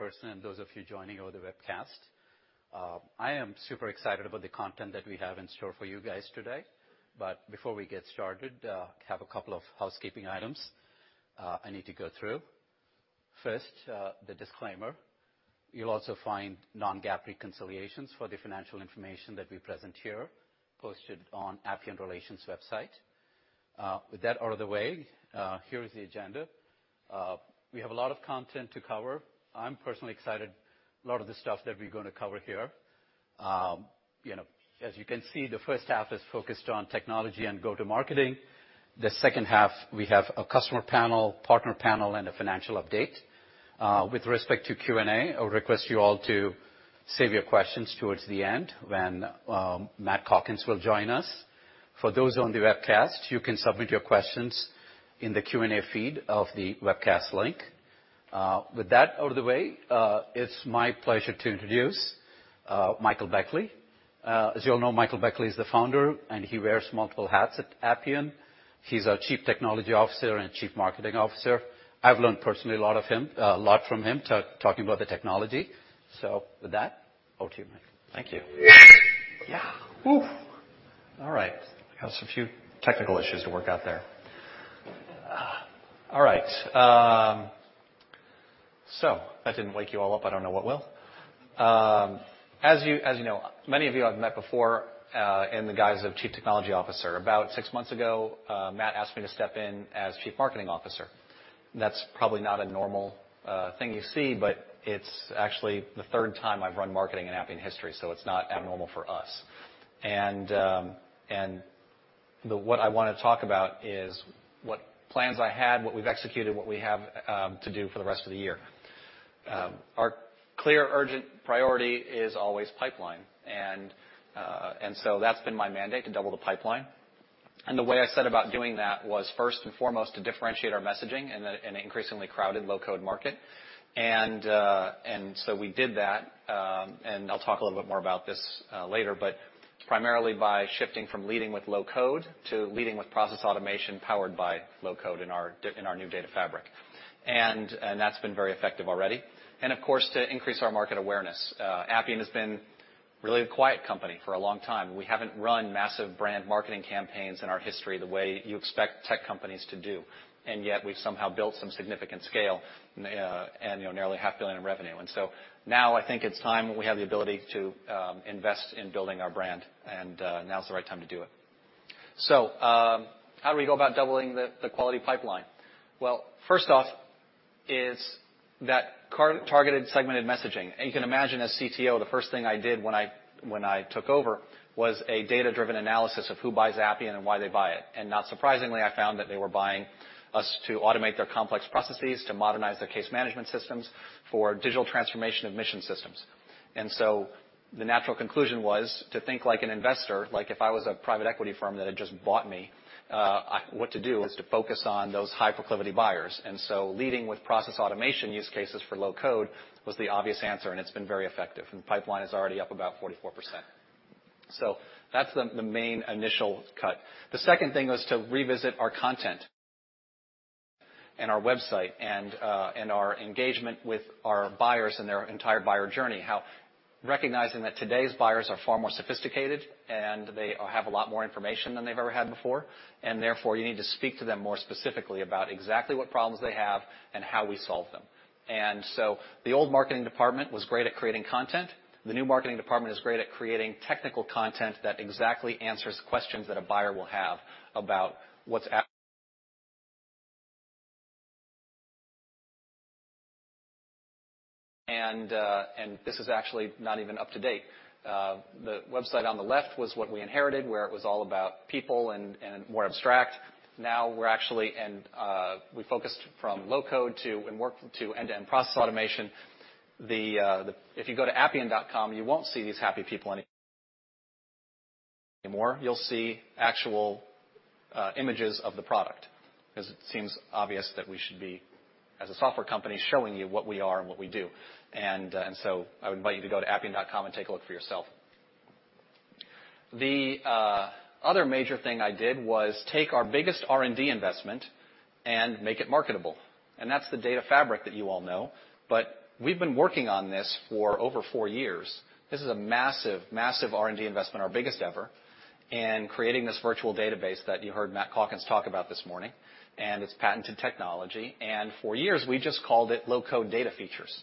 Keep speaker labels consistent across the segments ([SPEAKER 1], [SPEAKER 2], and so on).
[SPEAKER 1] Person and those of you joining over the webcast. I am super excited about the content that we have in store for you guys today. Before we get started, have a couple of housekeeping items I need to go through. First, the disclaimer. You'll also find non-GAAP reconciliations for the financial information that we present here posted on Appian Investor Relations website. With that out of the way, here is the agenda. We have a lot of content to cover. I'm personally excited a lot of the stuff that we're gonna cover here. You know, as you can see, the first half is focused on technology and go-to-market. The second half, we have a customer panel, partner panel, and a financial update. With respect to Q&A, I'll request you all to save your questions towards the end when Matt Calkins will join us. For those on the webcast, you can submit your questions in the Q&A feed of the webcast link. With that out of the way, it's my pleasure to introduce Michael Beckley. As you all know, Michael Beckley is the founder, and he wears multiple hats at Appian. He's our Chief Technology Officer and Chief Marketing Officer. I've learned personally a lot from him talking about the technology. With that, over to you, Mike.
[SPEAKER 2] Thank you. Yeah. Whoo. All right. I got some few technical issues to work out there. All right. If that didn't wake you all up, I don't know what will. As you know, many of you I've met before, in the guise of Chief Technology Officer. About six months ago, Matt asked me to step in as Chief Marketing Officer. That's probably not a normal thing you see, but it's actually the third time I've run marketing in Appian history, so it's not abnormal for us. What I wanna talk about is what plans I had, what we've executed, what we have to do for the rest of the year. Our clear urgent priority is always pipeline, and so that's been my mandate, to double the pipeline. The way I set about doing that was first and foremost, to differentiate our messaging in an increasingly crowded low-code market. So we did that, and I'll talk a little bit more about this later, but primarily by shifting from leading with low code to leading with process automation powered by low code in our new data fabric. That's been very effective already. Of course, to increase our market awareness. Appian has been really a quiet company for a long time. We haven't run massive brand marketing campaigns in our history the way you expect tech companies to do, and yet we've somehow built some significant scale, and you know, nearly half billion in revenue. Now I think it's time we have the ability to invest in building our brand, and now's the right time to do it. How do we go about doubling the quality pipeline? Well, first off is that targeted segmented messaging. You can imagine as CTO, the first thing I did when I took over was a data-driven analysis of who buys Appian and why they buy it. Not surprisingly, I found that they were buying us to automate their complex processes, to modernize their case management systems for digital transformation of mission systems. The natural conclusion was to think like an investor. Like, if I was a private equity firm that had just bought me, what to do is to focus on those high proclivity buyers. Leading with process automation use cases for low code was the obvious answer, and it's been very effective, and the pipeline is already up about 44%. That's the main initial cut. The second thing was to revisit our content and our website and our engagement with our buyers and their entire buyer journey. Recognizing that today's buyers are far more sophisticated, and they have a lot more information than they've ever had before, and therefore, you need to speak to them more specifically about exactly what problems they have and how we solve them. The old marketing department was great at creating content. The new marketing department is great at creating technical content that exactly answers questions that a buyer will have. This is actually not even up to date. The website on the left was what we inherited, where it was all about people and more abstract. Now we're actually. We focused from low-code to end-to-end process automation. If you go to appian.com, you won't see these happy people anymore. You'll see actual images of the product, because it seems obvious that we should be, as a software company, showing you what we are and what we do. I would invite you to go to appian.com and take a look for yourself. The other major thing I did was take our biggest R&D investment and make it marketable, and that's the data fabric that you all know. We've been working on this for over four years. This is a massive R&D investment, our biggest ever, in creating this virtual database that you heard Matt Calkins talk about this morning, and it's patented technology. For years, we just called it low-code data features.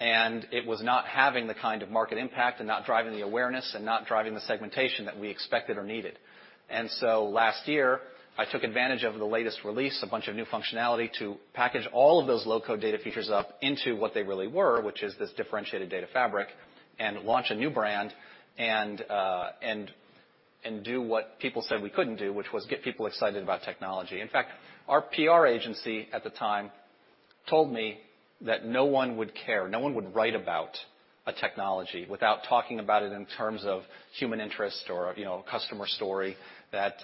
[SPEAKER 2] It was not having the kind of market impact and not driving the awareness and not driving the segmentation that we expected or needed. Last year, I took advantage of the latest release, a bunch of new functionality, to package all of those low-code data features up into what they really were, which is this differentiated data fabric, and launch a new brand and do what people said we couldn't do, which was get people excited about technology. In fact, our PR agency at the time told me that no one would care, no one would write about a technology without talking about it in terms of human interest or, you know, customer story, that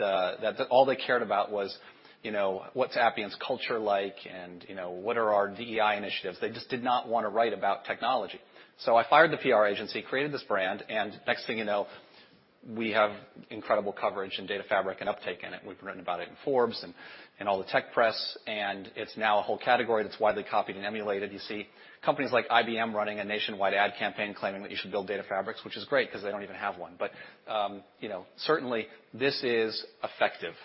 [SPEAKER 2] all they cared about was, you know, what's Appian's culture like, and, you know, what are our DEI initiatives. They just did not wanna write about technology. I fired the PR agency, created this brand. Next thing you know, we have incredible coverage in data fabric and uptake in it. We've written about it in Forbes and all the tech press, and it's now a whole category that's widely copied and emulated. You see companies like IBM running a nationwide ad campaign claiming that you should build data fabrics, which is great 'cause they don't even have one. You know, certainly this is effective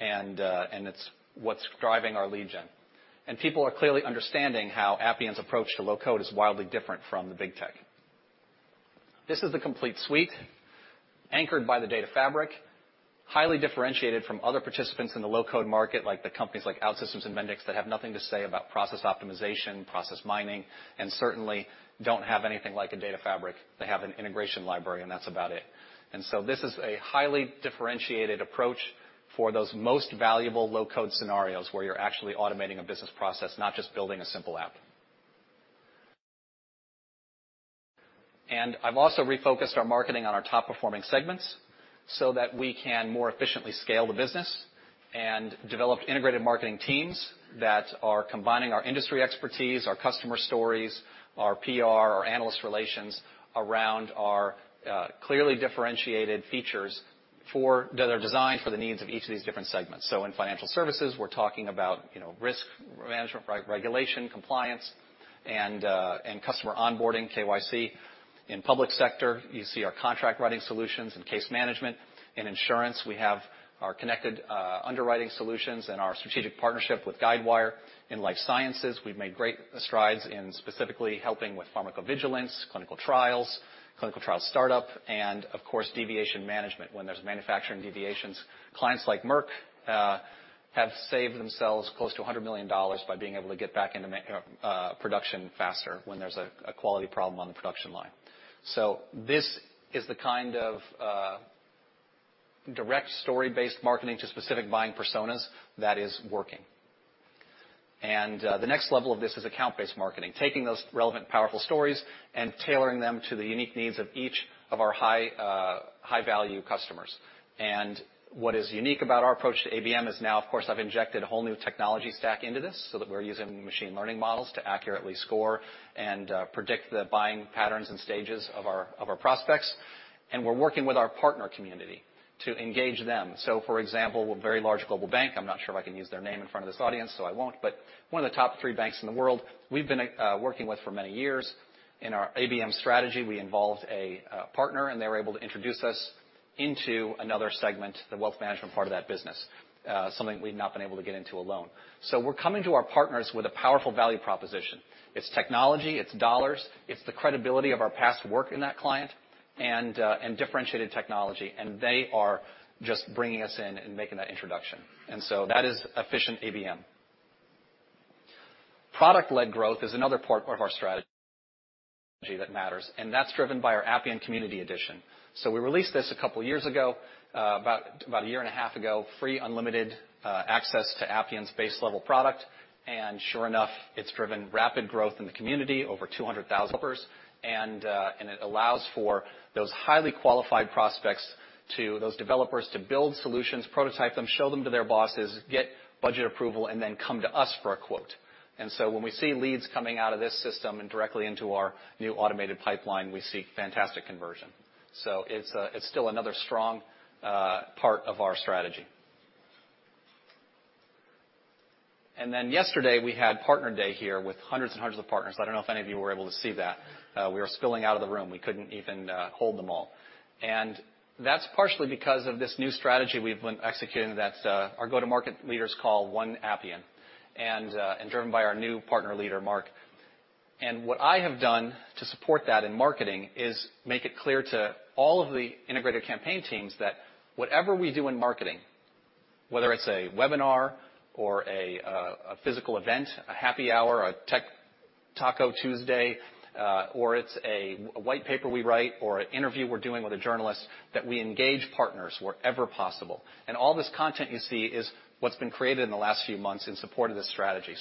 [SPEAKER 2] and it's what's driving our lead gen. People are clearly understanding how Appian's approach to low-code is wildly different from the big tech. This is the complete suite anchored by the data fabric, highly differentiated from other participants in the low-code market, like the companies like OutSystems and Mendix that have nothing to say about process optimization, process mining, and certainly don't have anything like a data fabric. They have an integration library, and that's about it. This is a highly differentiated approach for those most valuable low-code scenarios where you're actually automating a business process, not just building a simple app. I've also refocused our marketing on our top-performing segments so that we can more efficiently scale the business and develop integrated marketing teams that are combining our industry expertise, our customer stories, our PR, our analyst relations around our clearly differentiated features that are designed for the needs of each of these different segments. In financial services, we're talking about, you know, risk management, re-regulation, compliance, and customer onboarding, KYC. In public sector, you see our contract writing solutions and case management. In insurance, we have our connected underwriting solutions and our strategic partnership with Guidewire. In life sciences, we've made great strides in specifically helping with pharmacovigilance, clinical trials, clinical trial startup, and of course, deviation management when there's manufacturing deviations. Clients like Merck have saved themselves close to $100 million by being able to get back into production faster when there's a quality problem on the production line. This is the kind of direct story-based marketing to specific buying personas that is working. The next level of this is account-based marketing, taking those relevant, powerful stories and tailoring them to the unique needs of each of our high-value customers. What is unique about our approach to ABM is now, of course, I've injected a whole new technology stack into this so that we're using machine learning models to accurately score and predict the buying patterns and stages of our prospects. We're working with our partner community to engage them. For example, a very large global bank, I'm not sure if I can use their name in front of this audience, so I won't, but one of the top 3 banks in the world, we've been working with for many years. In our ABM strategy, we involved a partner, and they were able to introduce us into another segment, the wealth management part of that business, something we've not been able to get into alone. We're coming to our partners with a powerful value proposition. It's technology, it's $, it's the credibility of our past work in that client, and differentiated technology, and they are just bringing us in and making that introduction. That is efficient ABM. Product-led growth is another part of our strategy that matters, and that's driven by our Appian Community Edition. We released this two years ago, about a year and a half ago, free unlimited access to Appian's base level product. Sure enough, it's driven rapid growth in the community, over 200,000 developers. It allows for those highly qualified prospects, those developers, to build solutions, prototype them, show them to their bosses, get budget approval, and then come to us for a quote. When we see leads coming out of this system and directly into our new automated pipeline, we see fantastic conversion. It's still another strong part of our strategy. Yesterday, we had partner day here with hundreds and hundreds of partners. I don't know if any of you were able to see that. We were spilling out of the room. We couldn't even hold them all. That's partially because of this new strategy we've been executing that's our go-to-market leaders call One Appian, and driven by our new partner leader, Mark. What I have done to support that in marketing is make it clear to all of the integrated campaign teams that whatever we do in marketing, whether it's a webinar or a physical event, a happy hour, a tech taco Tuesday, or it's a white paper we write or an interview we're doing with a journalist, that we engage partners wherever possible. All this content you see is what's been created in the last few months in support of this strategy.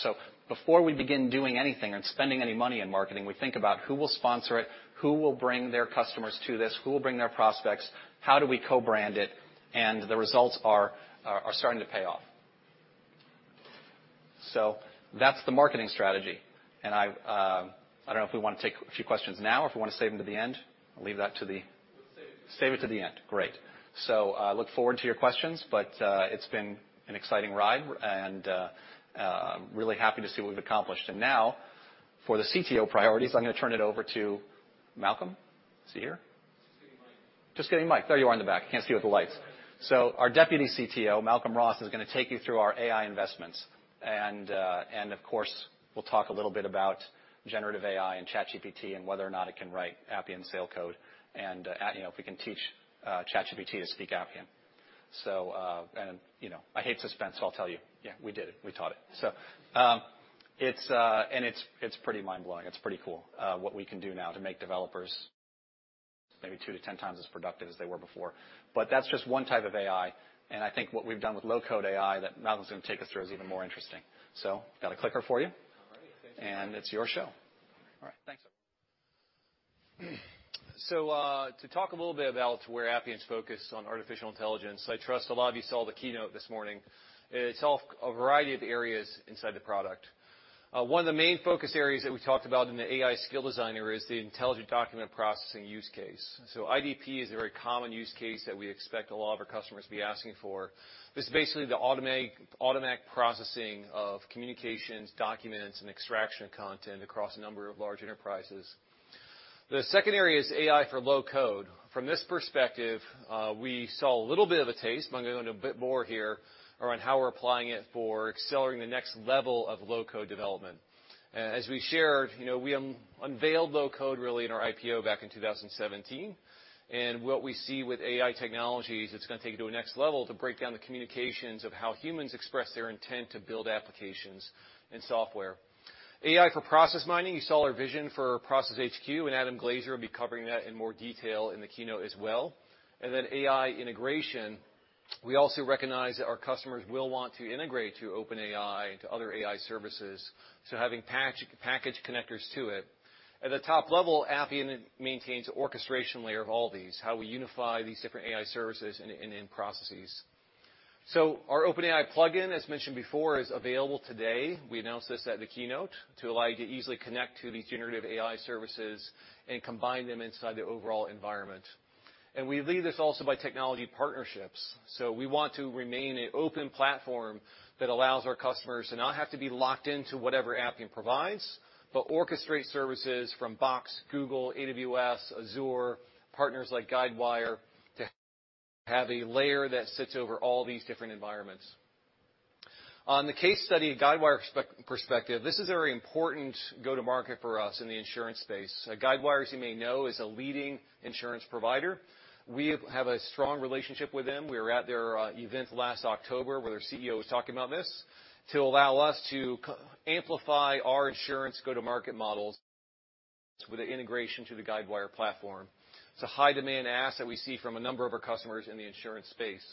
[SPEAKER 2] Before we begin doing anything and spending any money in marketing, we think about who will sponsor it, who will bring their customers to this, who will bring their prospects, how do we co-brand it, and the results are starting to pay off. That's the marketing strategy. I don't know if we wanna take a few questions now or if we wanna save them to the end. I'll leave that to the-
[SPEAKER 3] Save it.
[SPEAKER 2] Save it to the end. Great. I look forward to your questions, but, it's been an exciting ride and, really happy to see what we've accomplished. Now for the CTO priorities, I'm gonna turn it over to Malcolm. Is he here?
[SPEAKER 3] Just getting miked.
[SPEAKER 2] Just getting miked. There you are in the back. Can't see you with the lights. Our Deputy CTO, Malcolm Ross, is gonna take you through our AI investments. Of course, we'll talk a little bit about generative AI and ChatGPT and whether or not it can write Appian SAIL code, you know, if we can teach ChatGPT to speak Appian. You know, I hate suspense, I'll tell you. Yeah, we did it. We taught it. It's pretty mind-blowing. It's pretty cool what we can do now to make developers maybe 2 to 10 times as productive as they were before. That's just one type of AI, and I think what we've done with low-code AI that Malcolm's gonna take us through is even more interesting. Got a clicker for you.
[SPEAKER 4] All right. Thank you.
[SPEAKER 2] It's your show. All right. Thanks.
[SPEAKER 4] To talk a little bit about where Appian's focused on artificial intelligence, I trust a lot of you saw the keynote this morning. It's all a variety of areas inside the product. One of the main focus areas that we talked about in the AI Skill Designer is the intelligent document processing use case. IDP is a very common use case that we expect a lot of our customers to be asking for. This is basically the automatic processing of communications, documents, and extraction of content across a number of large enterprises. The second area is AI for low-code. From this perspective, we saw a little bit of a taste. I'm gonna go into a bit more here around how we're applying it for accelerating the next level of low-code development. As we shared, you know, we unveiled low code really in our IPO back in 2017, what we see with AI technologies, it's gonna take it to a next level to break down the communications of how humans express their intent to build applications and software. AI for process mining, you saw our vision for Process HQ, Adam Glaser will be covering that in more detail in the keynote as well. AI integration, we also recognize that our customers will want to integrate to OpenAI and to other AI services, so having package connectors to it. At the top level, Appian maintains orchestration layer of all these, how we unify these different AI services in processes. Our OpenAI plugin, as mentioned before, is available today, we announced this at the keynote, to allow you to easily connect to these generative AI services and combine them inside the overall environment. We lead this also by technology partnerships, we want to remain an open platform that allows our customers to not have to be locked into whatever Appian provides, but orchestrate services from Box, Google, AWS, Azure, partners like Guidewire, to have a layer that sits over all these different environments. On the case study Guidewire perspective, this is a very important go-to-market for us in the insurance space. Guidewire, as you may know, is a leading insurance provider. We have a strong relationship with them. We were at their event last October, where their CEO was talking about this, to allow us to amplify our insurance go-to-market models with the integration to the Guidewire platform. It's a high demand ask that we see from a number of our customers in the insurance space.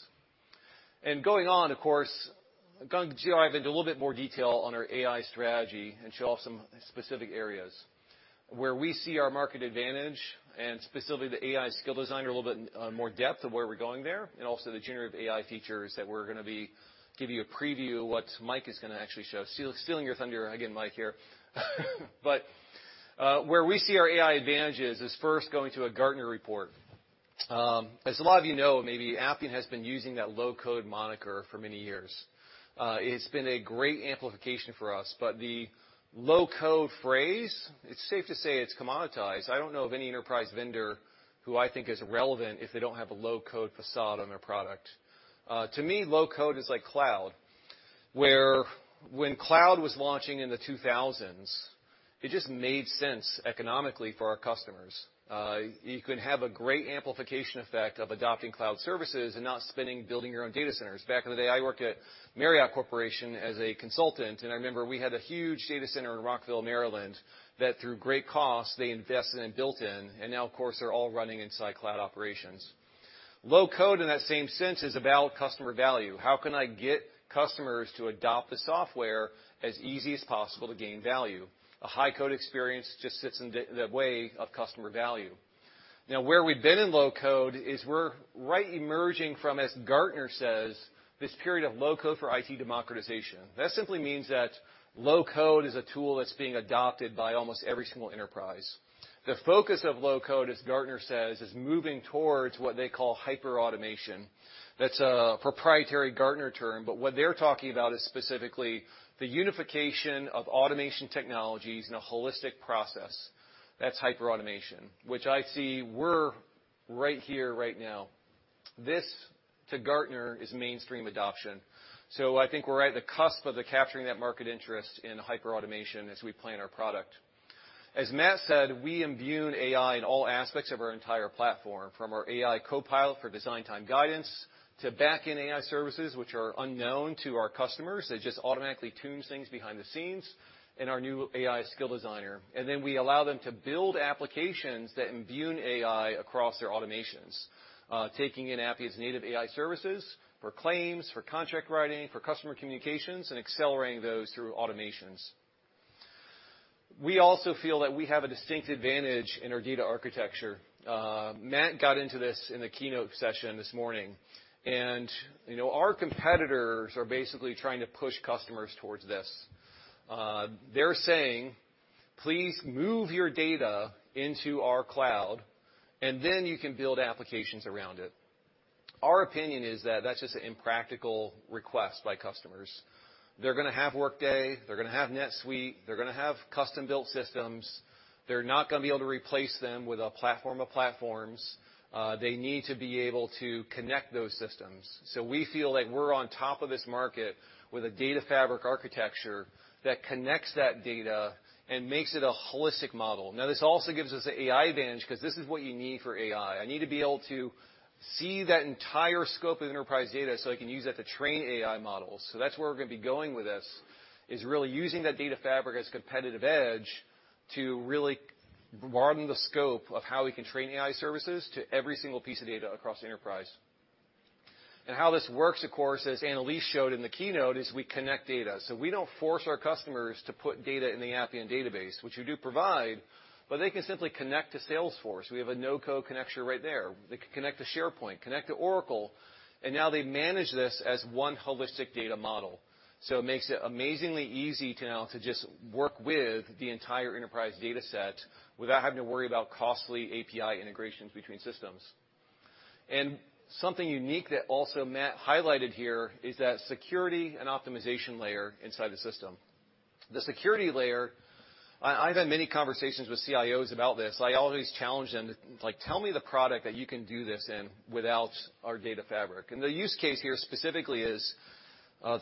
[SPEAKER 4] Going on, of course, going to dive into a little bit more detail on our AI strategy and show off some specific areas. Where we see our market advantage, and specifically the AI skill designer, a little bit more depth of where we're going there, and also the generative AI features that we're gonna be giving you a preview of what Mike is gonna actually show. Stealing your thunder again, Mike, here. Where we see our AI advantage is first going to a Gartner report. As a lot of you know maybe, Appian has been using that low-code moniker for many years. It's been a great amplification for us, the low-code phrase, it's safe to say it's commoditized. I don't know of any enterprise vendor who I think is relevant if they don't have a low-code facade on their product. To me, low code is like cloud, where when cloud was launching in the 2000s, it just made sense economically for our customers. You can have a great amplification effect of adopting cloud services and not spending building your own data centers. Back in the day, I worked at Marriott Corporation as a consultant, I remember we had a huge data center in Rockville, Maryland, that through great cost, they invested and built in, now, of course, they're all running inside cloud operations. Low code in that same sense is about customer value. How can I get customers to adopt the software as easy as possible to gain value? A high-code experience just sits in the way of customer value. Where we've been in low code is we're right emerging from, as Gartner says, this period of low code for IT democratization. That simply means that low code is a tool that's being adopted by almost every single enterprise. The focus of low code, as Gartner says, is moving towards what they call hyperautomation. That's a proprietary Gartner term, but what they're talking about is specifically the unification of automation technologies in a holistic process. That's hyperautomation, which I see we're right here right now. This, to Gartner, is mainstream adoption. I think we're at the cusp of the capturing that market interest in hyperautomation as we plan our product. As Matt said, we imbue AI in all aspects of our entire platform, from our AI Copilot for design time guidance to back-end AI services which are unknown to our customers. It just automatically tunes things behind the scenes in our new AI skill designer. We allow them to build applications that imbue AI across their automations, taking in Appian's native AI services for claims, for contract writing, for customer communications, and accelerating those through automations. We also feel that we have a distinct advantage in our data architecture. Matt got into this in the keynote session this morning. You know, our competitors are basically trying to push customers towards this. They're saying, "Please move your data into our cloud, and then you can build applications around it." Our opinion is that that's just an impractical request by customers. They're gonna have Workday, they're gonna have NetSuite, they're gonna have custom-built systems. They're not gonna be able to replace them with a platform of platforms. They need to be able to connect those systems. We feel like we're on top of this market with a data fabric architecture that connects that data and makes it a holistic model. Now, this also gives us an AI advantage because this is what you need for AI. I need to be able to see that entire scope of enterprise data, so I can use that to train AI models. That's where we're going to be going with this, is really using that data fabric as competitive edge to really broaden the scope of how we can train AI services to every single piece of data across the enterprise. How this works, of course, as Annelise showed in the keynote, is we connect data. We don't force our customers to put data in the Appian database, which we do provide, but they can simply connect to Salesforce. We have a no-code connection right there. They can connect to SharePoint, connect to Oracle, and now they manage this as one holistic data model. It makes it amazingly easy to now to just work with the entire enterprise data set without having to worry about costly API integrations between systems. Something unique that also Matt highlighted here is that security and optimization layer inside the system. The security layer, I've had many conversations with CIOs about this. I always challenge them, like, tell me the product that you can do this in without our data fabric. The use case here specifically is,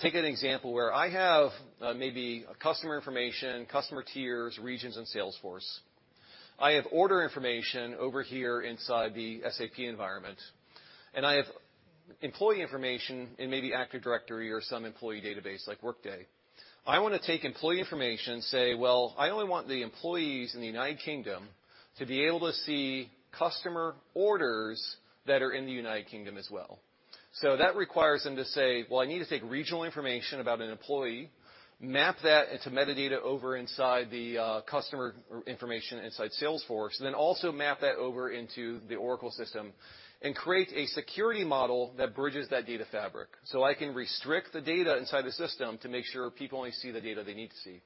[SPEAKER 4] take an example where I have, maybe customer information, customer tiers, regions in Salesforce. I have order information over here inside the SAP environment, and I have employee information in maybe Active Directory or some employee database like Workday. I wanna take employee information, say, well, I only want the employees in the United Kingdom to be able to see customer orders that are in the United Kingdom as well. That requires them to say, well, I need to take regional information about an employee, map that into metadata over inside the customer information inside Salesforce, and then also map that over into the Oracle system and create a security model that bridges that data fabric. I can restrict the data inside the system to make sure people only see the data they need to see.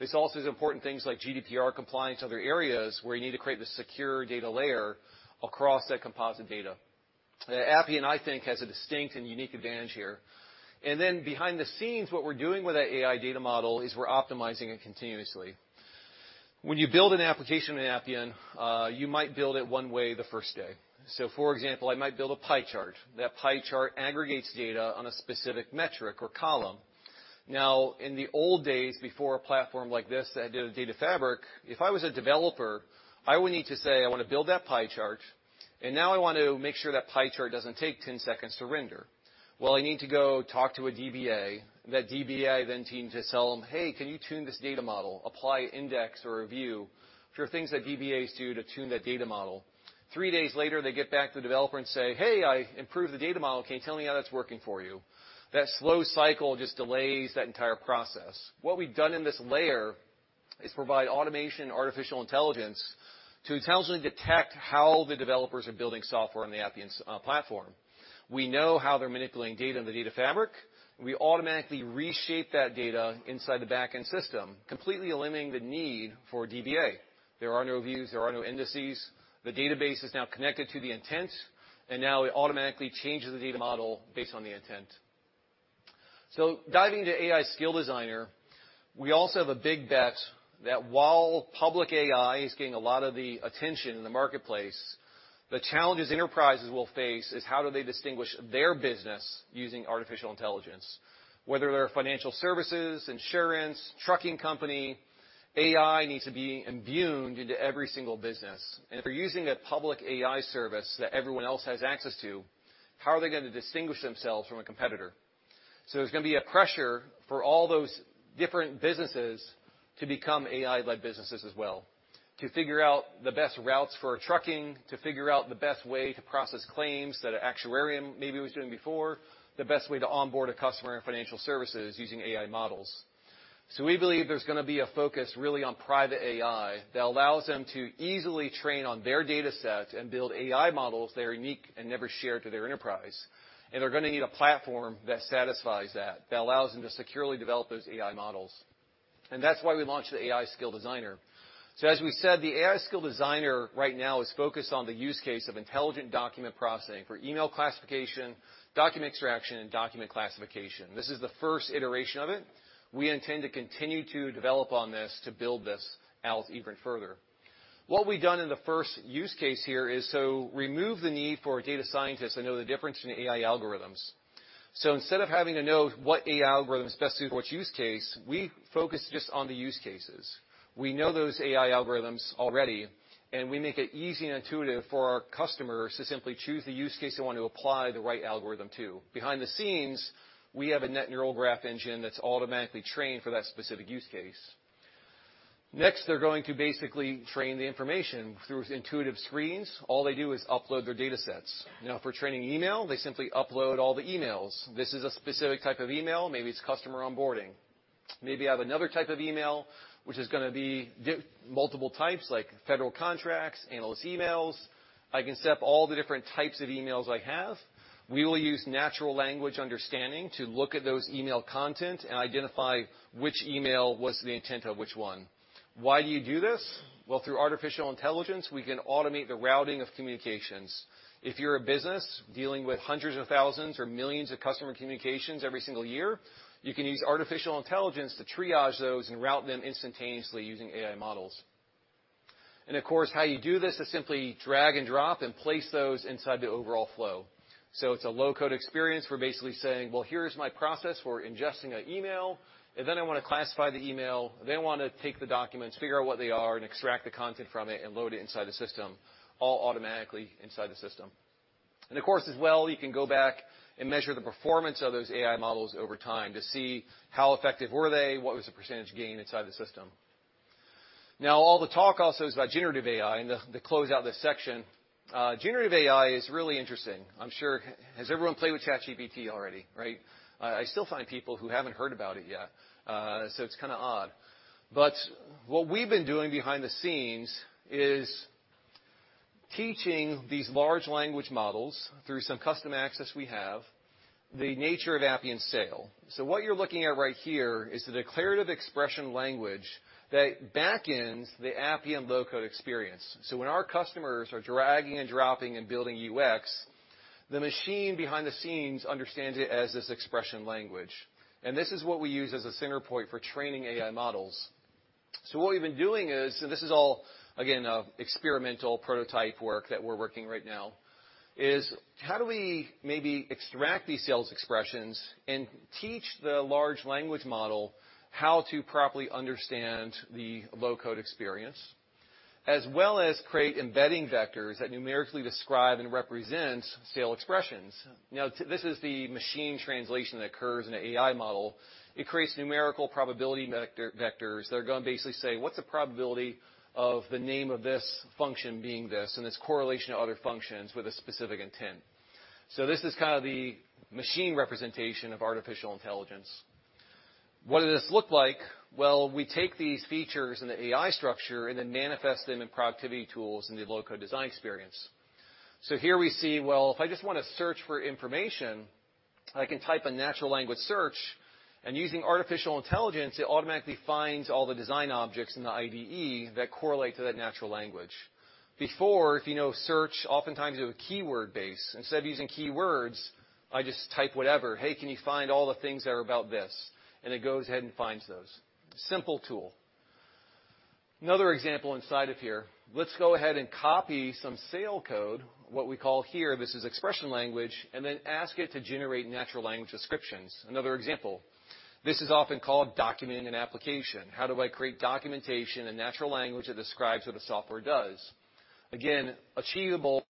[SPEAKER 4] This also is important things like GDPR compliance, other areas where you need to create the secure data layer across that composite data. Appian, I think, has a distinct and unique advantage here. Then behind the scenes, what we're doing with that AI data model is we're optimizing it continuously. When you build an application in Appian, you might build it one way the first day. For example, I might build a pie chart. That pie chart aggregates data on a specific metric or column. Now, in the old days, before a platform like this that did a data fabric, if I was a developer, I would need to say, I wanna build that pie chart, and now I want to make sure that pie chart doesn't take 10 seconds to render. Well, I need to go talk to a DBA. That DBA then needs to tell them, "Hey, can you tune this data model, apply index or a view," which are things that DBAs do to tune that data model. 3 days later, they get back to the developer and say, "Hey, I improved the data model. Can you tell me how that's working for you?" That slow cycle just delays that entire process. What we've done in this layer is provide automation artificial intelligence to intelligently detect how the developers are building software on the Appian platform. We know how they're manipulating data in the data fabric. We automatically reshape that data inside the back-end system, completely eliminating the need for a DBA. There are no views, there are no indices. The database is now connected to the intent, now it automatically changes the data model based on the intent. Diving into AI skill designer, we also have a big bet that while public AI is getting a lot of the attention in the marketplace, the challenges enterprises will face is how do they distinguish their business using artificial intelligence, whether they're financial services, insurance, trucking company, AI needs to be imbued into every single business. If they're using a public AI service that everyone else has access to, how are they gonna distinguish themselves from a competitor? There's gonna be a pressure for all those different businesses to become AI-led businesses as well, to figure out the best routes for trucking, to figure out the best way to process claims that an actuary maybe was doing before, the best way to onboard a customer in financial services using AI models. We believe there's gonna be a focus really on private AI that allows them to easily train on their data set and build AI models that are unique and never shared to their enterprise. They're gonna need a platform that satisfies that allows them to securely develop those AI models. That's why we launched the AI skill designer. As we said, the AI skill designer right now is focused on the use case of intelligent document processing for email classification, document extraction, and document classification. This is the first iteration of it. We intend to continue to develop on this to build this out even further. What we've done in the first use case here is so remove the need for data scientists to know the difference in AI algorithms. Instead of having to know what AI algorithms best suit which use case, we focus just on the use cases. We know those AI algorithms already, and we make it easy and intuitive for our customers to simply choose the use case they want to apply the right algorithm to. Behind the scenes, we have a net neural graph engine that's automatically trained for that specific use case. Next, they're going to basically train the information through intuitive screens. All they do is upload their datasets. For training email, they simply upload all the emails. This is a specific type of email. Maybe it's customer onboarding. Maybe I have another type of email which is gonna be multiple types like federal contracts, analyst emails. I can set up all the different types of emails I have. We will use natural language understanding to look at those email content and identify which email was the intent of which one. Why do you do this? Through artificial intelligence, we can automate the routing of communications. If you're a business dealing with hundreds of thousands or millions of customer communications every single year, you can use artificial intelligence to triage those and route them instantaneously using AI models. Of course, how you do this is simply drag and drop and place those inside the overall flow. It's a low-code experience. We're basically saying, "Well, here's my process for ingesting an email, and then I wanna classify the email. Then I wanna take the documents, figure out what they are, and extract the content from it and load it inside the system, all automatically inside the system." Of course, as well, you can go back and measure the performance of those AI models over time to see how effective were they, what was the % gain inside the system. All the talk also is about generative AI, to close out this section, generative AI is really interesting. I'm sure. Has everyone played with ChatGPT already, right? I still find people who haven't heard about it yet, so it's kinda odd. What we've been doing behind the scenes is teaching these large language models through some custom access we have, the nature of Appian SAIL. What you're looking at right here is the declarative expression language that backends the Appian low-code experience. When our customers are dragging and dropping and building UX, the machine behind the scenes understands it as this expression language. This is what we use as a center point for training AI models. What we've been doing is, and this is all, again, experimental prototype work that we're working right now, how do we maybe extract these SAIL expressions and teach the large language model how to properly understand the low-code experience, as well as create embedding vectors that numerically describe and represent SAIL expressions? This is the machine translation that occurs in an AI model. It creates numerical probability vectors that are gonna basically say, "What's the probability of the name of this function being this, and its correlation to other functions with a specific intent?" This is kinda the machine representation of artificial intelligence. What does this look like? Well, we take these features in the AI structure and then manifest them in productivity tools in the low-code design experience. Here we see, well, if I just wanna search for information, I can type a natural language search, and using artificial intelligence, it automatically finds all the design objects in the IDE that correlate to that natural language. Before, if you know search, oftentimes you have a keyword base. Instead of using keywords, I just type whatever. "Hey, can you find all the things that are about this?" It goes ahead and finds those. Simple tool. Another example inside of here, let's go ahead and copy some SAIL code, what we call here, this is expression language, and then ask it to generate natural language descriptions. Another example. This is often called documenting an application. How do I create documentation in natural language that describes what a software does? Achievable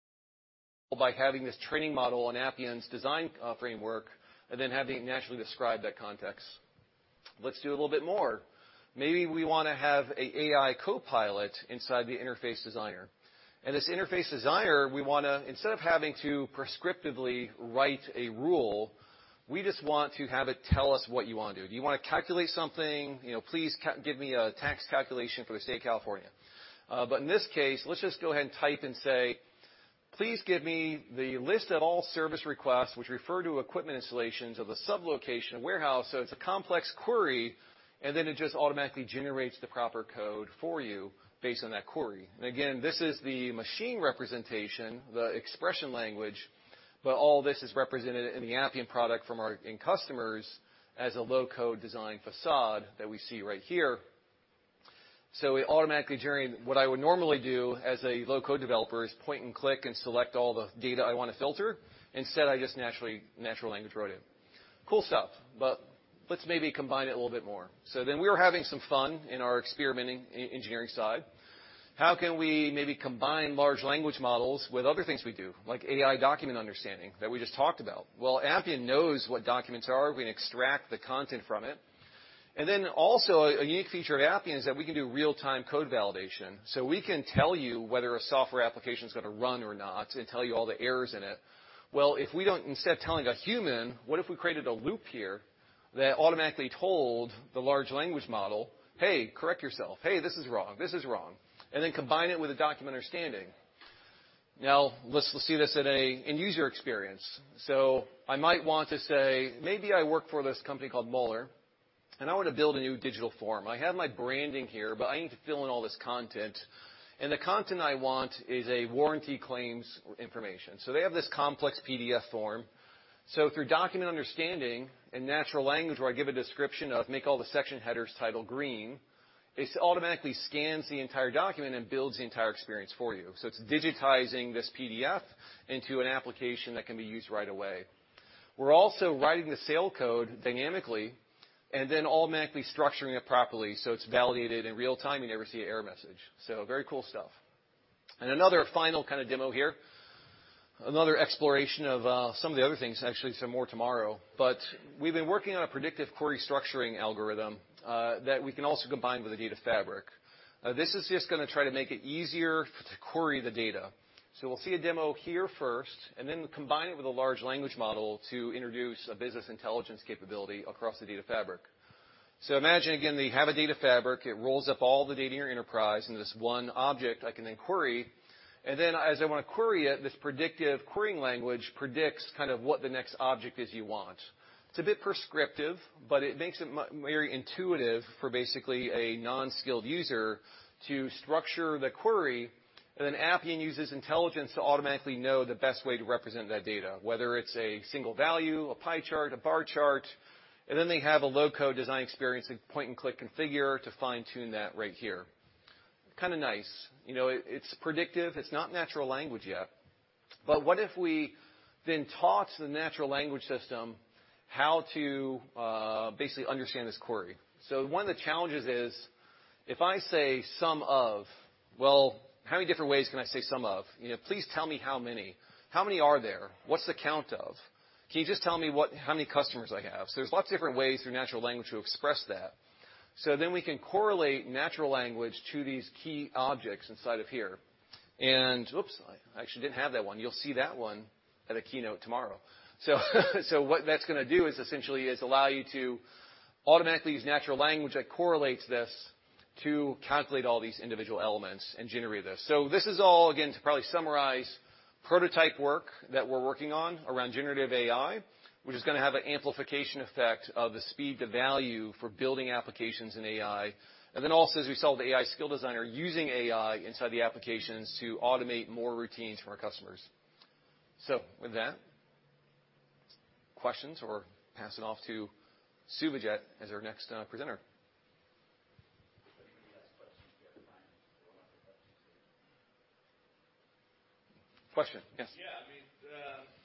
[SPEAKER 4] by having this training model on Appian's design framework, and then having it naturally describe that context. Let's do a little bit more. Maybe we wanna have a AI copilot inside the interface designer. This interface designer, we wanna, instead of having to prescriptively write a rule, we just want to have it tell us what you wanna do. Do you wanna calculate something? You know, please give me a tax calculation for the state of California. In this case, let's just go ahead and type and say, "Please give me the list of all service requests which refer to equipment installations of the sublocation warehouse." It's a complex query, and then it just automatically generates the proper code for you based on that query. Again, this is the machine representation, the expression language, but all this is represented in the Appian product from our customers as a low-code design facade that we see right here. It automatically generate. What I would normally do as a low-code developer is point and click and select all the data I wanna filter. Instead, I just naturally, natural language wrote it. Cool stuff. Let's maybe combine it a little bit more. We were having some fun in our experimenting e-engineering side. How can we maybe combine large language models with other things we do, like AI document understanding that we just talked about? Appian knows what documents are. We extract the content from it. Then also a unique feature of Appian is that we can do real-time code validation, so we can tell you whether a software application's gonna run or not and tell you all the errors in it. Instead of telling a human, what if we created a loop here that automatically told the large language model, "Hey, correct yourself. Hey, this is wrong. This is wrong," and then combine it with a document understanding. Let's see this in a user experience. I might want to say, maybe I work for this company called Mueller, and I wanna build a new digital form. I have my branding here, but I need to fill in all this content, and the content I want is a warranty claims information. They have this complex PDF form. Through document understanding and natural language, where I give a description of, "Make all the section headers title green," it automatically scans the entire document and builds the entire experience for you. It's digitizing this PDF into an application that can be used right away. We're also writing the SAIL code dynamically and then automatically structuring it properly, so it's validated in real time. You never see an error message. Very cool stuff. Another final kinda demo here. Another exploration of some of the other things, actually some more tomorrow. We've been working on a predictive query structuring algorithm that we can also combine with the data fabric. We'll see a demo here first, we'll combine it with a large language model to introduce a business intelligence capability across the data fabric. Imagine again that you have a data fabric. It rolls up all the data in your enterprise into this one object I can then query. As I wanna query it, this predictive querying language predicts kind of what the next object is you want. It's a bit prescriptive, but it makes it very intuitive for basically a non-skilled user to structure the query, Appian uses intelligence to automatically know the best way to represent that data, whether it's a single value, a pie chart, a bar chart. They have a low-code design experience, a point-and-click configure to fine-tune that right here. Kinda nice. You know, it's predictive. It's not natural language yet. What if we then taught the natural language system how to basically understand this query? One of the challenges is, if I say sum of? Well, how many different ways can I say some of? You know, please tell me how many. How many are there? What's the count of? Can you just tell me how many customers I have? There's lots of different ways through natural language to express that. We can correlate natural language to these key objects inside of here. Oops, I actually didn't have that one. You'll see that one at a keynote tomorrow. What that's gonna do is essentially allow you to automatically use natural language that correlates this to calculate all these individual elements and generate this. This is all, again, to probably summarize prototype work that we're working on around generative AI, which is gonna have an amplification effect of the speed to value for building applications in AI. Also, as we saw with the AI skill designer, using AI inside the applications to automate more routines for our customers. With that, questions, or pass it off to Suvajit as our next presenter.
[SPEAKER 1] If anybody has questions, we have time for one or two questions here.
[SPEAKER 4] Question, yes.
[SPEAKER 5] Yeah, I mean, that's a pretty deep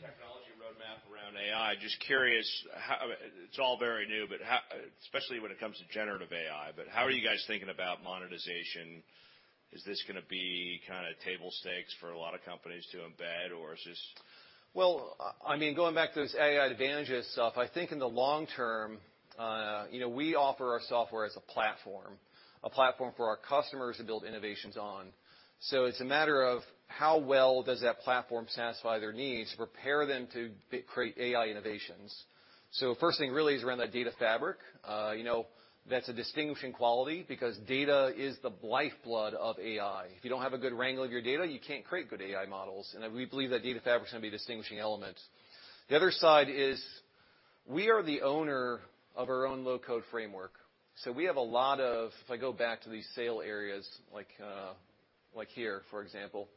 [SPEAKER 5] technology roadmap around AI. It's all very new, especially when it comes to generative AI, but how are you guys thinking about monetization? Is this gonna be kinda table stakes for a lot of companies to embed, or is this-
[SPEAKER 4] Well, I mean, going back to this AI advantage stuff, I think in the long term, you know, we offer our software as a platform, a platform for our customers to build innovations on. It's a matter of how well does that platform satisfy their needs to prepare them to create AI innovations. First thing really is around that data fabric. You know, that's a distinguishing quality because data is the lifeblood of AI. If you don't have a good wrangle of your data, you can't create good AI models, and we believe that data fabric's gonna be a distinguishing element. The other side is we are the owner of our own low-code framework, we have a lot of. If I go back to these SAIL areas like here, for example,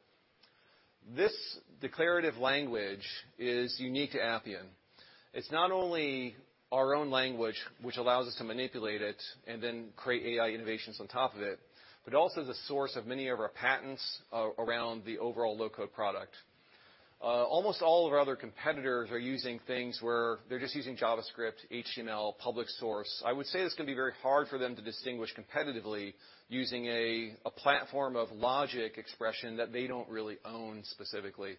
[SPEAKER 4] this declarative language is unique to Appian. It's not only our own language which allows us to manipulate it and then create AI innovations on top of it, but also the source of many of our patents around the overall low-code product. Almost all of our other competitors are using things where they're just using JavaScript, HTML, public source. I would say it's gonna be very hard for them to distinguish competitively using a platform of logic expression that they don't really own specifically.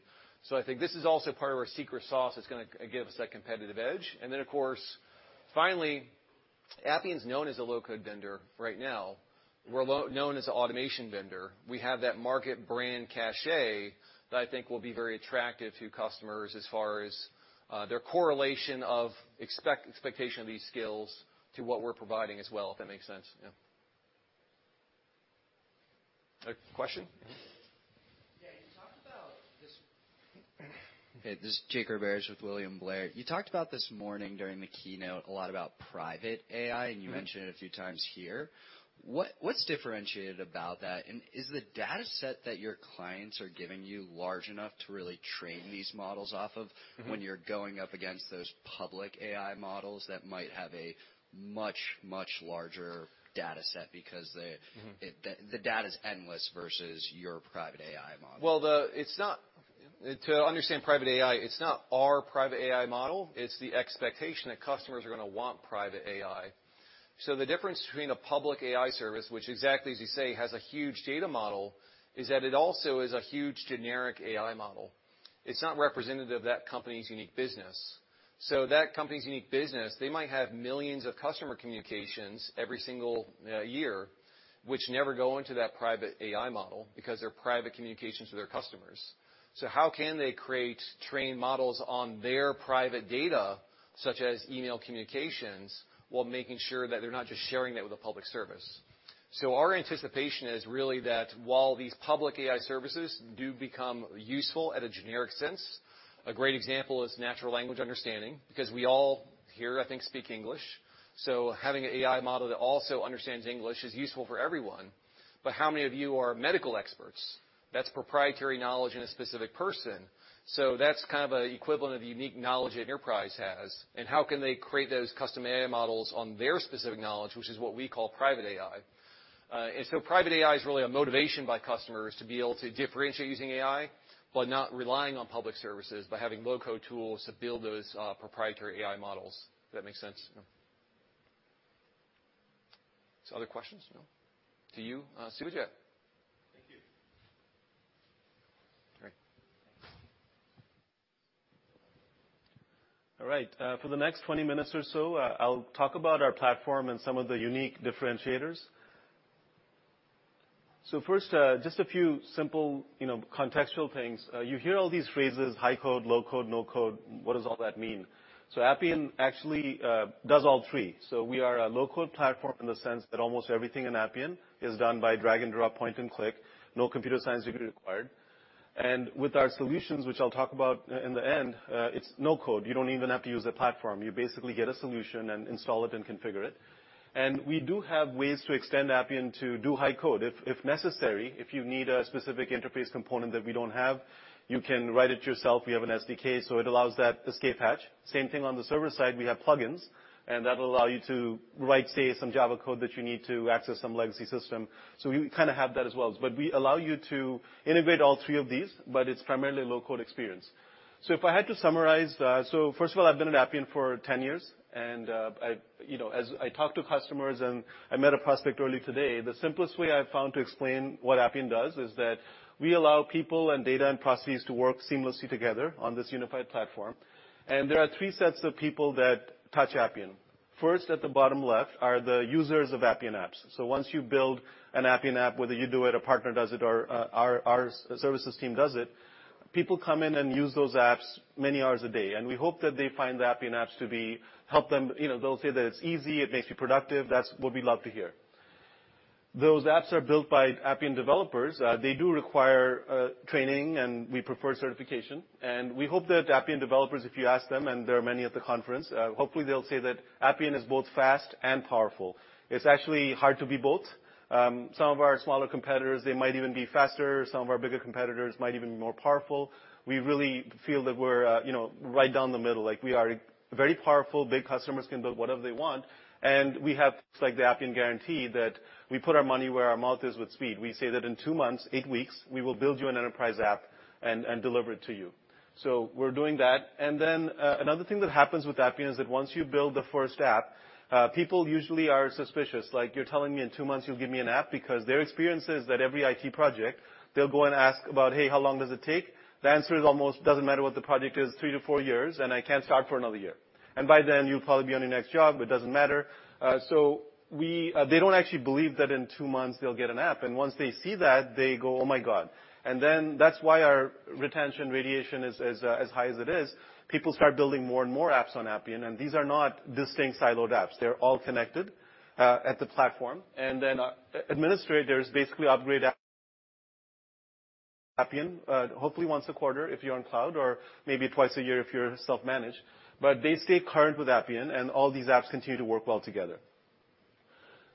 [SPEAKER 4] I think this is also part of our secret sauce that's gonna give us that competitive edge. Of course, finally, Appian's known as a low-code vendor right now. We're known as an automation vendor. We have that market brand cachet that I think will be very attractive to customers as far as their correlation of expectation of these skills to what we're providing as well, if that makes sense. Yeah. A question? Mm-hmm.
[SPEAKER 6] Okay, this is Jake Roberge with William Blair. You talked about this morning during the keynote a lot about private AI, and you mentioned it a few times here. What's differentiated about that? Is the data set that your clients are giving you large enough to really train these models off of?
[SPEAKER 4] Mm-hmm.
[SPEAKER 6] when you're going up against those public AI models that might have a much, much larger data set because.
[SPEAKER 4] Mm-hmm.
[SPEAKER 6] the data's endless versus your private AI model?
[SPEAKER 4] To understand private AI, it's not our private AI model, it's the expectation that customers are gonna want private AI. The difference between a public AI service, which exactly as you say, has a huge data model, is that it also is a huge generic AI model. It's not representative of that company's unique business. That company's unique business, they might have millions of customer communications every single year, which never go into that private AI model because they're private communications with their customers. How can they create trained models on their private data, such as email communications, while making sure that they're not just sharing that with a public service? Our anticipation is really that while these public AI services do become useful at a generic sense, a great example is natural language understanding, because we all here, I think, speak English, so having an AI model that also understands English is useful for everyone. How many of you are medical experts? That's proprietary knowledge in a specific person. That's kind of an equivalent of the unique knowledge an enterprise has, and how can they create those custom AI models on their specific knowledge, which is what we call private AI. Private AI is really a motivation by customers to be able to differentiate using AI, but not relying on public services by having low-code tools to build those proprietary AI models, if that makes sense. Yeah. Other questions? No. To you, Suvajit.
[SPEAKER 1] Thank you.
[SPEAKER 4] All right.
[SPEAKER 1] All right. For the next 20 minutes or so, I'll talk about our platform and some of the unique differentiators. First, just a few simple, you know, contextual things. You hear all these phrases, high code, low code, no code. What does all that mean? Appian actually does all three. We are a low-code platform in the sense that almost everything in Appian is done by drag and drop, point-and-click. No computer science degree required. With our solutions, which I'll talk about in the end, it's no code. You don't even have to use the platform. You basically get a solution and install it and configure it. We do have ways to extend Appian to do high code if necessary. If you need a specific interface component that we don't have, you can write it yourself. We have an SDK. It allows that escape hatch. Same thing on the server side. We have plug-ins, and that'll allow you to write, say, some Java code that you need to access some legacy system. We kind of have that as well. We allow you to integrate all three of these, but it's primarily a low-code experience. If I had to summarize, first of all, I've been at Appian for 10 years. I, you know, as I talk to customers and I met a prospect early today, the simplest way I've found to explain what Appian does is that we allow people and data and processes to work seamlessly together on this unified platform. There are three sets of people that touch Appian. First, at the bottom left are the users of Appian apps. Once you build an Appian app, whether you do it, a partner does it, or our services team does it, people come in and use those apps many hours a day, and we hope that they find the Appian apps to help them. You know, they'll say that it's easy, it makes you productive. That's what we love to hear. Those apps are built by Appian developers. They do require training, and we prefer certification. We hope that Appian developers, if you ask them, and there are many at the conference, hopefully they'll say that Appian is both fast and powerful. It's actually hard to be both. Some of our smaller competitors, they might even be faster. Some of our bigger competitors might even be more powerful. We really feel that we're, you know, right down the middle, like we are very powerful. Big customers can build whatever they want, and we have things like the Appian Guarantee that we put our money where our mouth is with speed. We say that in 2 months, 8 weeks, we will build you an enterprise app and deliver it to you. We're doing that. Another thing that happens with Appian is that once you build the first app, people usually are suspicious. Like, you're telling me in 2 months you'll give me an app because their experience is that every IT project they'll go and ask about, "Hey, how long does it take?" The answer is almost doesn't matter what the project is, 3-4 years, and I can't start for another year. By then, you'll probably be on your next job. It doesn't matter. They don't actually believe that in 2 months they'll get an app. Once they see that, they go, "Oh, my God." That's why our retention radiation is as high as it is. People start building more and more apps on Appian, these are not distinct siloed apps. They're all connected at the platform. Administrators basically upgrade Appian, hopefully once a quarter if you're on cloud, or maybe twice a year if you're self-managed. They stay current with Appian, all these apps continue to work well together.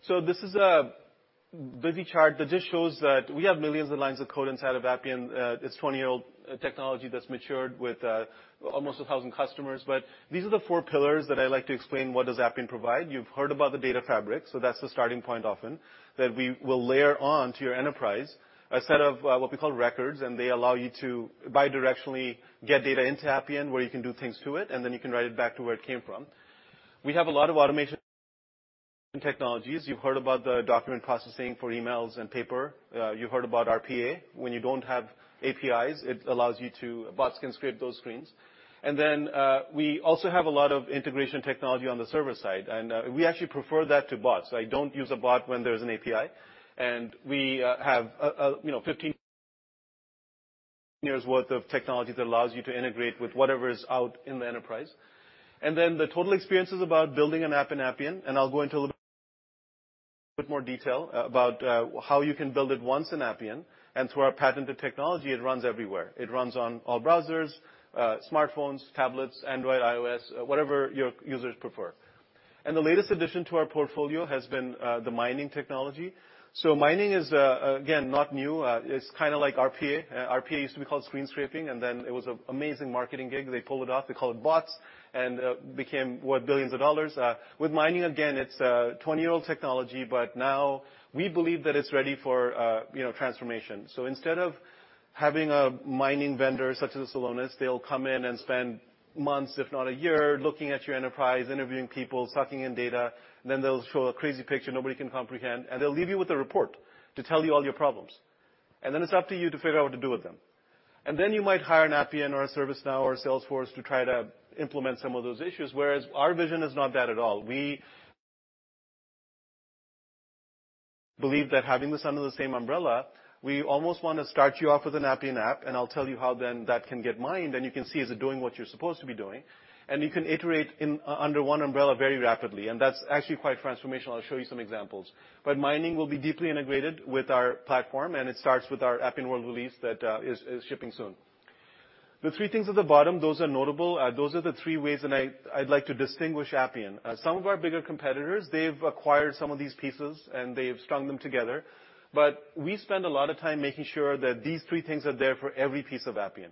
[SPEAKER 1] This is a busy chart that just shows that we have millions of lines of code inside of Appian. It's 20-year-old technology that's matured with almost 1,000 customers. These are the four pillars that I like to explain what does Appian provide. You've heard about the data fabric, so that's the starting point often, that we will layer on to your enterprise a set of what we call records, and they allow you to bidirectionally get data into Appian, where you can do things to it, and then you can write it back to where it came from. We have a lot of automation technologies. You've heard about the document processing for emails and paper. You've heard about RPA. When you don't have APIs, bots can scrape those screens. We also have a lot of integration technology on the server side, and we actually prefer that to bots. I don't use a bot when there's an API. We have, you know, 15 years' worth of technology that allows you to integrate with whatever is out in the enterprise. Then the total experience is about building an app in Appian, and I'll go into a little bit more detail about how you can build it once in Appian. Through our patented technology, it runs everywhere. It runs on all browsers, smartphones, tablets, Android, iOS, whatever your users prefer. The latest addition to our portfolio has been the mining technology. Mining is again, not new. It's kinda like RPA. RPA used to be called screen scraping, and then it was an amazing marketing gig. They pulled it off, they called it bots, and became worth billions of dollars. With mining, again, it's a 20-year-old technology, but now we believe that it's ready for, you know, transformation. Instead of having a mining vendor such as a Celonis, they'll come in and spend months, if not 1 year, looking at your enterprise, interviewing people, sucking in data, they'll show a crazy picture nobody can comprehend, and they'll leave you with a report to tell you all your problems. It's up to you to figure out what to do with them. You might hire an Appian or a ServiceNow or a Salesforce to try to implement some of those issues. Our vision is not that at all. We believe that having this under the same umbrella, we almost wanna start you off with an Appian app, and I'll tell you how then that can get mined, and you can see is it doing what you're supposed to be doing. You can iterate under one umbrella very rapidly. That's actually quite transformational. I'll show you some examples. Mining will be deeply integrated with our platform, and it starts with our Appian World release that is shipping soon. The three things at the bottom, those are notable. Those are the three ways and I'd like to distinguish Appian. Some of our bigger competitors, they've acquired some of these pieces, and they've strung them together. We spend a lot of time making sure that these three things are there for every piece of Appian.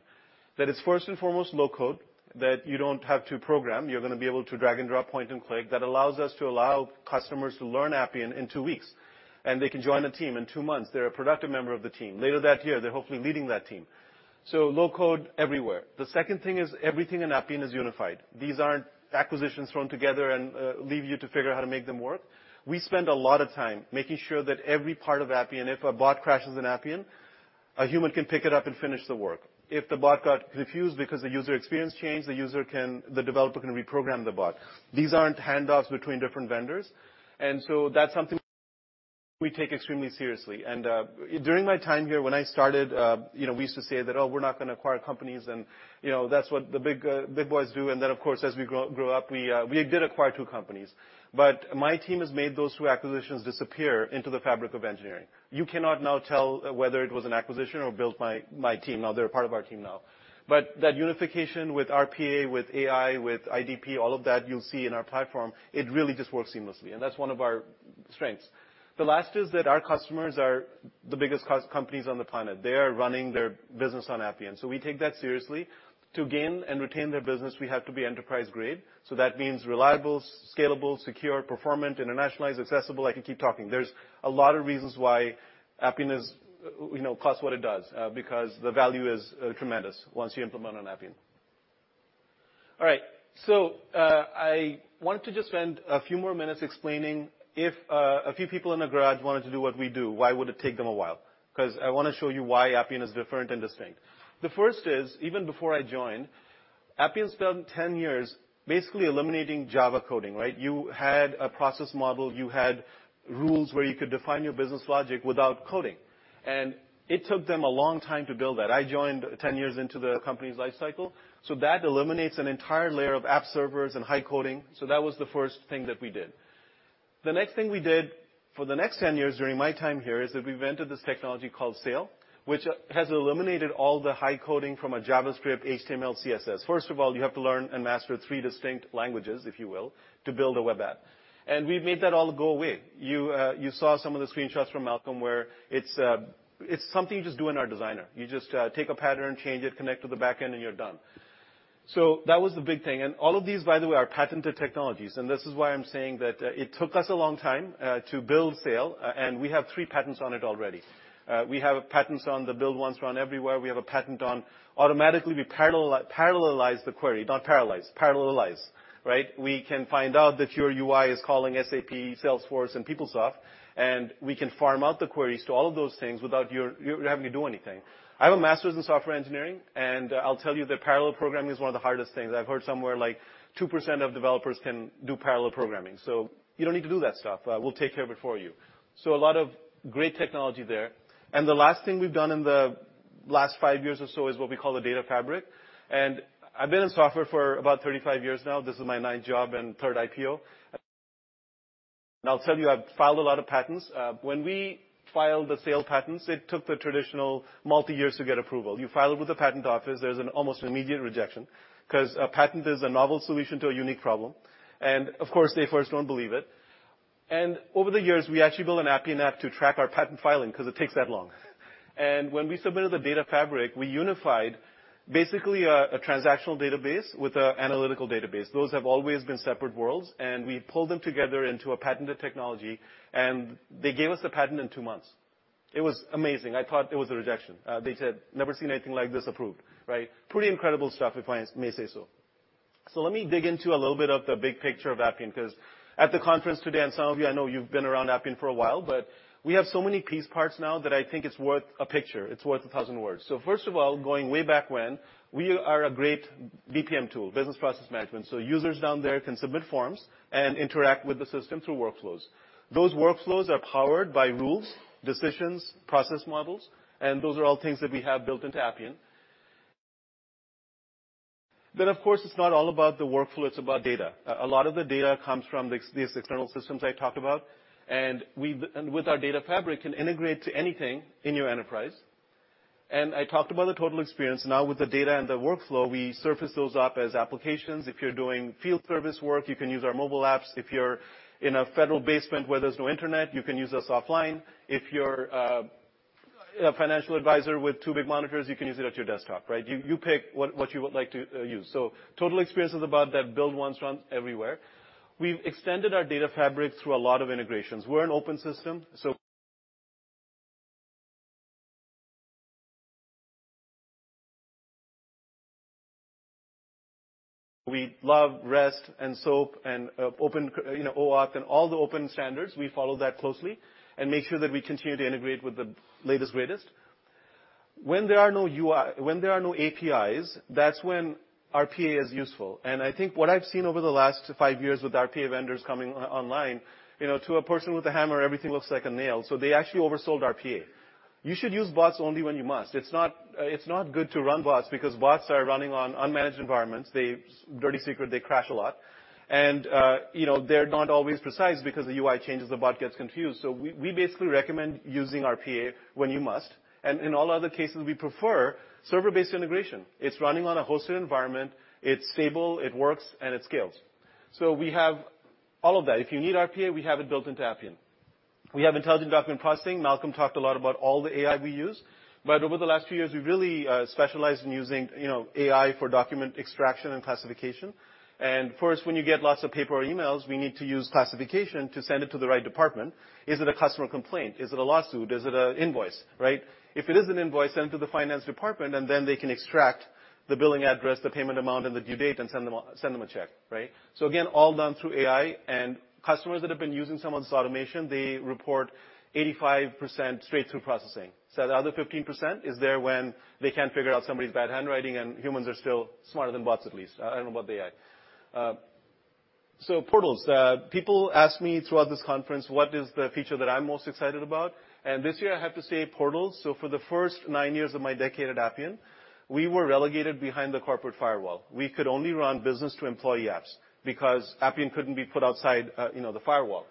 [SPEAKER 1] It's first and foremost low code, that you don't have to program. You're gonna be able to drag and drop, point and click. Allows us to allow customers to learn Appian in two weeks, they can join a team in two months. They're a productive member of the team. Later that year, they're hopefully leading that team. Low code everywhere. The second thing is everything in Appian is unified. These aren't acquisitions thrown together and leave you to figure out how to make them work. We spend a lot of time making sure that every part of Appian, if a bot crashes in Appian, a human can pick it up and finish the work. If the bot got refused because the user experience changed, the developer can reprogram the bot. These aren't handoffs between different vendors, and so that's something we take extremely seriously. During my time here when I started, you know, we used to say that, "Oh, we're not gonna acquire companies," and, you know, that's what the big big boys do. Of course, as we grow up, we did acquire two companies. My team has made those two acquisitions disappear into the fabric of engineering. You cannot now tell whether it was an acquisition or built by my team. Now they're part of our team now. That unification with RPA, with AI, with IDP, all of that you'll see in our platform, it really just works seamlessly, and that's one of our strengths. The last is that our customers are the biggest companies on the planet. They are running their business on Appian, so we take that seriously. To gain and retain their business, we have to be enterprise-grade, so that means reliable, scalable, secure, performant, internationalized, accessible. I can keep talking. There's a lot of reasons why Appian is, you know, costs what it does, because the value is tremendous once you implement on Appian. All right. I want to just spend a few more minutes explaining if a few people in the garage wanted to do what we do, why would it take them a while? 'Cause I wanna show you why Appian is different and distinct. The first is, even before I joined, Appian spent 10 years basically eliminating Java coding, right? You had a process model, you had rules where you could define your business logic without coding. It took them a long time to build that. I joined 10 years into the company's life cycle. That eliminates an entire layer of app servers and high coding. That was the first thing that we did. The next thing we did for the next 10 years during my time here, is that we've entered this technology called SAIL, which has eliminated all the high coding from a JavaScript HTML/CSS. First of all, you have to learn and master 3 distinct languages, if you will, to build a web app. We've made that all go away. You saw some of the screenshots from Malcolm where it's something you just do in our designer. You just take a pattern, change it, connect to the back end, and you're done. That was the big thing. All of these, by the way, are patented technologies, and this is why I'm saying that it took us a long time to build SAIL, and we have 3 patents on it already. We have patents on the build once run everywhere. We have a patent on automatically we parallelize the query, not paralyze, parallelize, right? We can find out that your UI is calling SAP, Salesforce, and PeopleSoft, and we can farm out the queries to all of those things without you having to do anything. I have a master's in software engineering, and I'll tell you that parallel programming is one of the hardest things. I've heard somewhere like 2% of developers can do parallel programming. You don't need to do that stuff. We'll take care of it for you. A lot of great technology there. The last thing we've done in the last five years or so is what we call the data fabric. I've been in software for about 35 years now. This is my ninth job and third IPO. I'll tell you, I've filed a lot of patents. When we filed the SAIL patents, it took the traditional multi years to get approval. You file it with the patent office, there's an almost immediate rejection, 'cause a patent is a novel solution to a unique problem. Of course, they first don't believe it. Over the years, we actually built an Appian app to track our patent filing 'cause it takes that long. When we submitted the data fabric, we unified basically a transactional database with a analytical database. Those have always been separate worlds, and we pulled them together into a patented technology, and they gave us the patent in 2 months. It was amazing. I thought it was a rejection. They said, "Never seen anything like this approved." Right? Pretty incredible stuff, if I may say so. Let me dig into a little bit of the big picture of Appian, 'cause at the conference today, and some of you, I know you've been around Appian for a while, but we have so many piece parts now that I think it's worth a picture. It's worth a 1,000 words. First of all, going way back when, we are a great BPM tool, business process management, so users down there can submit forms and interact with the system through workflows. Those workflows are powered by rules, decisions, process models, and those are all things that we have built into Appian. Of course, it's not all about the workflow, it's about data. A lot of the data comes from these external systems I talked about. With our data fabric, can integrate to anything in your enterprise. I talked about the total experience. Now with the data and the workflow, we surface those up as applications. If you're doing field service work, you can use our mobile apps. If you're in a federal basement where there's no internet, you can use us offline. If you're a financial advisor with two big monitors, you can use it at your desktop, right? You pick what you would like to use. Total experience is about that build once, run everywhere. We've extended our data fabric through a lot of integrations. We're an open system, we love REST and SOAP, open, you know, OAuth and all the open standards. We follow that closely and make sure that we continue to integrate with the latest, greatest. When there are no APIs, that's when RPA is useful. I think what I've seen over the last five years with RPA vendors coming online, you know, to a person with a hammer, everything looks like a nail. They actually oversold RPA. You should use bots only when you must. It's not, it's not good to run bots because bots are running on unmanaged environments. They, dirty secret, they crash a lot. You know, they're not always precise because the UI changes, the bot gets confused. We basically recommend using RPA when you must. In all other cases, we prefer server-based integration. It's running on a hosted environment, it's stable, it works, and it scales. We have all of that. If you need RPA, we have it built into Appian. We have intelligent document processing. Malcolm talked a lot about all the AI we use, but over the last few years, we've really specialized in using, you know, AI for document extraction and classification. First, when you get lots of paper or emails, we need to use classification to send it to the right department. Is it a customer complaint? Is it a lawsuit? Is it a invoice, right? If it is an invoice, send it to the finance department, and then they can extract the billing address, the payment amount, and the due date and send them a check, right? Again, all done through AI. Customers that have been using some of this automation, they report 85% straight through processing. The other 15% is there when they can't figure out somebody's bad handwriting, and humans are still smarter than bots, at least. I don't know about AI. Portals. People ask me throughout this conference, what is the feature that I'm most excited about? This year I have to say portals. For the first nine years of my decade at Appian, we were relegated behind the corporate firewall. We could only run business-to-employee apps because Appian couldn't be put outside, you know, the firewall.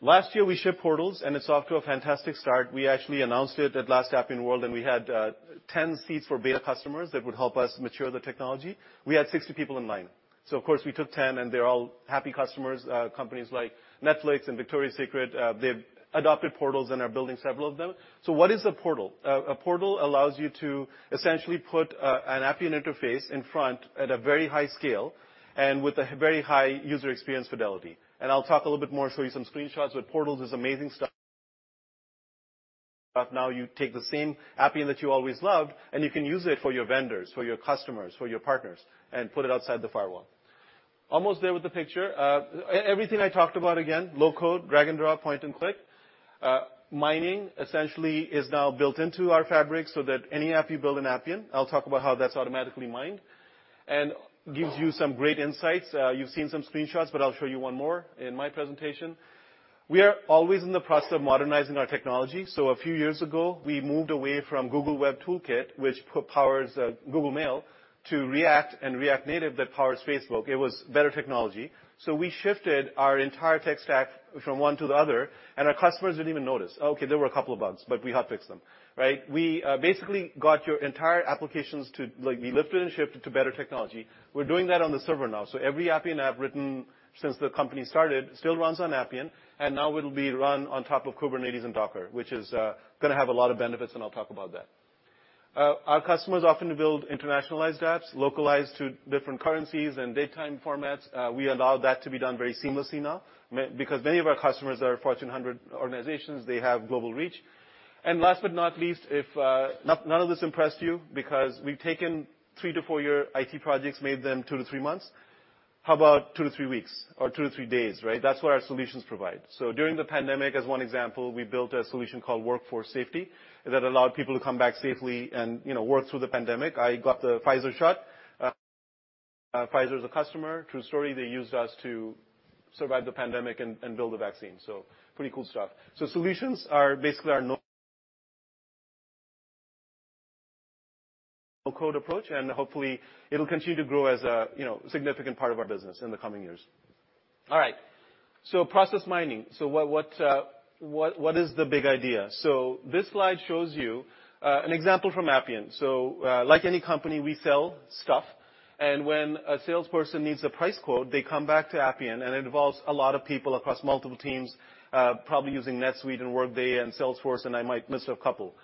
[SPEAKER 1] Last year we shipped portals. It's off to a fantastic start. We actually announced it at last Appian World, and we had 10 seats for beta customers that would help us mature the technology. We had 60 people in line. Of course we took 10, and they're all happy customers, companies like Netflix and Victoria's Secret, they've adopted portals and are building several of them. What is a portal? A portal allows you to essentially put an Appian interface in front at a very high scale and with a very high user experience fidelity. I'll talk a little bit more, show you some screenshots, but portals is amazing stuff. Now you take the same Appian that you always loved, and you can use it for your vendors, for your customers, for your partners, and put it outside the firewall. Almost there with the picture. Everything I talked about again, low-code, drag and drop, point and click. Mining essentially is now built into our fabric so that any app you build in Appian, I'll talk about how that's automatically mined, and gives you some great insights. You've seen some screenshots, but I'll show you one more in my presentation. A few years ago, we moved away from Google Web Toolkit, which powers Google Mail, to React and React Native that powers Facebook. It was better technology. We shifted our entire tech stack from one to the other, and our customers didn't even notice. Okay, there were a couple of bugs, but we hotfixed them, right? We basically got your entire applications like we lifted and shifted to better technology. We're doing that on the server now. Every Appian app written since the company started still runs on Appian, now it'll be run on top of Kubernetes and Docker, which is gonna have a lot of benefits, and I'll talk about that. Our customers often build internationalized apps, localized to different currencies and date time formats. We allow that to be done very seamlessly now. Because many of our customers are Fortune Hundred organizations, they have global reach. Last but not least, if none of this impressed you, because we've taken 3-4-year IT projects, made them 2-3 months, how about 2-3 weeks or 2-3 days, right? That's what our solutions provide. During the pandemic, as one example, we built a solution called Workforce Safety that allowed people to come back safely and, you know, work through the pandemic. I got the Pfizer shot. Pfizer is a customer. True story, they used us to survive the pandemic and build a vaccine, so pretty cool stuff. Solutions are basically our no code approach, and hopefully it'll continue to grow as a, you know, significant part of our business in the coming years. All right. Process mining. What is the big idea? This slide shows you an example from Appian. Like any company, we sell stuff. When a salesperson needs a price quote, they come back to Appian, and it involves a lot of people across multiple teams, probably using NetSuite and Workday and Salesforce, and I might miss a couple.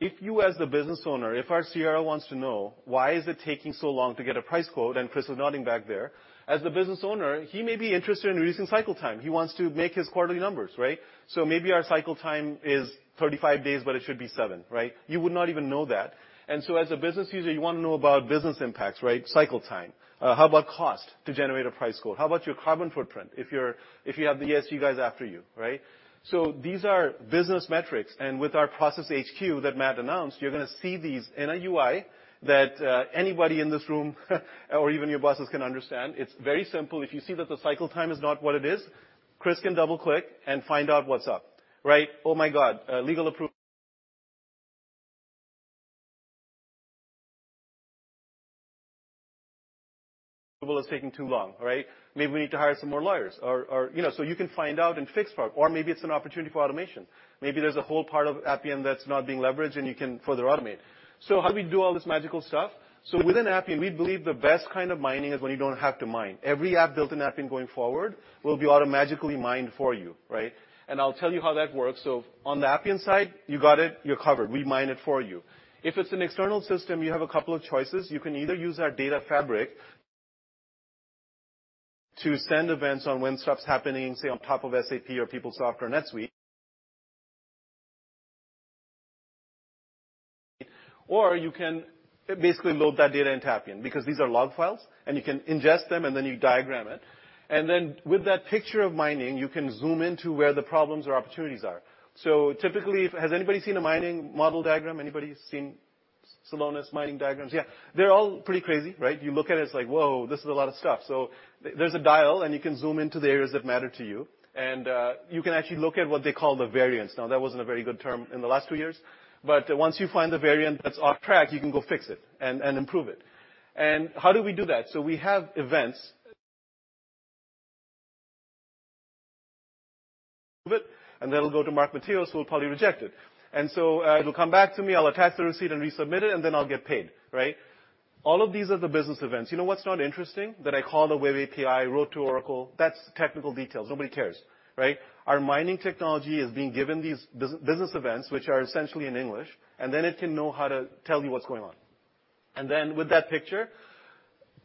[SPEAKER 1] If you as the business owner, if our CRO wants to know why is it taking so long to get a price quote, and Chris is nodding back there, as the business owner, he may be interested in reducing cycle time. He wants to make his quarterly numbers, right? Maybe our cycle time is 35 days, but it should be 7, right? You would not even know that. As a business user, you wanna know about business impacts, right? Cycle time. How about cost to generate a price quote? How about your carbon footprint? If you have the ESG guys after you, right? These are business metrics, and with our Process HQ that Matt announced, you're gonna see these in a UI that anybody in this room or even your bosses can understand. It's very simple. If you see that the cycle time is not what it is, Chris can double-click and find out what's up, right? Oh my God, legal is taking too long, right? Maybe we need to hire some more lawyers or, you know. You can find out and fix part. Maybe it's an opportunity for automation. Maybe there's a whole part of Appian that's not being leveraged, and you can further automate. How do we do all this magical stuff? Within Appian, we believe the best kind of mining is when you don't have to mine. Every app built in Appian going forward will be automatically mined for you, right? I'll tell you how that works. On the Appian side, you got it, you're covered. We mine it for you. If it's an external system, you have a couple of choices. You can either use our data fabric to send events on when stuff's happening, say on top of SAP or PeopleSoft or NetSuite. You can basically load that data into Appian because these are log files, and you can ingest them, and then you diagram it. With that picture of mining, you can zoom in to where the problems or opportunities are. Typically, has anybody seen a mining model diagram? Anybody seen Celonis mining diagrams? Yeah. They're all pretty crazy, right? You look at it's like, "Whoa, this is a lot of stuff." There's a dial, and you can zoom into the areas that matter to you. You can actually look at what they call the variance. Now, that wasn't a very good term in the last two years. Once you find the variant that's off track, you can go fix it and improve it. How do we do that? We have events of it, and that'll go to Mark Matheos, so he'll probably reject it. It'll come back to me, I'll attach the receipt and resubmit it, and then I'll get paid, right? All of these are the business events. You know what's not interesting? That I call the Web API, wrote to Oracle. That's technical details. Nobody cares, right? Our mining technology is being given these business events, which are essentially in English, and then it can know how to tell you what's going on. With that picture,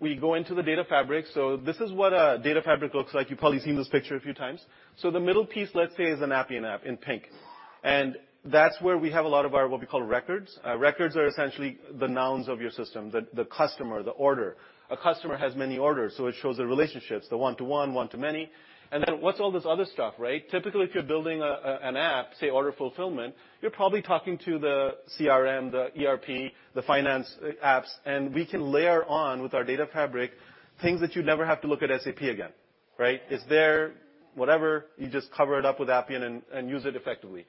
[SPEAKER 1] we go into the data fabric. This is what a data fabric looks like. You've probably seen this picture a few times. The middle piece, let's say, is an Appian app in pink. That's where we have a lot of our what we call records. Records are essentially the nouns of your system, the customer, the order. A customer has many orders, so it shows the relationships, the one-to-one, one-to-many. What's all this other stuff, right? Typically, if you're building an app, say order fulfillment, you're probably talking to the CRM, the ERP, the finance apps, and we can layer on with our data fabric things that you never have to look at SAP again, right? It's there, whatever, you just cover it up with Appian and use it effectively.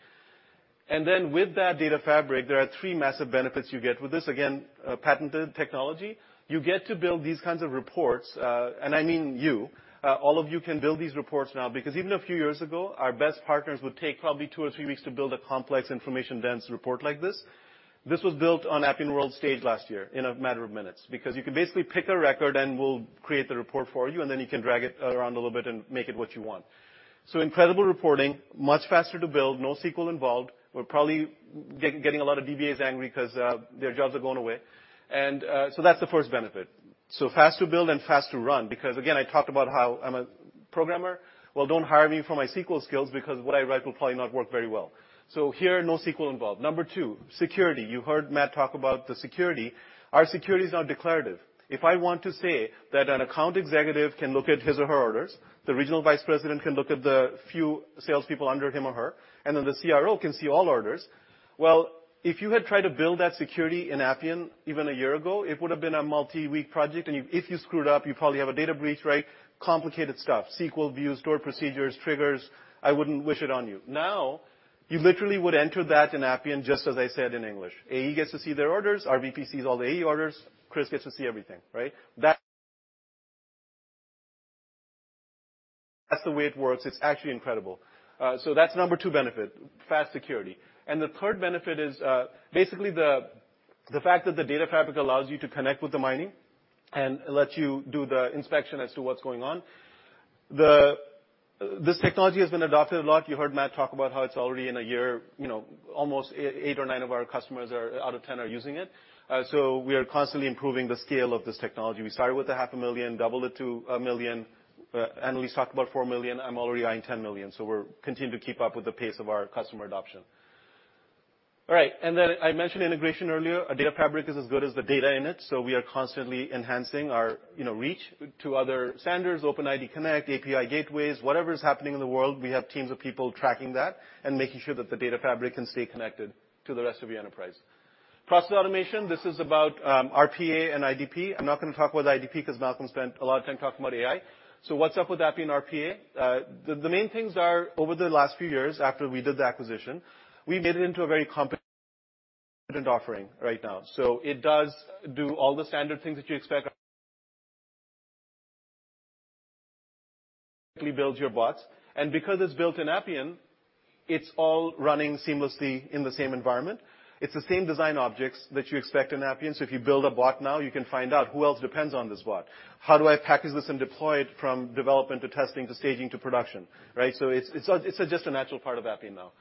[SPEAKER 1] With that data fabric, there are three massive benefits you get. With this, again, patented technology, you get to build these kinds of reports, and I mean you. All of you can build these reports now because even a few years ago, our best partners would take probably two or three weeks to build a complex information-dense report like this. This was built on Appian World stage last year in a matter of minutes because you can basically pick a record, and we'll create the report for you, and then you can drag it around a little bit and make it what you want. Incredible reporting, much faster to build, no SQL involved. We're probably getting a lot of DBAs angry 'cause their jobs are going away. That's the first benefit. Fast to build and fast to run because again, I talked about how I'm a programmer. Don't hire me for my SQL skills because what I write will probably not work very well. Here, NoSQL involved. Number 2, security. You heard Matt talk about the security. Our security is now declarative. If I want to say that an account executive can look at his or her orders, the regional vice president can look at the few salespeople under him or her, and then the CRO can see all orders. If you had tried to build that security in Appian even 1 year ago, it would have been a multi-week project, and if you screwed up, you probably have a data breach, right? Complicated stuff. SQL views, stored procedures, triggers. I wouldn't wish it on you. Now, you literally would enter that in Appian, just as I said, in English. AE gets to see their orders. RVP sees all the AE orders. Chris gets to see everything, right? That's the way it works. It's actually incredible. That's number two benefit, fast security. The third benefit is basically the fact that the data fabric allows you to connect with the mining and lets you do the inspection as to what's going on. This technology has been adopted a lot. You heard Matt talk about how it's already in a year, you know, almost eight or nine of our customers out of 10 are using it. We are constantly improving the scale of this technology. We started with a half a million, doubled it to $1 million. Annelise talked about $4 million. I'm already eyeing $10 million. We're continuing to keep up with the pace of our customer adoption. All right. I mentioned integration earlier. A data fabric is as good as the data in it. We are constantly enhancing our, you know, reach to other standards, OpenID Connect, API gateways, whatever is happening in the world, we have teams of people tracking that and making sure that the data fabric can stay connected to the rest of the enterprise. Process automation, this is about RPA and IDP. I'm not going to talk about IDP because Malcolm spent a lot of time talking about AI. What's up with Appian RPA? The main things are over the last few years, after we did the acquisition, we made it into a very competent offering right now. It does do all the standard things that you expect. We build your bots, and because it's built in Appian, it's all running seamlessly in the same environment. It's the same design objects that you expect in Appian. If you build a bot now, you can find out who else depends on this bot. How do I package this and deploy it from development to testing to staging to production? Right? It's just a natural part of Appian now.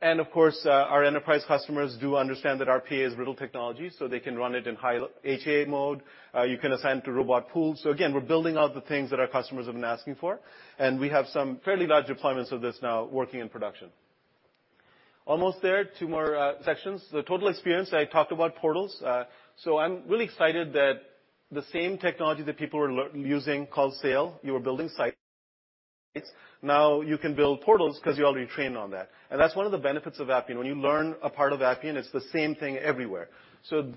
[SPEAKER 1] Of course, our enterprise customers do understand that RPA is brittle technology, so they can run it in high HA mode. You can assign to robot pools. Again, we're building out the things that our customers have been asking for, and we have some fairly large deployments of this now working in production. Almost there. Two more sections. The total experience. I talked about portals. I'm really excited that the same technology that people were using called SAIL, you were building sites. Now you can build portals because you already trained on that. That's one of the benefits of Appian. When you learn a part of Appian, it's the same thing everywhere.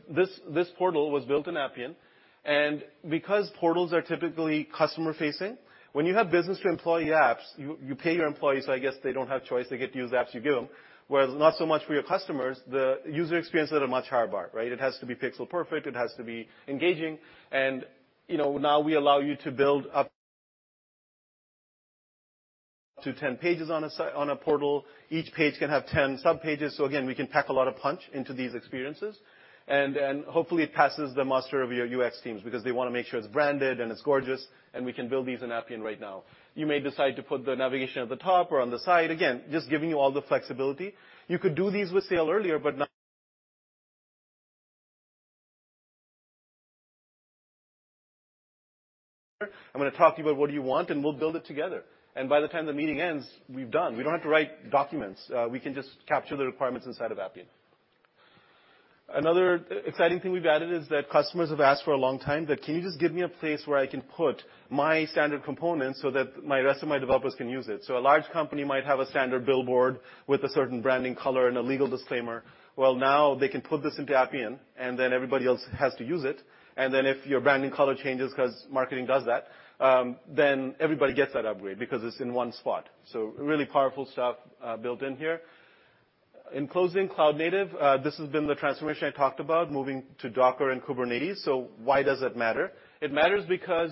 [SPEAKER 1] This portal was built in Appian, and because portals are typically customer-facing, when you have business-to-employee apps, you pay your employees, I guess they don't have choice. They get to use the apps you give them. Whereas not so much for your customers, the user experience is at a much higher bar, right? It has to be pixel-perfect. It has to be engaging. You know, now we allow you to build up to 10 pages on a portal. Each page can have 10 subpages. Again, we can pack a lot of punch into these experiences. Hopefully it passes the muster of your UX teams because they want to make sure it's branded and it's gorgeous, and we can build these in Appian right now. You may decide to put the navigation at the top or on the side. Again, just giving you all the flexibility. You could do these with SAIL earlier. I'm going to talk to you about what you want, and we'll build it together. By the time the meeting ends, we're done. We don't have to write documents. We can just capture the requirements inside of Appian. Another exciting thing we've added is that customers have asked for a long time that, "Can you just give me a place where I can put my standard components so that my rest of my developers can use it?" A large company might have a standard billboard with a certain branding color and a legal disclaimer. Now they can put this into Appian, and then everybody else has to use it. Then if your branding color changes because marketing does that, then everybody gets that upgrade because it's in one spot. Really powerful stuff built in here. In closing, cloud native, this has been the transformation I talked about, moving to Docker and Kubernetes. Why does it matter? It matters because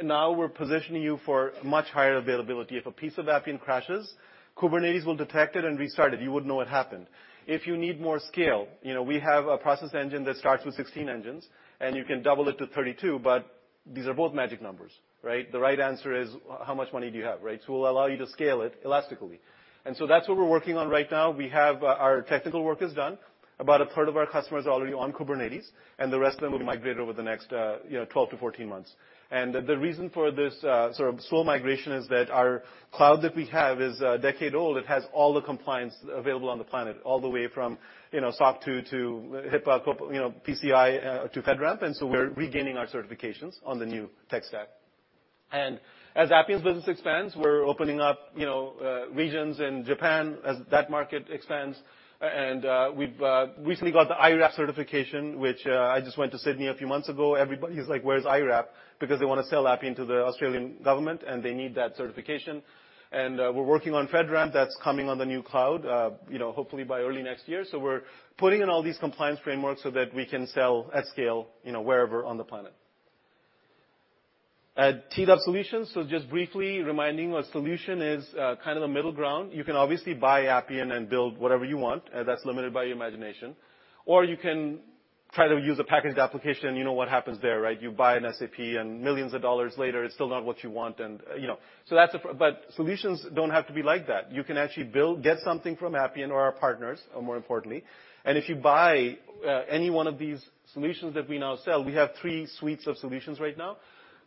[SPEAKER 1] now we're positioning you for much higher availability. If a piece of Appian crashes, Kubernetes will detect it and restart it. You wouldn't know it happened. If you need more scale, you know, we have a process engine that starts with 16 engines, and you can double it to 32, but these are both magic numbers, right? The right answer is how much money do you have, right? We'll allow you to scale it elastically. That's what we're working on right now. We have our technical work is done. About a third of our customers are already on Kubernetes, and the rest of them will migrate over the next, you know, 12 to 14 months. The reason for this sort of slow migration is that our cloud that we have is a decade old. It has all the compliance available on the planet, all the way from, you know, SOC 2 to HIPAA, you know, PCI to FedRAMP. We're regaining our certifications on the new tech stack. As Appian's business expands, we're opening up, you know, regions in Japan as that market expands. We've recently got the IRAP certification, which I just went to Sydney a few months ago. Everybody's like, "Where's IRAP?" Because they wanna sell Appian to the Australian government, and they need that certification. We're working on FedRAMP. That's coming on the new cloud, you know, hopefully by early next year. We're putting in all these compliance frameworks so that we can sell at scale, you know, wherever on the planet. At teed-up solutions, so just briefly reminding what solution is, kind of the middle ground. You can obviously buy Appian and build whatever you want, that's limited by your imagination. You can try to use a packaged application. You know what happens there, right? You buy an SAP and millions of dollars later, it's still not what you want. You know, solutions don't have to be like that. You can actually build, get something from Appian or our partners, or more importantly if you buy any one of these solutions that we now sell, we have three suites of solutions right now.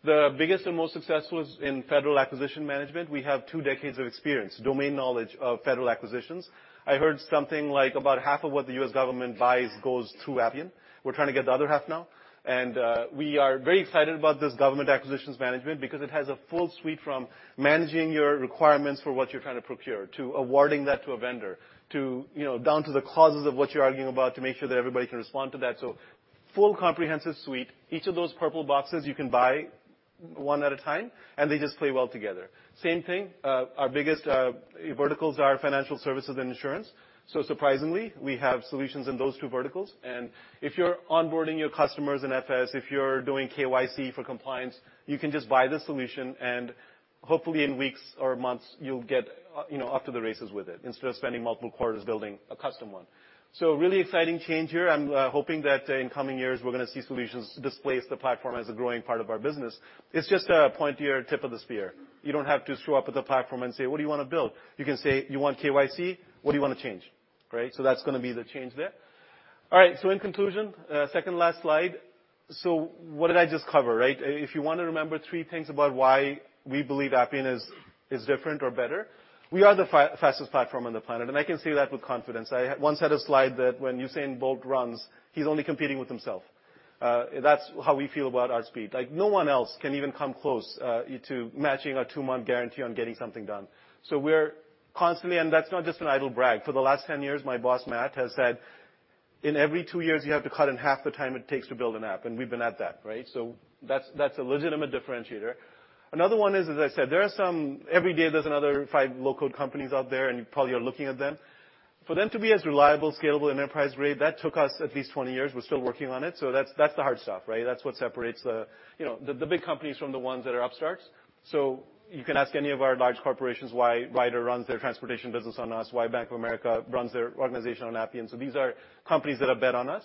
[SPEAKER 1] The biggest and most successful is in federal acquisition management. We have two decades of experience, domain knowledge of federal acquisitions. I heard something like about half of what the U.S. government buys goes through Appian. We're trying to get the other half now. We are very excited about this government acquisitions management because it has a full suite from managing your requirements for what you're trying to procure, to awarding that to a vendor, to, you know, down to the clauses of what you're arguing about to make sure that everybody can respond to that. Full comprehensive suite. Each of those purple boxes you can buy 1 at a time, and they just play well together. Same thing, our biggest verticals are financial services and insurance. Surprisingly, we have solutions in those 2 verticals. If you're onboarding your customers in FS, if you're doing KYC for compliance, you can just buy the solution and hopefully in weeks or months you'll get, you know, off to the races with it instead of spending multiple quarters building a custom 1. Really exciting change here. I'm hoping that in coming years, we're gonna see solutions displace the platform as a growing part of our business. It's just a pointier tip of the spear. You don't have to show up at the platform and say, "What do you wanna build?" You can say, "You want KYC? What do you wanna change?" Right? That's gonna be the change there. All right, in conclusion, second last slide. What did I just cover, right? If you wanna remember three things about why we believe Appian is different or better, we are the fastest platform on the planet, and I can say that with confidence. I once had a slide that when Usain Bolt runs, he's only competing with himself. That's how we feel about our speed. Like, no one else can even come close to matching our two-month guarantee on getting something done. That's not just an idle brag. For the last 10 years, my boss, Matt, has said in every 2 years, you have to cut in half the time it takes to build an app, and we've been at that, right? That's a legitimate differentiator. Another one is, as I said, every day there's another 5 low-code companies out there, and probably you're looking at them. For them to be as reliable, scalable, and enterprise-grade, that took us at least 20 years. We're still working on it. That's the hard stuff, right? That's what separates the, you know, the big companies from the ones that are upstarts. You can ask any of our large corporations why Ryder runs their transportation business on us, why Bank of America runs their organization on Appian. These are companies that have bet on us.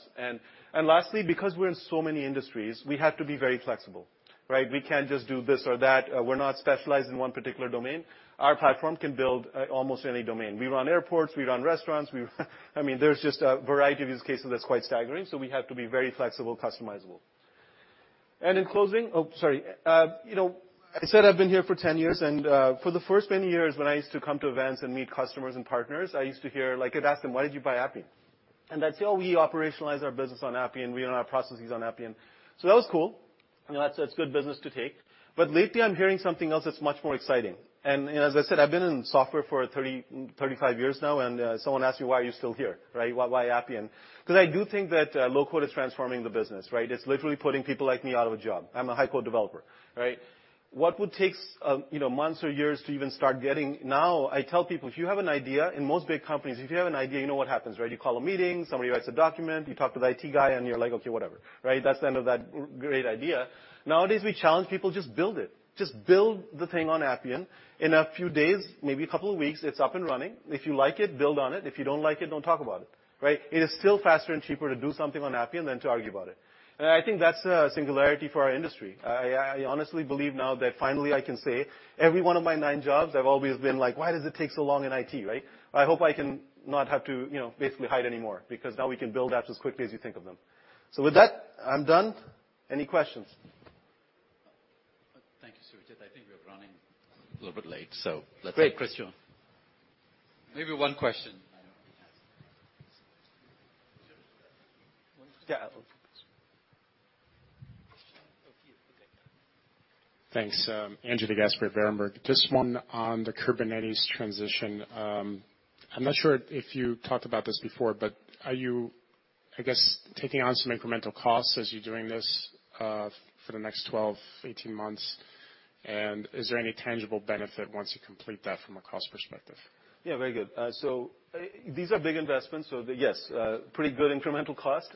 [SPEAKER 1] Lastly, because we're in so many industries, we have to be very flexible, right? We can't just do this or that. We're not specialized in one particular domain. Our platform can build almost any domain. We run airports, we run restaurants, we run. I mean, there's just a variety of use cases that's quite staggering, we have to be very flexible, customizable. In closing. Oh, sorry. you know, I said I've been here for 10 years, for the first many years when I used to come to events and meet customers and partners, I used to hear, like, I'd ask them, "Why did you buy Appian?" They'd say, "Oh, we operationalize our business on Appian. We run our processes on Appian." That was cool. You know, that's good business to take. Lately I'm hearing something else that's much more exciting. You know, as I said, I've been in software for 30, 35 years now, someone asked me, "Why are you still here," right? Why Appian? 'Cause I do think that low code is transforming the business, right? It's literally putting people like me out of a job. I'm a high code developer, right? What would take you know, months or years to even start getting, now I tell people, if you have an idea, in most big companies, if you have an idea, you know what happens, right? You call a meeting, somebody writes a document, you talk to the IT guy, and you're like, okay, whatever, right? That's the end of that great idea. Nowadays, we challenge people, just build it. Just build the thing on Appian. In a few days, maybe a couple of weeks, it's up and running. If you like it, build on it. If you don't like it, don't talk about it, right? It is still faster and cheaper to do something on Appian than to argue about it. I think that's a singularity for our industry. I honestly believe now that finally I can say every one of my nine jobs, I've always been like, "Why does it take so long in IT, right?" I hope I can not have to, you know, basically hide anymore because now we can build apps as quickly as you think of them. With that, I'm done. Any questions?
[SPEAKER 4] Thank you, Surjeet. I think we're running a little bit late.
[SPEAKER 1] Great.
[SPEAKER 4] Christian.
[SPEAKER 1] Maybe one question.
[SPEAKER 4] I know we have some.
[SPEAKER 7] Yeah.
[SPEAKER 1] Oh, you. Okay.
[SPEAKER 3] Thanks. Andrew DeGasperi, Berenberg. This one on the Kubernetes transition. I'm not sure if you talked about this before, but are you, I guess, taking on some incremental costs as you're doing this, for the next 12, 18 months? Is there any tangible benefit once you complete that from a cost perspective?
[SPEAKER 1] Yeah, very good. These are big investments, so yes, pretty good incremental cost,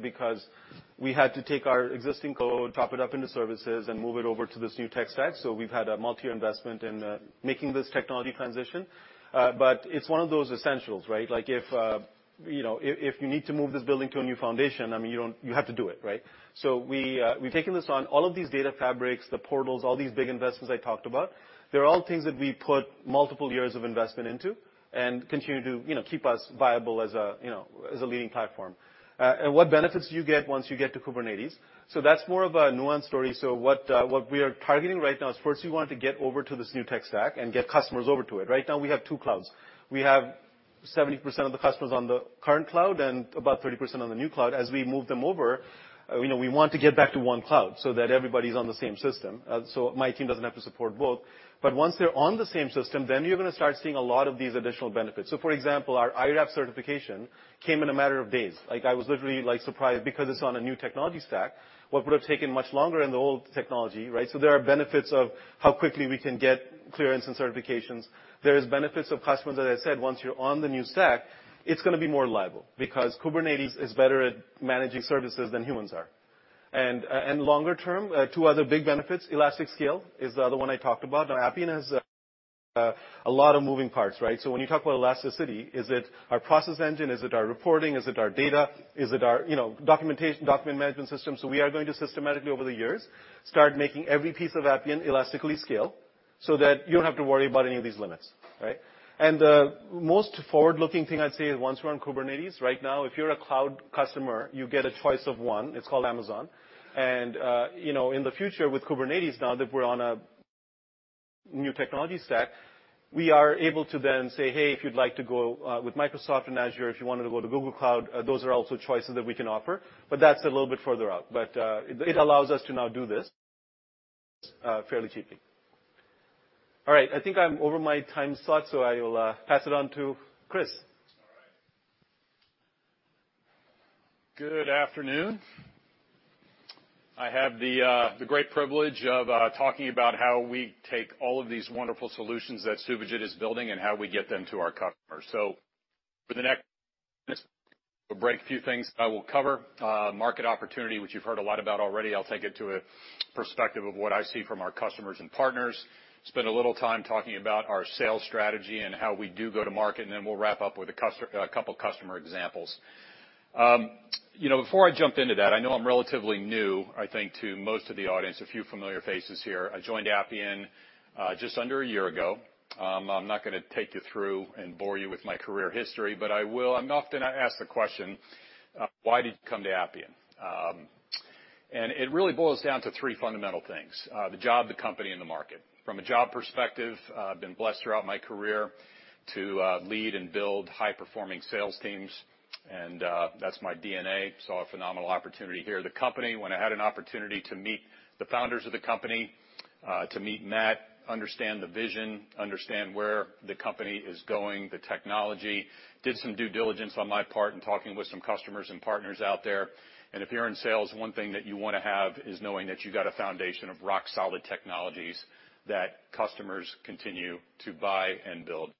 [SPEAKER 1] because we had to take our existing code, chop it up into services, and move it over to this new tech stack. We've had a multi-year investment in making this technology transition, but it's one of those essentials, right? Like if, you know, if you need to move this building to a new foundation, I mean, you have to do it, right? We've taken this on. All of these data fabrics, the portals, all these big investments I talked about, they're all things that we put multiple years of investment into and continue to, you know, keep us viable as a, you know, as a leading platform. What benefits do you get once you get to Kubernetes? That's more of a nuanced story. What we are targeting right now is first we want to get over to this new tech stack and get customers over to it. Right now we have two clouds. We have 70% of the customers on the current cloud and about 30% on the new cloud. As we move them over, you know, we want to get back to one cloud so that everybody's on the same system, so my team doesn't have to support both. Once they're on the same system, then you're gonna start seeing a lot of these additional benefits. For example, our IRAP certification came in a matter of days. Like, I was literally, like, surprised because it's on a new technology stack, what would have taken much longer in the old technology, right? There are benefits of how quickly we can get clearance and certifications. There is benefits of customers that I said, once you're on the new stack, it's gonna be more reliable because Kubernetes is better at managing services than humans are. Longer term, two other big benefits. Elastic scale is the other one I talked about. Now, Appian has a lot of moving parts, right? When you talk about elasticity, is it our process engine? Is it our reporting? Is it our data? Is it our, you know, documentation, document management system? We are going to systematically, over the years, start making every piece of Appian elastically scale. So that you don't have to worry about any of these limits, right? The most forward-looking thing I'd say is once we're on Kubernetes, right now, if you're a cloud customer, you get a choice of one. It's called Amazon. You know, in the future with Kubernetes now that we're on a new technology stack, we are able to then say, "Hey, if you'd like to go with Microsoft and Azure, if you wanted to go to Google Cloud," those are also choices that we can offer. That's a little bit further out. It allows us to now do this fairly cheaply. All right, I think I'm over my time slot, so I will pass it on to Chris.
[SPEAKER 8] All right. Good afternoon. I have the great privilege of talking about how we take all of these wonderful solutions that Suvajit is building and how we get them to our customers. For the next we'll break a few things. I will cover market opportunity, which you've heard a lot about already. I'll take it to a perspective of what I see from our customers and partners. Spend a little time talking about our sales strategy and how we do go to market, and then we'll wrap up with a couple of customer examples. You know, before I jump into that, I know I'm relatively new, I think, to most of the audience. A few familiar faces here. I joined Appian just under a year ago. I'm not gonna take you through and bore you with my career history, but I'm often asked the question, why did you come to Appian? It really boils down to three fundamental things, the job, the company, and the market. From a job perspective, I've been blessed throughout my career to lead and build high-performing sales teams, and that's my DNA. Saw a phenomenal opportunity here. The company, when I had an opportunity to meet the founders of the company, to meet Matt, understand the vision, understand where the company is going, the technology, did some due diligence on my part in talking with some customers and partners out there. If you're in sales, one thing that you wanna have is knowing that you got a foundation of rock-solid technologies that customers continue to buy and build.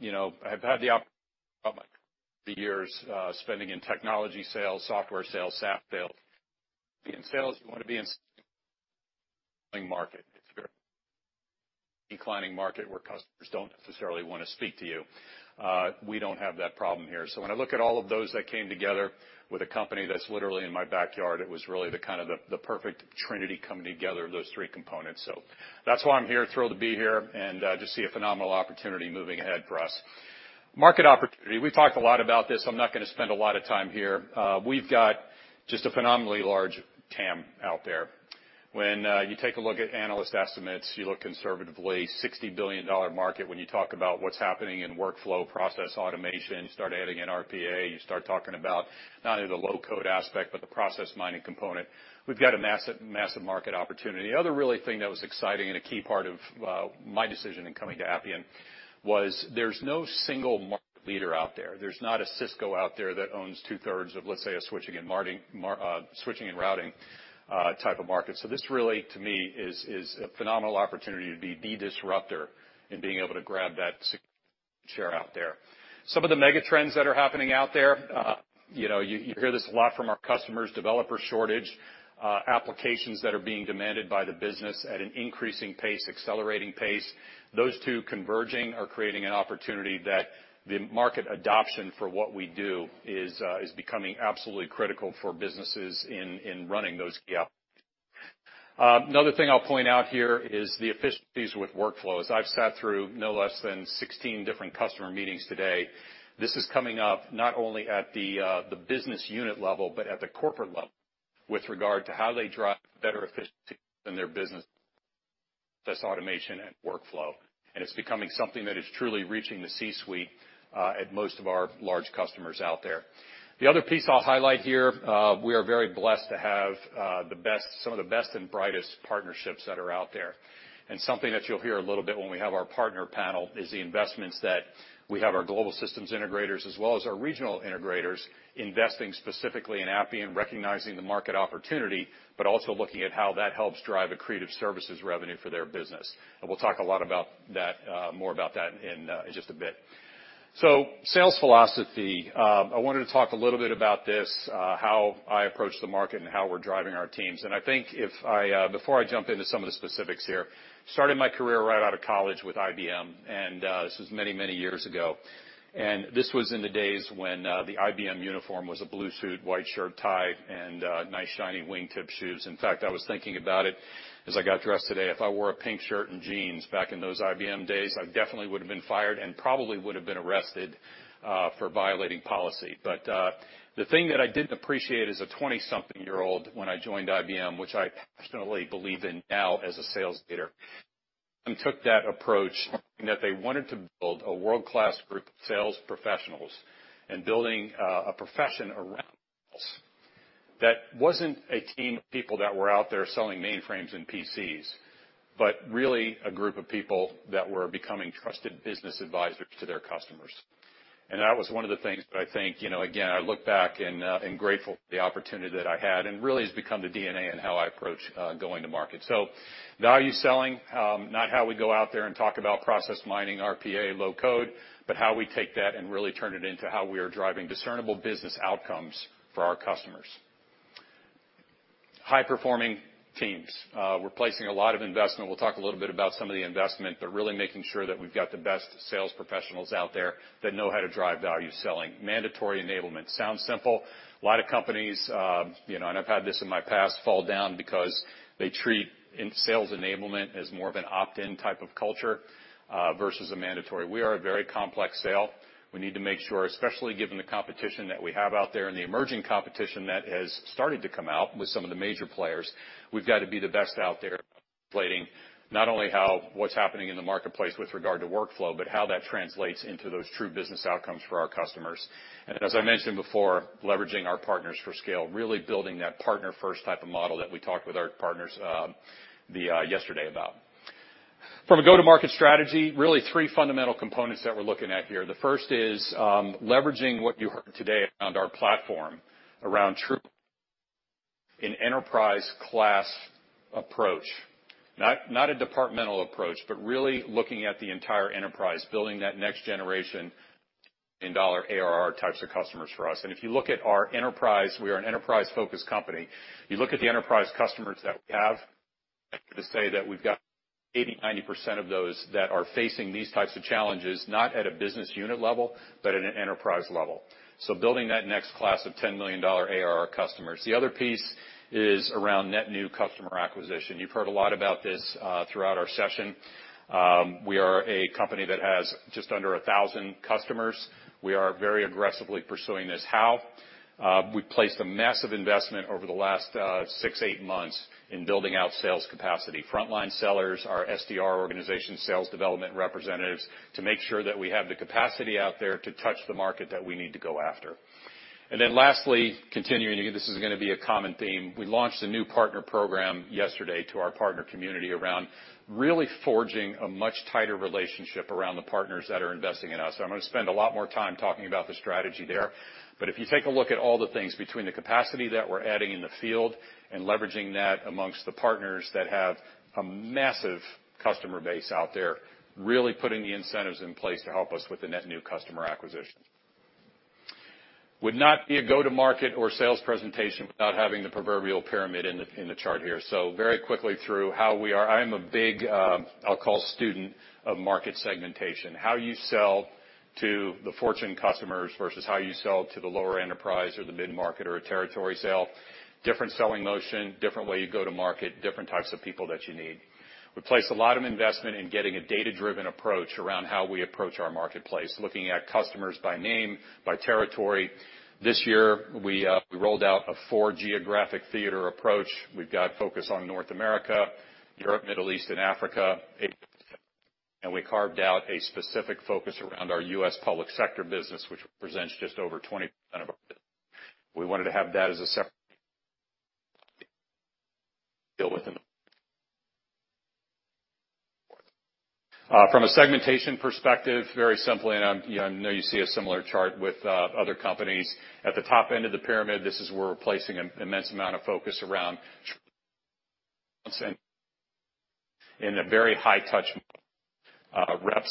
[SPEAKER 8] You know, I've had the years spending in technology sales, software sales, SaaS sales. In sales, you wanna be in market. It's very declining market where customers don't necessarily wanna speak to you. We don't have that problem here. When I look at all of those that came together with a company that's literally in my backyard, it was really the kind of the perfect trinity coming together of those three components. That's why I'm here. Thrilled to be here, and just see a phenomenal opportunity moving ahead for us. Market opportunity. We've talked a lot about this. I'm not gonna spend a lot of time here. We've got just a phenomenally large TAM out there. When you take a look at analyst estimates, you look conservatively $60 billion market when you talk about what's happening in workflow process automation. You start adding in RPA, you start talking about not only the low-code aspect, but the process mining component. We've got a massive market opportunity. The other really thing that was exciting and a key part of my decision in coming to Appian was there's no single market leader out there. There's not a Cisco out there that owns two-thirds of, let's say, a switching and routing type of market. This really to me is a phenomenal opportunity to be the disruptor in being able to grab that share out there. Some of the mega trends that are happening out there, you know, you hear this a lot from our customers, developer shortage, applications that are being demanded by the business at an increasing pace, accelerating pace. Those two converging are creating an opportunity that the market adoption for what we do is becoming absolutely critical for businesses in running those applications. Another thing I'll point out here is the efficiencies with workflows. I've sat through no less than 16 different customer meetings today. This is coming up not only at the business unit level, but at the corporate level with regard to how they drive better efficiency in their business. That's automation and workflow, and it's becoming something that is truly reaching the C-suite at most of our large customers out there. The other piece I'll highlight here, we are very blessed to have some of the best and brightest partnerships that are out there. Something that you'll hear a little bit when we have our partner panel is the investments that we have our global systems integrators as well as our regional integrators investing specifically in Appian, recognizing the market opportunity, but also looking at how that helps drive accretive services revenue for their business. We'll talk a lot about that, more about that in just a bit. Sales philosophy, I wanted to talk a little bit about this, how I approach the market and how we're driving our teams. I think if I, before I jump into some of the specifics here, started my career right out of college with IBM, and this was many, many years ago. This was in the days when, the IBM uniform was a blue suit, white shirt, tie, and nice shiny wingtip shoes. In fact, I was thinking about it as I got dressed today. If I wore a pink shirt and jeans back in those IBM days, I definitely would have been fired and probably would have been arrested for violating policy. The thing that I didn't appreciate as a 20-something-year-old when I joined IBM, which I passionately believe in now as a sales leader, and took that approach in that they wanted to build a world-class group of sales professionals and building a profession around us that wasn't a team of people that were out there selling mainframes and PCs, but really a group of people that were becoming trusted business advisors to their customers. That was one of the things that I think, you know, again, I look back and grateful for the opportunity that I had and really has become the DNA in how I approach going to market. Value selling, not how we go out there and talk about process mining, RPA, low code, but how we take that and really turn it into how we are driving discernible business outcomes for our customers. High-performing teams. We're placing a lot of investment. We'll talk a little bit about some of the investment, but really making sure that we've got the best sales professionals out there that know how to drive value selling. Mandatory enablement. Sounds simple. A lot of companies, you know, and I've had this in my past, fall down because they treat sales enablement as more of an opt-in type of culture versus a mandatory. We are a very complex sale. We need to make sure, especially given the competition that we have out there and the emerging competition that has started to come out with some of the major players, we've got to be the best out there at explaining not only what's happening in the marketplace with regard to workflow, but how that translates into those true business outcomes for our customers. As I mentioned before, leveraging our partners for scale, really building that partner-first type of model that we talked with our partners yesterday about. From a go-to-market strategy, really three fundamental components that we're looking at here. The first is leveraging what you heard today around our platform around true an enterprise-class approach. Not a departmental approach, but really looking at the entire enterprise, building that next generation in dollar ARR types of customers for us. If you look at our enterprise, we are an enterprise-focused company. You look at the enterprise customers that we have, I could just say that we've got 80%, 90% of those that are facing these types of challenges, not at a business unit level, but at an enterprise level. Building that next class of $10 million ARR customers. The other piece is around net new customer acquisition. You've heard a lot about this throughout our session. We are a company that has just under 1,000 customers. We are very aggressively pursuing this. How? We've placed a massive investment over the last 6, 8 months in building out sales capacity. Frontline sellers, our SDR organization, sales development representatives, to make sure that we have the capacity out there to touch the market that we need to go after. Lastly, continuing, this is gonna be a common theme, we launched a new partner program yesterday to our partner community around really forging a much tighter relationship around the partners that are investing in us. I'm gonna spend a lot more time talking about the strategy there. If you take a look at all the things between the capacity that we're adding in the field and leveraging that amongst the partners that have a massive customer base out there, really putting the incentives in place to help us with the net new customer acquisition. Would not be a go-to-market or sales presentation without having the proverbial pyramid in the chart here. Very quickly through how we are... I am a big, I'll call student of market segmentation. How you sell to the Fortune customers versus how you sell to the lower enterprise or the mid-market or a territory sale, different selling motion, different way you go to market, different types of people that you need. We place a lot of investment in getting a data-driven approach around how we approach our marketplace, looking at customers by name, by territory. This year, we rolled out a four geographic theater approach. We've got focus on North America, Europe, Middle East, and Africa. We carved out a specific focus around our U.S. public sector business, which represents just over 20% of our business. We wanted to have that as a separate deal with them. From a segmentation perspective, very simply, and, you know, I know you see a similar chart with other companies. At the top end of the pyramid, this is where we're placing an immense amount of focus around in a very high-touch model, rep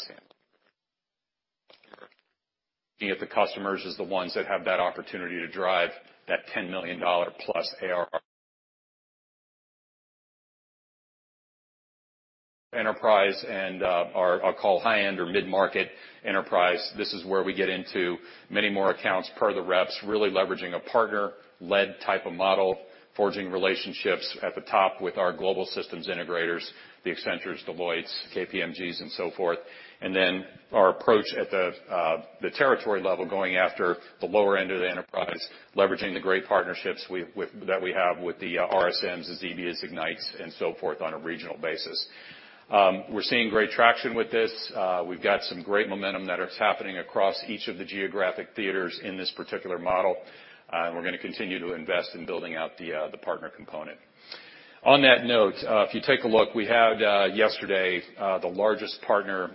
[SPEAKER 8] standard. The customers is the ones that have that opportunity to drive that $10 million+ ARR. Enterprise and our, I'll call high-end or mid-market enterprise, this is where we get into many more accounts per the reps, really leveraging a partner-led type of model, forging relationships at the top with our global systems integrators, the Accentures, Deloittes, KPMG's and so forth. Our approach at the territory level going after the lower end of the enterprise, leveraging the great partnerships that we have with the RSMs, the CBIZ Cignys and so forth on a regional basis. We're seeing great traction with this. We've got some great momentum that is happening across each of the geographic theaters in this particular model. We're gonna continue to invest in building out the partner component. On that note, if you take a look, we had yesterday, the largest partner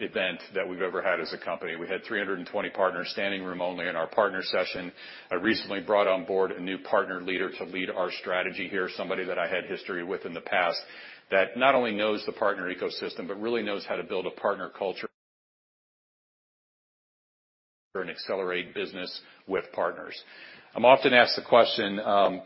[SPEAKER 8] event that we've ever had as a company. We had 320 partners standing room only in our partner session. I recently brought on board a new partner leader to lead our strategy here, somebody that I had history with in the past that not only knows the partner ecosystem, but really knows how to build a partner culture and accelerate business with partners. I'm often asked the question,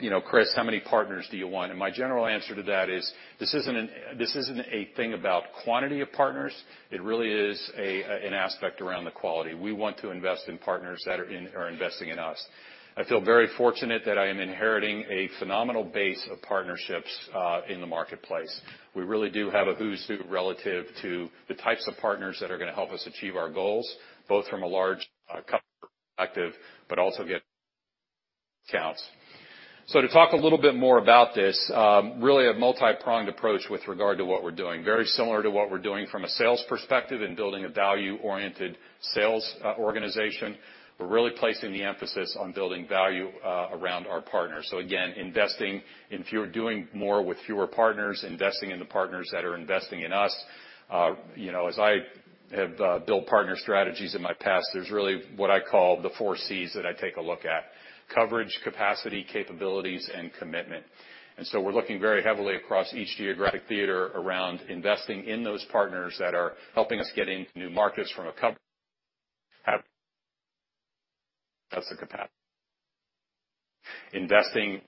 [SPEAKER 8] you know, "Chris, how many partners do you want?" My general answer to that is, this isn't a thing about quantity of partners. It really is a, an aspect around the quality. We want to invest in partners that are investing in us. I feel very fortunate that I am inheriting a phenomenal base of partnerships in the marketplace. We really do have a who's who relative to the types of partners that are gonna help us achieve our goals, both from a large customer perspective, but also get accounts. To talk a little bit more about this, really a multi-pronged approach with regard to what we're doing. Very similar to what we're doing from a sales perspective in building a value-oriented sales organization. We're really placing the emphasis on building value around our partners. Again, investing in fewer doing more with fewer partners, investing in the partners that are investing in us. You know, as I have built partner strategies in my past, there's really what I call the four C's that I take a look at: coverage, capacity, capabilities, and commitment. We're looking very heavily across each geographic theater around investing in those partners that are helping us get into new markets That's the capacity. Investing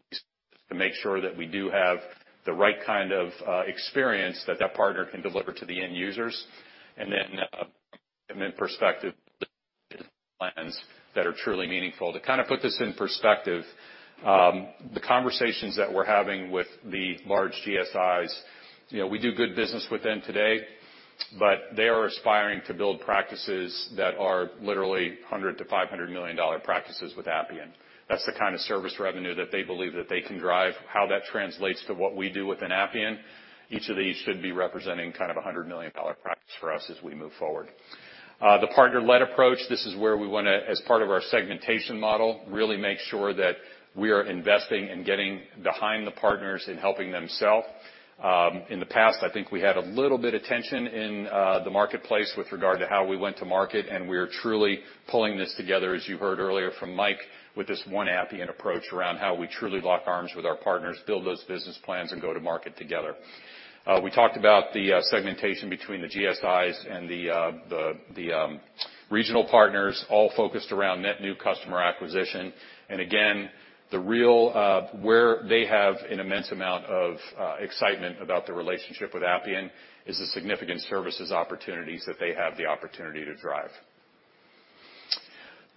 [SPEAKER 8] to make sure that we do have the right kind of experience that that partner can deliver to the end users, and then perspective plans that are truly meaningful. To kind of put this in perspective, the conversations that we're having with the large GSIs, you know, we do good business with them today, they are aspiring to build practices that are literally $100 million-$500 million dollar practices with Appian. That's the kind of service revenue that they believe that they can drive. How that translates to what we do within Appian, each of these should be representing kind of a $100 million dollar practice for us as we move forward. The partner-led approach, this is where we wanna, as part of our segmentation model, really make sure that we are investing in getting behind the partners in helping them sell. In the past, I think we had a little bit of tension in the marketplace with regard to how we went to market, and we are truly pulling this together, as you heard earlier from Mike, with this One Appian approach around how we truly lock arms with our partners, build those business plans, and go to market together. We talked about the segmentation between the GSIs and the regional partners all focused around net new customer acquisition. Again, the real where they have an immense amount of excitement about the relationship with Appian is the significant services opportunities that they have the opportunity to drive.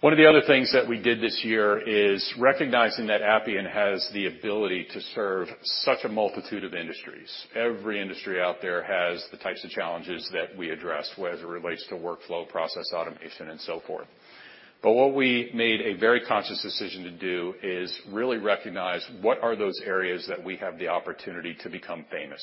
[SPEAKER 8] One of the other things that we did this year is recognizing that Appian has the ability to serve such a multitude of industries. Every industry out there has the types of challenges that we address, whether it relates to workflow, process automation, and so forth. What we made a very conscious decision to do is really recognize what are those areas that we have the opportunity to become famous,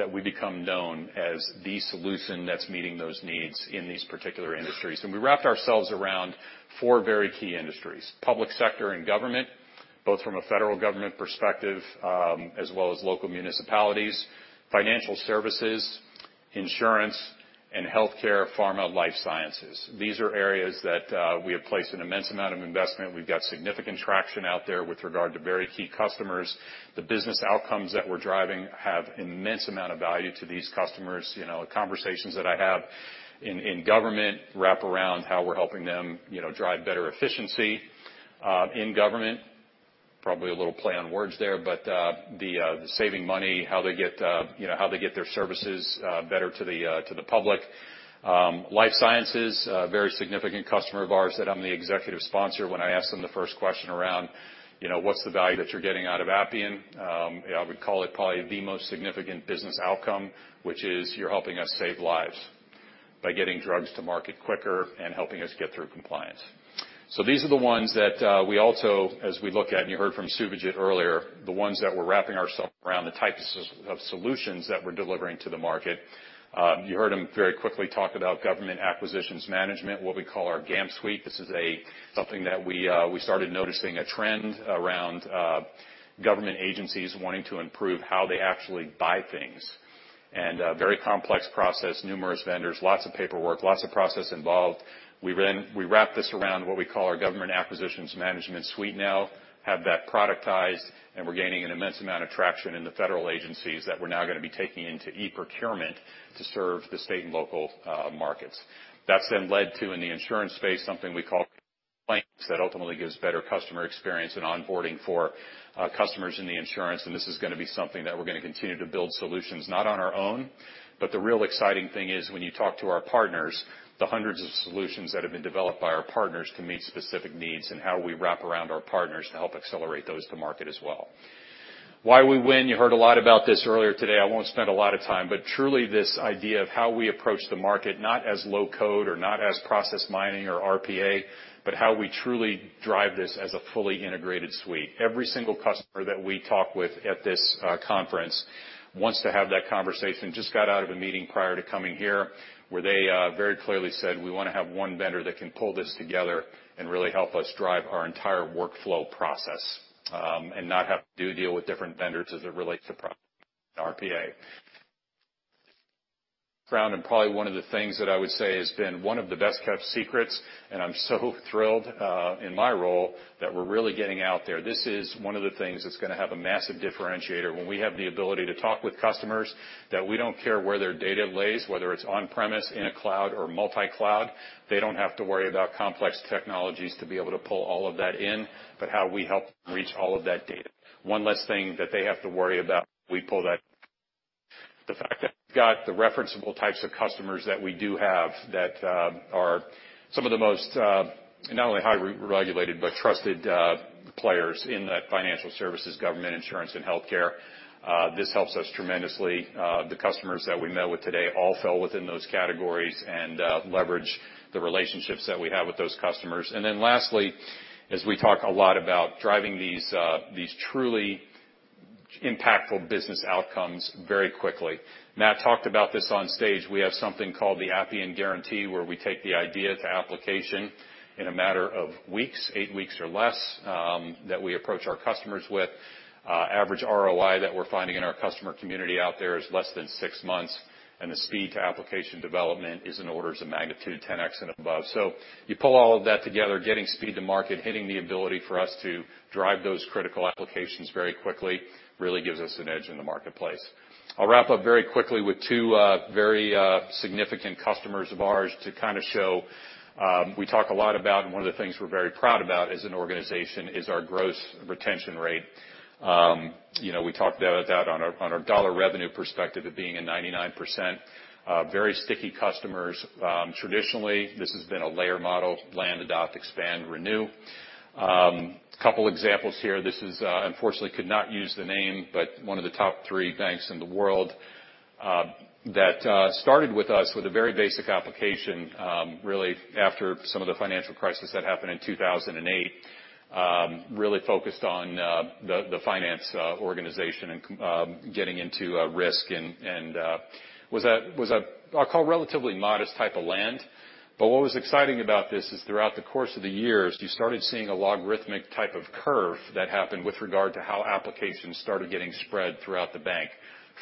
[SPEAKER 8] that we become known as the solution that's meeting those needs in these particular industries. We wrapped ourselves around 4 very key industries, public sector and government, both from a federal government perspective, as well as local municipalities, financial services, insurance, and healthcare, pharma, life sciences. These are areas that we have placed an immense amount of investment. We've got significant traction out there with regard to very key customers. The business outcomes that we're driving have immense amount of value to these customers. You know, conversations that I have in government wrap around how we're helping them, you know, drive better efficiency in government. Probably a little play on words there, but the saving money, how they get, you know, how they get their services better to the public. Life sciences, a very significant customer of ours that I'm the executive sponsor, when I ask them the first question around, you know, "What's the value that you're getting out of Appian?" I would call it probably the most significant business outcome, which is, "You're helping us save lives by getting drugs to market quicker and helping us get through compliance." These are the ones that we also, as we look at, and you heard from Suvajit earlier, the ones that we're wrapping ourselves around the types of solutions that we're delivering to the market. You heard him very quickly talk about Government Acquisitions Management, what we call our GAM suite. This is something that we started noticing a trend around government agencies wanting to improve how they actually buy things. A very complex process, numerous vendors, lots of paperwork, lots of process involved. We wrap this around what we call our Government Acquisitions Management Suite now, have that productized, and we're gaining an immense amount of traction in the federal agencies that we're now going to be taking into e-procurement to serve the state and local markets. That's then led to, in the insurance space, something we call claims that ultimately gives better customer experience and onboarding for customers in the insurance. This is going to be something that we're going to continue to build solutions, not on our own, but the real exciting thing is when you talk to our partners, the hundreds of solutions that have been developed by our partners to meet specific needs and how we wrap around our partners to help accelerate those to market as well. Why we win, you heard a lot about this earlier today, I won't spend a lot of time, but truly this idea of how we approach the market, not as low-code or not as process mining or RPA, but how we truly drive this as a fully integrated suite. Every single customer that we talk with at this conference wants to have that conversation. Just got out of a meeting prior to coming here, where they very clearly said, "We wanna have one vendor that can pull this together and really help us drive our entire workflow process, and not have to deal with different vendors as it relates to RPA." Probably one of the things that I would say has been one of the best-kept secrets, and I'm so thrilled in my role that we're really getting out there. This is one of the things that's gonna have a massive differentiator when we have the ability to talk with customers, that we don't care where their data lays, whether it's on-premise, in a cloud or multi-cloud. They don't have to worry about complex technologies to be able to pull all of that in, but how we help reach all of that data. One less thing that they have to worry about, we pull that. The fact that we've got the referenceable types of customers that we do have that are some of the most, not only highly regulated, but trusted players in that financial services, government, insurance, and healthcare, this helps us tremendously. The customers that we met with today all fell within those categories and leverage the relationships that we have with those customers. lastly, as we talk a lot about driving these truly impactful business outcomes very quickly. Matt talked about this on stage. We have something called the Appian Guarantee, where we take the idea to application in a matter of weeks, 8 weeks or less, that we approach our customers with. average ROI that we're finding in our customer community out there is less than six months, and the speed to application development is in orders of magnitude 10x and above. you pull all of that together, getting speed to market, hitting the ability for us to drive those critical applications very quickly, really gives us an edge in the marketplace. I'll wrap up very quickly with two very significant customers of ours to kind of show. We talk a lot about, and one of the things we're very proud about as an organization is our gross retention rate. You know, we talked about that on our, on our dollar revenue perspective of being a 99% very sticky customers. Traditionally, this has been a layer model: land, adopt, expand, renew. Couple examples here. This is, unfortunately could not use the name, but one of the top three banks in the world, that started with us with a very basic application, really after some of the financial crisis that happened in 2008, really focused on the finance organization and getting into risk and was a, I'll call, relatively modest type of land. But what was exciting about this is throughout the course of the years, you started seeing a logarithmic type of curve that happened with regard to how applications started getting spread throughout the bank,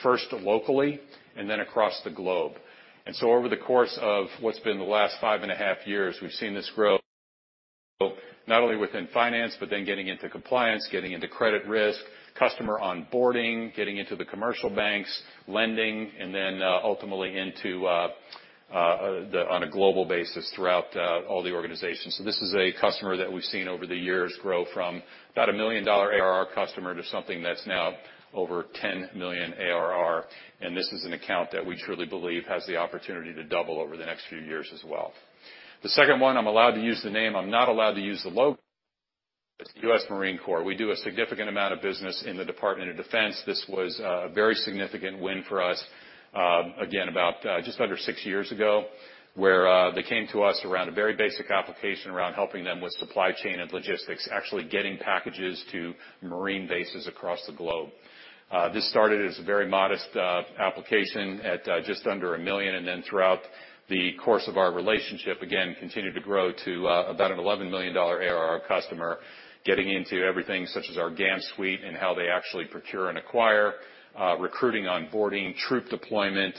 [SPEAKER 8] first locally and then across the globe. Over the course of what's been the last five and a half years, we've seen this grow not only within finance, but then getting into compliance, getting into credit risk, customer onboarding, getting into the commercial banks, lending, ultimately on a global basis throughout all the organizations. This is a customer that we've seen over the years grow from about a $1 million ARR customer to something that's now over $10 million ARR. This is an account that we truly believe has the opportunity to double over the next few years as well. The second one, I'm allowed to use the name. I'm not allowed to use the logo. It's the US Marine Corps. We do a significant amount of business in the Department of Defense. This was a very significant win for us, again, about just under 6 years ago, where they came to us around a very basic application around helping them with supply chain and logistics, actually getting packages to marine bases across the globe. This started as a very modest application at just under $1 million, and then throughout the course of our relationship, again, continued to grow to about an $11 million ARR customer, getting into everything such as our GAM suite and how they actually procure and acquire, recruiting, onboarding, troop deployment,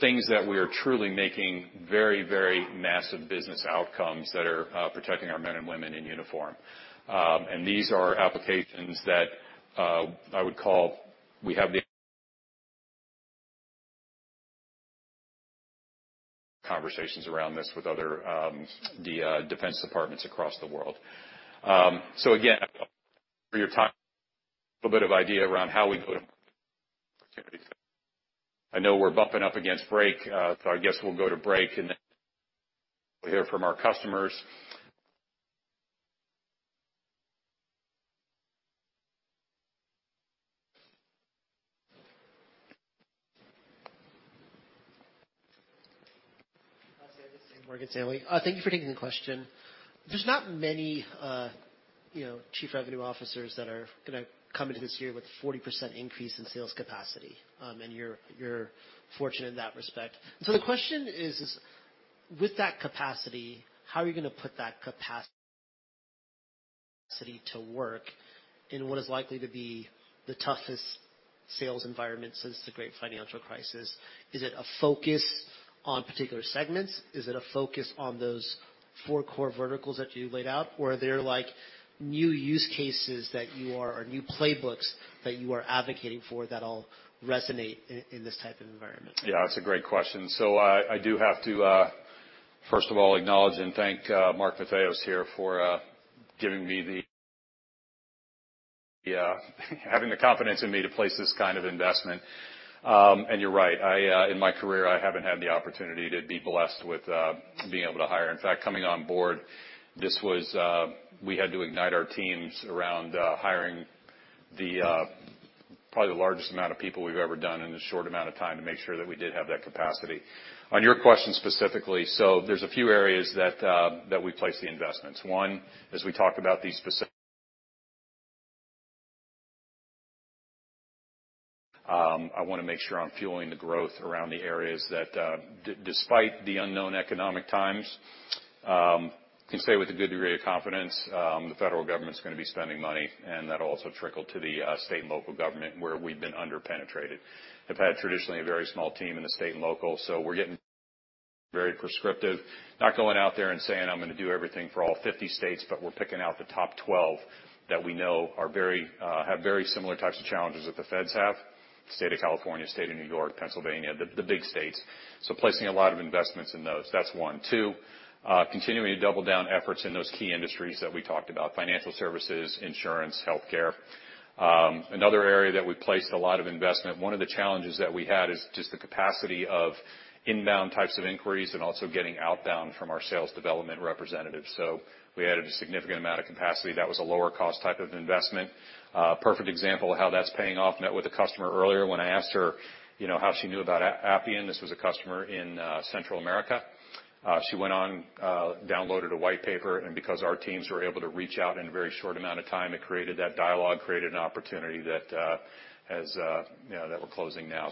[SPEAKER 8] things that we are truly making very, very massive business outcomes that are protecting our men and women in uniform. These are applications that I would call we have the conversations around this with other the defense departments across the world. Again, for your time, a little bit of idea around how we go to opportunities. I know we're bumping up against break, I guess we'll go to break and we'll hear from our customers.
[SPEAKER 9] Morgan Stanley. Thank you for taking the question. There's not many, you know, chief revenue officers that are gonna come into this year with 40% increase in sales capacity, and you're fortunate in that respect. The question is, with that capacity, how are you gonna put that capacity to work in what is likely to be the toughest sales environment since the Great Financial Crisis? Is it a focus on particular segments? Is it a focus on those four core verticals that you laid out? Are there, like, new use cases that you are, or new playbooks that you are advocating for that all resonate in this type of environment?
[SPEAKER 8] Yeah, that's a great question. I do have to, first of all, acknowledge and thank Mark Matheos here for having the confidence in me to place this kind of investment. You're right. I, in my career, I haven't had the opportunity to be blessed with being able to hire. In fact, coming on board, this was, we had to ignite our teams around hiring probably the largest amount of people we've ever done in a short amount of time to make sure that we did have that capacity. On your question specifically, there's a few areas that we place the investments. One, as we talk about these specific... I wanna make sure I'm fueling the growth around the areas that, despite the unknown economic times, can say with a good degree of confidence, the federal government's gonna be spending money, and that'll also trickle to the state and local government where we've been under-penetrated. Have had traditionally a very small team in the state and local, so we're getting very prescriptive, not going out there and saying, "I'm gonna do everything for all 50 states," but we're picking out the top 12 that we know are very, have very similar types of challenges that the feds have, State of California, State of New York, Pennsylvania, the big states. Placing a lot of investments in those. That's 1. 2, continuing to double down efforts in those key industries that we talked about, financial services, insurance, healthcare. Another area that we placed a lot of investment, one of the challenges that we had is just the capacity of inbound types of inquiries and also getting outbound from our sales development representatives. We added a significant amount of capacity. That was a lower cost type of investment. Perfect example of how that's paying off, met with a customer earlier when I asked her, you know, how she knew about Appian. This was a customer in Central America. She went on, downloaded a white paper, and because our teams were able to reach out in a very short amount of time, it created that dialogue, created an opportunity that has, you know, that we're closing now.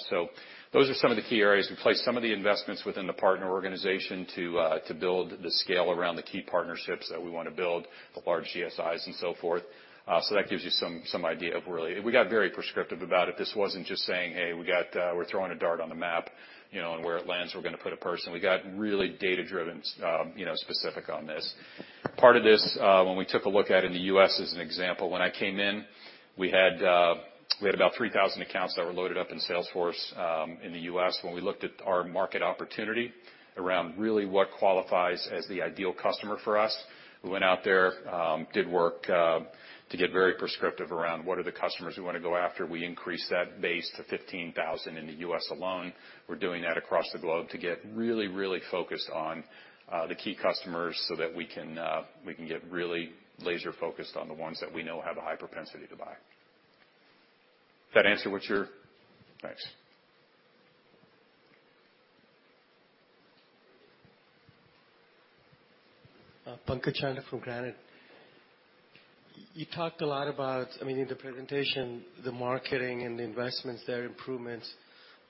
[SPEAKER 8] Those are some of the key areas. We placed some of the investments within the partner organization to build the scale around the key partnerships that we wanna build, the large GSIs and so forth. That gives you some idea of really. We got very prescriptive about it. This wasn't just saying, "Hey, we got, we're throwing a dart on the map, you know, and where it lands, we're gonna put a person." We got really data-driven, you know, specific on this. Part of this, when we took a look at in the U.S. as an example, when I came in, we had about 3,000 accounts that were loaded up in Salesforce in the U.S. When we looked at our market opportunity around really what qualifies as the ideal customer for us, we went out there, did work, to get very prescriptive around what are the customers we wanna go after. We increased that base to 15,000 in the U.S. alone. We're doing that across the globe to get really, really focused on the key customers so that we can, we can get really laser-focused on the ones that we know have a high propensity to buy. That answer what you're? Thanks.
[SPEAKER 10] Pankaj Chandak from Granite. You talked a lot about, I mean, in the presentation, the marketing and the investments, their improvements,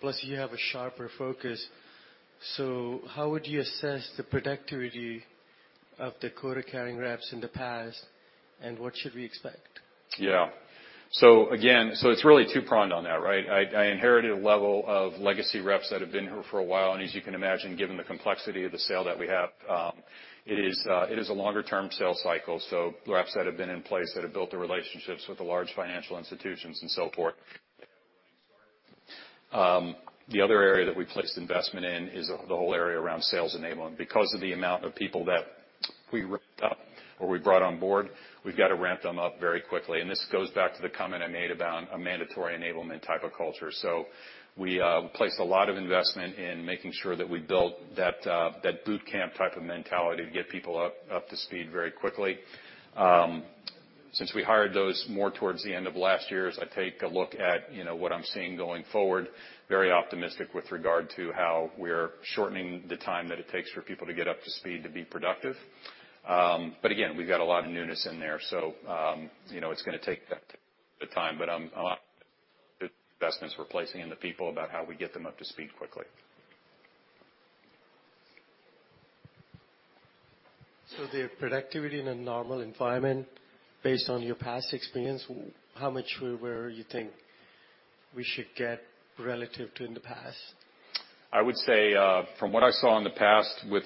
[SPEAKER 10] plus you have a sharper focus. How would you assess the productivity of the quota-carrying reps in the past, and what should we expect?
[SPEAKER 8] So again, so it's really two-pronged on that, right? I inherited a level of legacy reps that have been here for a while, and as you can imagine, given the complexity of the sale that we have, it is a longer-term sales cycle, so reps that have been in place that have built the relationships with the large financial institutions and so forth. The other area that we placed investment in is the whole area around sales enablement. Because of the amount of people that we ramped up or we brought on board, we've got to ramp them up very quickly. This goes back to the comment I made about a mandatory enablement type of culture. We placed a lot of investment in making sure that we built that boot camp type of mentality to get people up to speed very quickly. Since we hired those more towards the end of last year, as I take a look at, you know, what I'm seeing going forward, very optimistic with regard to how we're shortening the time that it takes for people to get up to speed to be productive. Again, we've got a lot of newness in there, so, you know, it's gonna take that time. Investments we're placing in the people about how we get them up to speed quickly.
[SPEAKER 10] The productivity in a normal environment, based on your past experience, how much where you think we should get relative to in the past?
[SPEAKER 8] I would say, from what I saw in the past with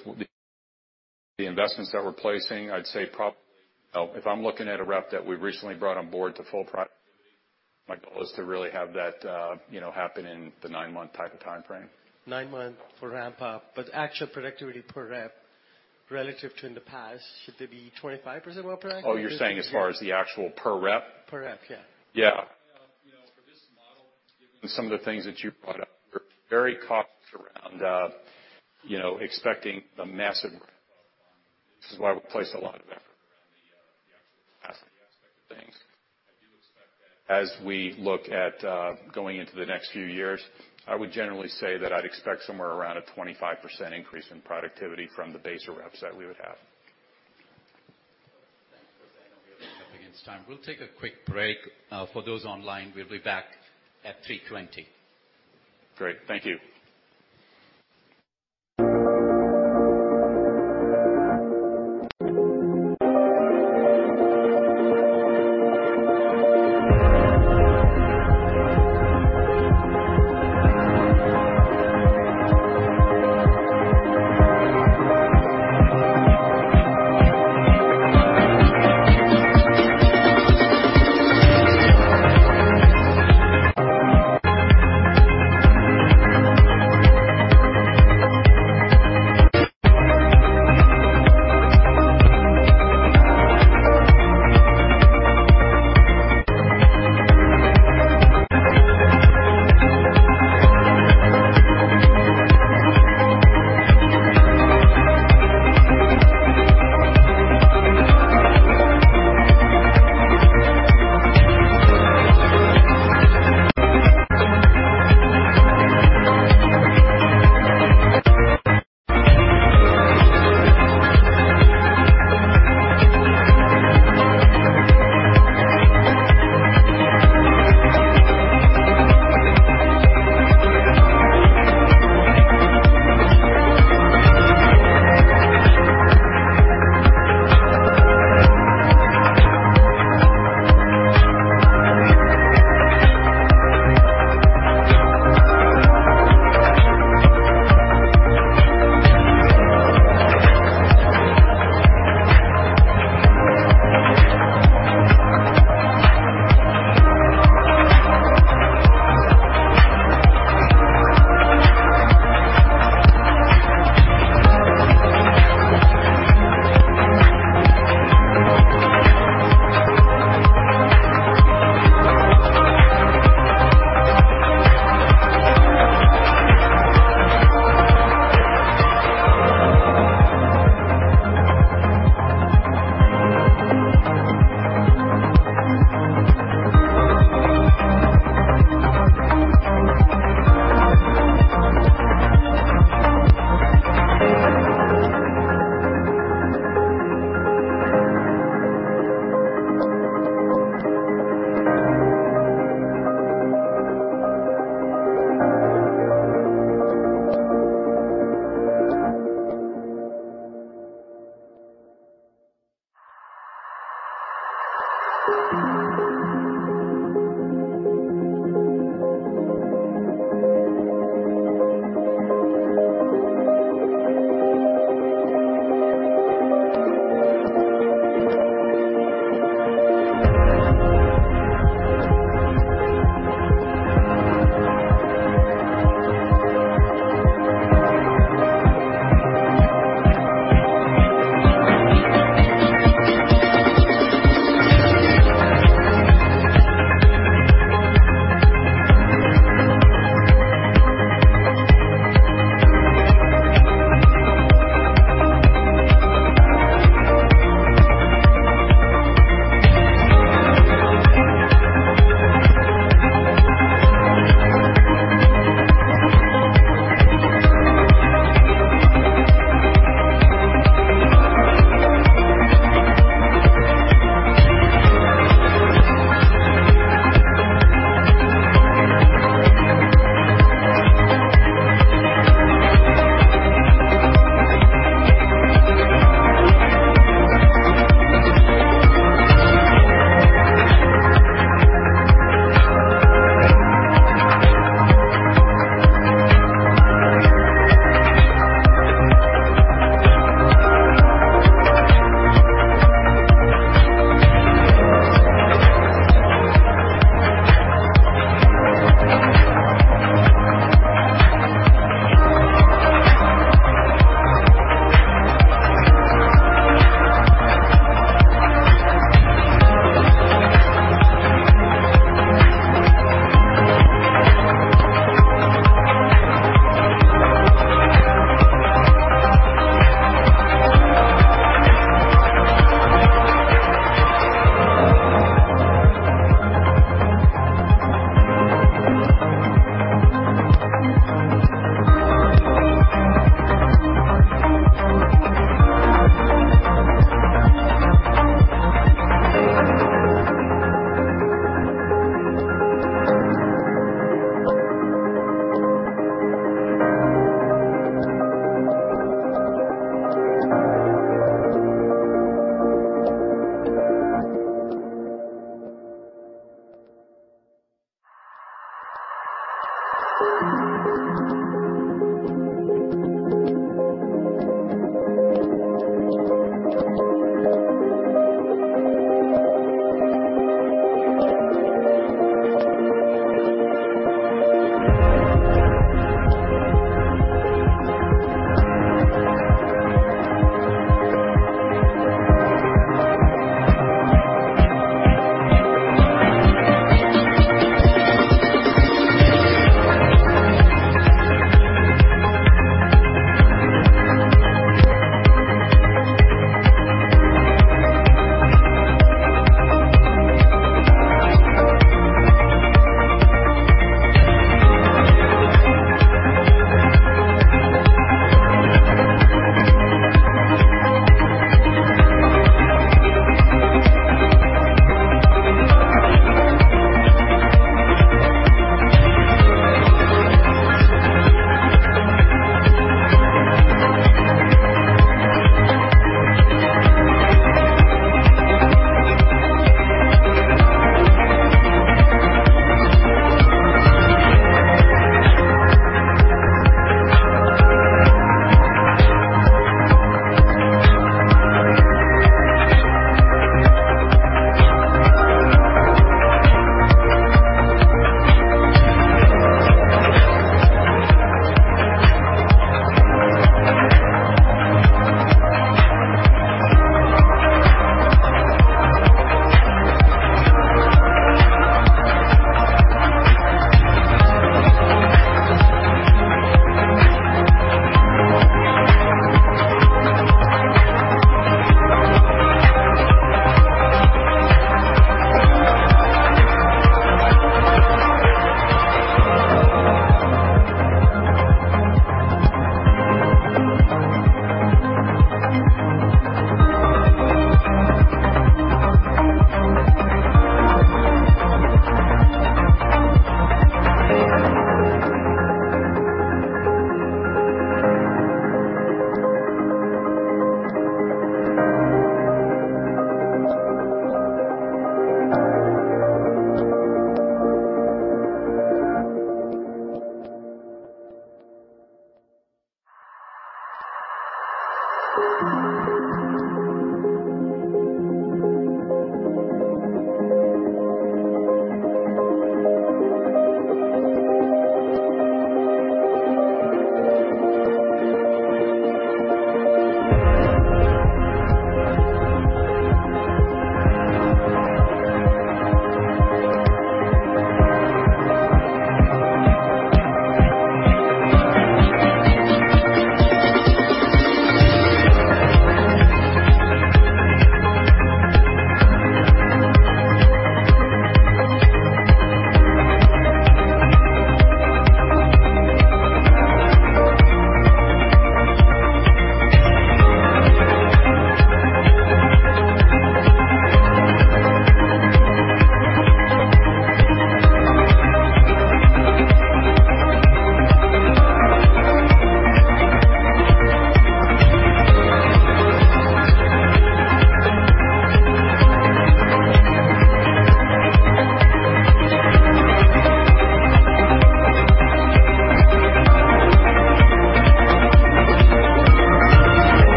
[SPEAKER 8] the investments that we're placing, I'd say If I'm looking at a rep that we recently brought on board to full productivity, my goal is to really have that, you know, happen in the 9-month type of timeframe.
[SPEAKER 10] Nine months for ramp up. Actual productivity per rep relative to in the past, should they be 25% more productive?
[SPEAKER 8] Oh, you're saying as far as the actual per rep?
[SPEAKER 10] Per rep, yeah.
[SPEAKER 8] You know, for this model, given some of the things that you brought up, we're very cautious around, you know, expecting a massive growth on this is why we place a lot of effort around the actual capacity aspect of things. I do expect that as we look at going into the next few years, I would generally say that I'd expect somewhere around a 25% increase in productivity from the base of reps that we would have.
[SPEAKER 10] Thanks for that. I know we are up against time. We'll take a quick break. For those online, we'll be back at 3:20 P.M.
[SPEAKER 8] Great. Thank you.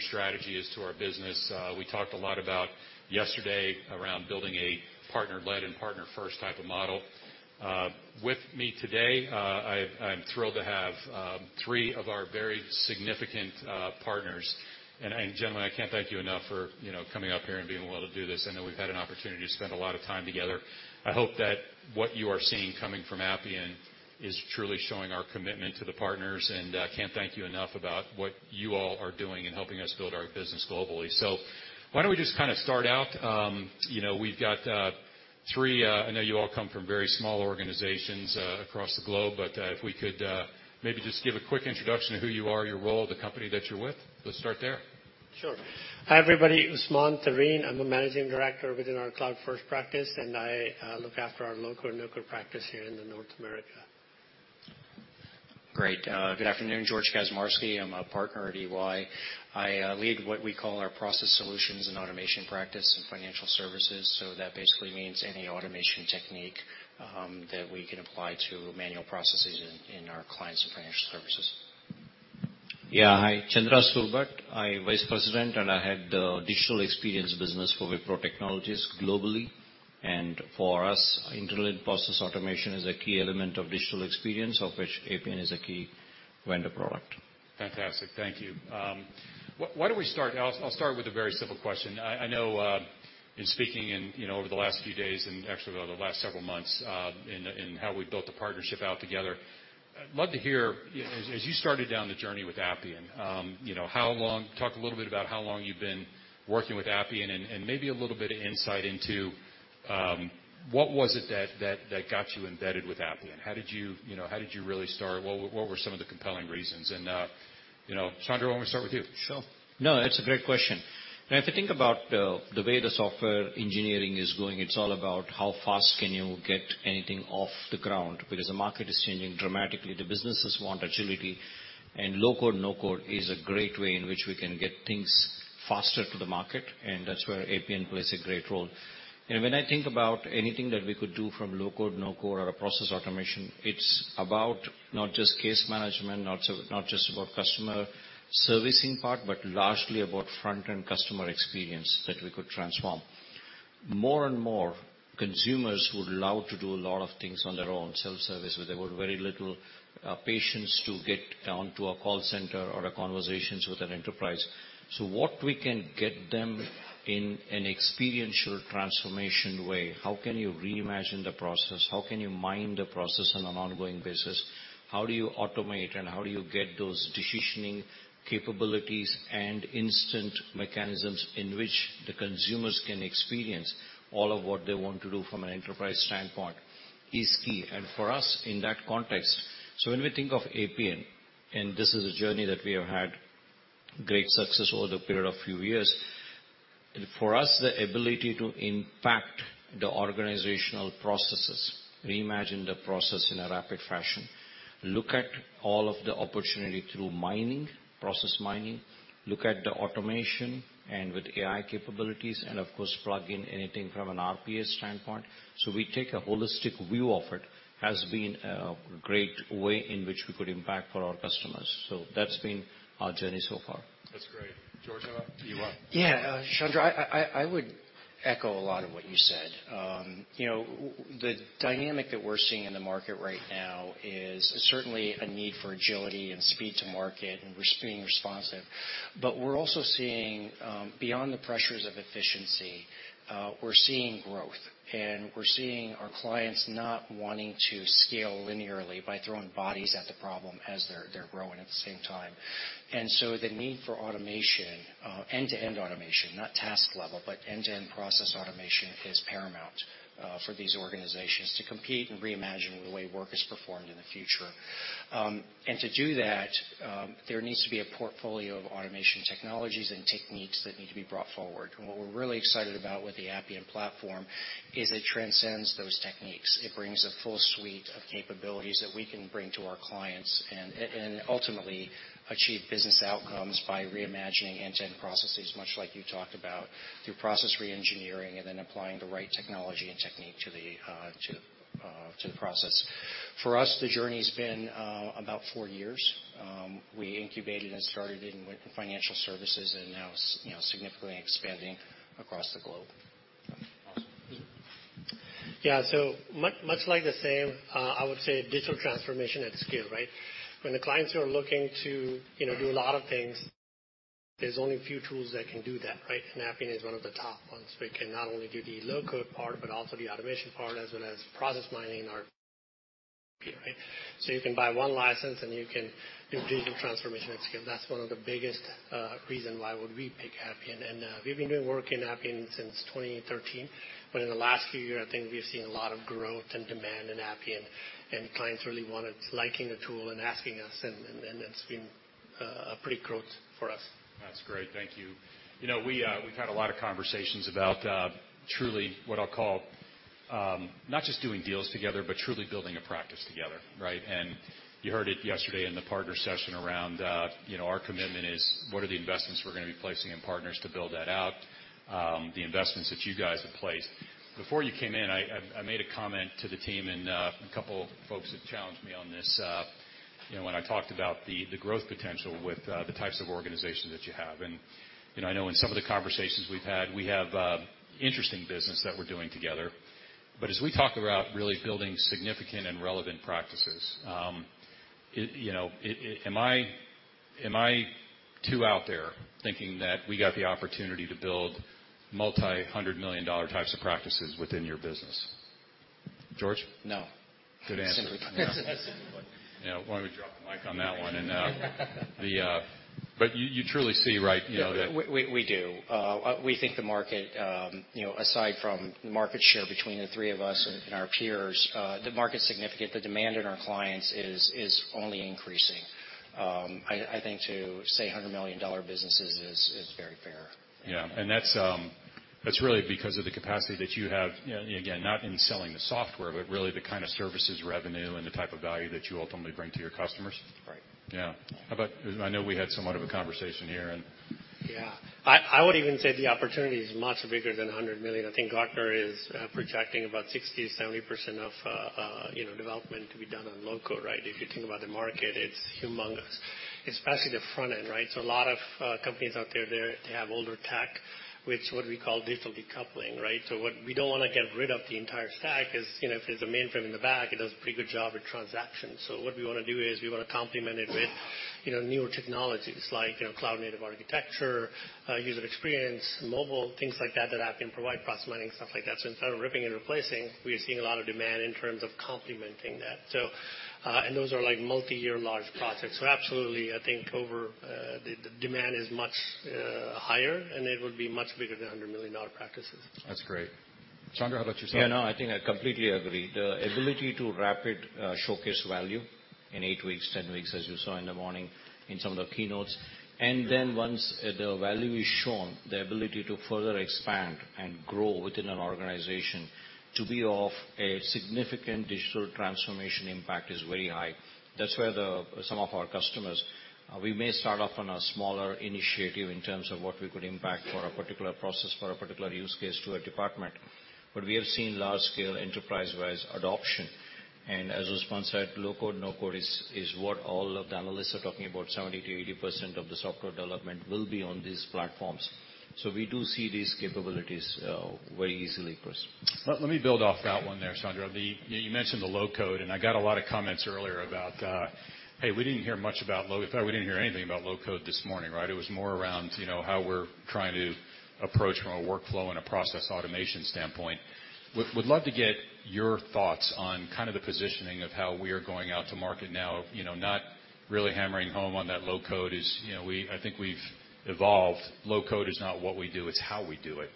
[SPEAKER 8] We good to go?
[SPEAKER 11] We're good.
[SPEAKER 8] All right. Well, welcome. Well, we ended on a very positive note talking about how critical our partner ecosystem and our partner strategy is to our business. We talked a lot about yesterday around building a partner-led and partner-first type of model. With me today, I'm thrilled to have three of our very significant partners. Gentlemen, I can't thank you enough for, you know, coming up here and being willing to do this. I know we've had an opportunity to spend a lot of time together. I hope that what you are seeing coming from Appian is truly showing our commitment to the partners, and I can't thank you enough about what you all are doing in helping us build our business globally. Why don't we just kinda start out. You know, we've got three. I know you all come from very small organizations, across the globe, but, if we could, maybe just give a quick introduction of who you are, your role at the company that you're with. Let's start there.
[SPEAKER 11] Sure. Hi, everybody. Usman Tareen. I'm the Managing Director within our Cloud First Practice, and I look after our low-code, no-code practice here in the North America.
[SPEAKER 12] Great. Good afternoon. George Kaczmarskyj. I'm a partner at EY. I lead what we call our process solutions and automation practice in financial services. That basically means any automation technique that we can apply to manual processes in our clients' financial services.
[SPEAKER 11] Yeah. Hi. Chandra Surbhat. I'm vice president, and I head the digital experience business for Wipro globally. For us, internet process automation is a key element of digital experience, of which Appian is a key vendor product.
[SPEAKER 8] Fantastic. Thank you. Why don't we start, I'll start with a very simple question. I know, in speaking in, you know, over the last few days and actually over the last several months, in how we've built the partnership out together, I'd love to hear, as you started down the journey with Appian, you know, how long? Talk a little bit about how long you've been working with Appian and maybe a little bit of insight into, what was it that got you embedded with Appian. How did you know, how did you really start? What, what were some of the compelling reasons? You know, Chandra, why don't we start with you?
[SPEAKER 11] Sure. No, it's a great question. Now, if you think about the way the software engineering is going, it's all about how fast can you get anything off the ground, because the market is changing dramatically. The businesses want agility, and low-code, no-code is a great way in which we can get things faster to the market, and that's where Appian plays a great role. When I think about anything that we could do from low-code, no-code or a process automation, it's about not just case management, not just about customer servicing part, but largely about front-end customer experience that we could transform. More and more consumers would love to do a lot of things on their own, self-service, where they were very little patience to get down to a call center or a conversations with an enterprise. What we can get them in an experiential transformation way, how can you reimagine the process? How can you mine the process on an ongoing basis? How do you automate, and how do you get those decisioning capabilities and instant mechanisms in which the consumers can experience all of what they want to do from an enterprise standpoint is key. For us, in that context, when we think of Appian, this is a journey that we have had great success over the period of few years, the ability to impact the organizational processes, reimagine the process in a rapid fashion, look at all of the opportunity through mining, process mining, look at the automation and with AI capabilities, and of course plug in anything from an RPA standpoint, we take a holistic view of it, has been a great way in which we could impact for our customers. That's been our journey so far.
[SPEAKER 8] That's great. George, EY?
[SPEAKER 11] Yeah, Chandra, I.
[SPEAKER 12] Echo a lot of what you said. you know, the dynamic that we're seeing in the market right now is certainly a need for agility and speed to market, and we're being responsive. We're also seeing, beyond the pressures of efficiency, we're seeing growth. We're seeing our clients not wanting to scale linearly by throwing bodies at the problem as they're growing at the same time. The need for automation, end-to-end automation, not task level, but end-to-end process automation is paramount for these organizations to compete and reimagine the way work is performed in the future. To do that, there needs to be a portfolio of automation technologies and techniques that need to be brought forward. What we're really excited about with the Appian platform is it transcends those techniques. It brings a full suite of capabilities that we can bring to our clients and ultimately achieve business outcomes by reimagining end-to-end processes, much like you talked about, through process reengineering and then applying the right technology and technique to the process. For us, the journey's been about 4 years. We incubated and started in with financial services, and now it's, you know, significantly expanding across the globe.
[SPEAKER 8] Awesome.
[SPEAKER 13] Yeah, much like the same, I would say digital transformation at scale, right? When the clients are looking to, you know, do a lot of things, there's only a few tools that can do that, right? Appian is one of the top ones. We can not only do the low-code part, but also the automation part, as well as process mining or PA, right? You can buy one license, and you can do digital transformation at scale. That's one of the biggest reason why would we pick Appian. We've been doing work in Appian since 2013, but in the last few years, I think we've seen a lot of growth and demand in Appian, and clients really wanted liking the tool and asking us, and it's been a pretty growth for us.
[SPEAKER 8] That's great. Thank you. You know, we've had a lot of conversations about, truly what I'll call, not just doing deals together, but truly building a practice together, right? You heard it yesterday in the partner session around you know, our commitment is what are the investments we're gonna be placing in partners to build that out, the investments that you guys have placed. Before you came in, I made a comment to the team, and a couple folks have challenged me on this, you know, when I talked about the growth potential with the types of organizations that you have. You know, I know in some of the conversations we've had, we have, interesting business that we're doing together. as we talk about really building significant and relevant practices, you know, am I too out there thinking that we got the opportunity to build multi-hundred million dollar types of practices within your business? George?
[SPEAKER 12] No.
[SPEAKER 8] Good answer. You know, why don't we drop the mic on that one. The... you truly see, right, you know...
[SPEAKER 12] We do. We think the market, you know, aside from the market share between the three of us and our peers, the market's significant. The demand in our clients is only increasing. I think to say $100 million business is very fair.
[SPEAKER 8] Yeah. That's really because of the capacity that you have, you know, again, not in selling the software, but really the kind of services revenue and the type of value that you ultimately bring to your customers.
[SPEAKER 12] Right.
[SPEAKER 8] Yeah. How about... 'Cause I know we had somewhat of a conversation here and-
[SPEAKER 13] I would even say the opportunity is much bigger than $100 million. Gartner is projecting about 60%-70% of, you know, development to be done on low code, right? If you think about the market, it's humongous. Especially the front end, right? A lot of companies out there, they have older tech, which what we call digital decoupling, right? What we don't wanna get rid of the entire stack is, you know, if there's a mainframe in the back, it does a pretty good job at transactions. What we wanna do is we wanna complement it with, you know, newer technologies like, you know, cloud-native architecture, user experience, mobile, things like that that Appian provide, process mining, stuff like that. Instead of ripping and replacing, we are seeing a lot of demand in terms of complementing that. Those are like multi-year large projects. Absolutely, I think over, the demand is much higher, and it would be much bigger than $100 million practices.
[SPEAKER 8] That's great. Chandra, how about yourself?
[SPEAKER 11] Yeah, no, I think I completely agree. The ability to rapid showcase value in 8 weeks, 10 weeks, as you saw in the morning in some of the keynotes. Once the value is shown, the ability to further expand and grow within an organization to be of a significant digital transformation impact is very high. That's where some of our customers, we may start off on a smaller initiative in terms of what we could impact for a particular process, for a particular use case to a department. We have seen large scale enterprise-wise adoption. As Usman said, low-code/no-code is what all of the analysts are talking about. 70% to 80% of the software development will be on these platforms. We do see these capabilities very easily, Chris.
[SPEAKER 8] Let me build off that one there, Chandra. You mentioned the low code, and I got a lot of comments earlier about, hey, we didn't hear much about low. In fact, we didn't hear anything about low code this morning, right? It was more around, you know, how we're trying to approach from a workflow and a process automation standpoint. Would love to get your thoughts on kind of the positioning of how we are going out to market now, you know, not really hammering home on that low code is. You know, I think we've evolved. Low code is not what we do, it's how we do it.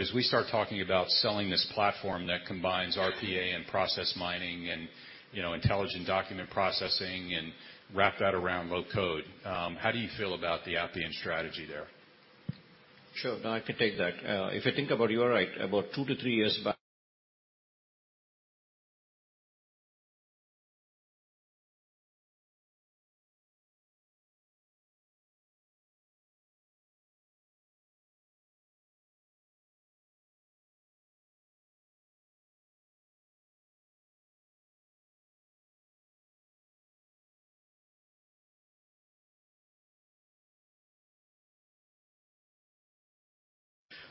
[SPEAKER 8] as we start talking about selling this platform that combines RPA and process mining and, you know, intelligent document processing and wrap that around low code, how do you feel about the Appian strategy there?
[SPEAKER 11] Sure. No, I can take that. If you think about it, you are right. About 2-3 years back.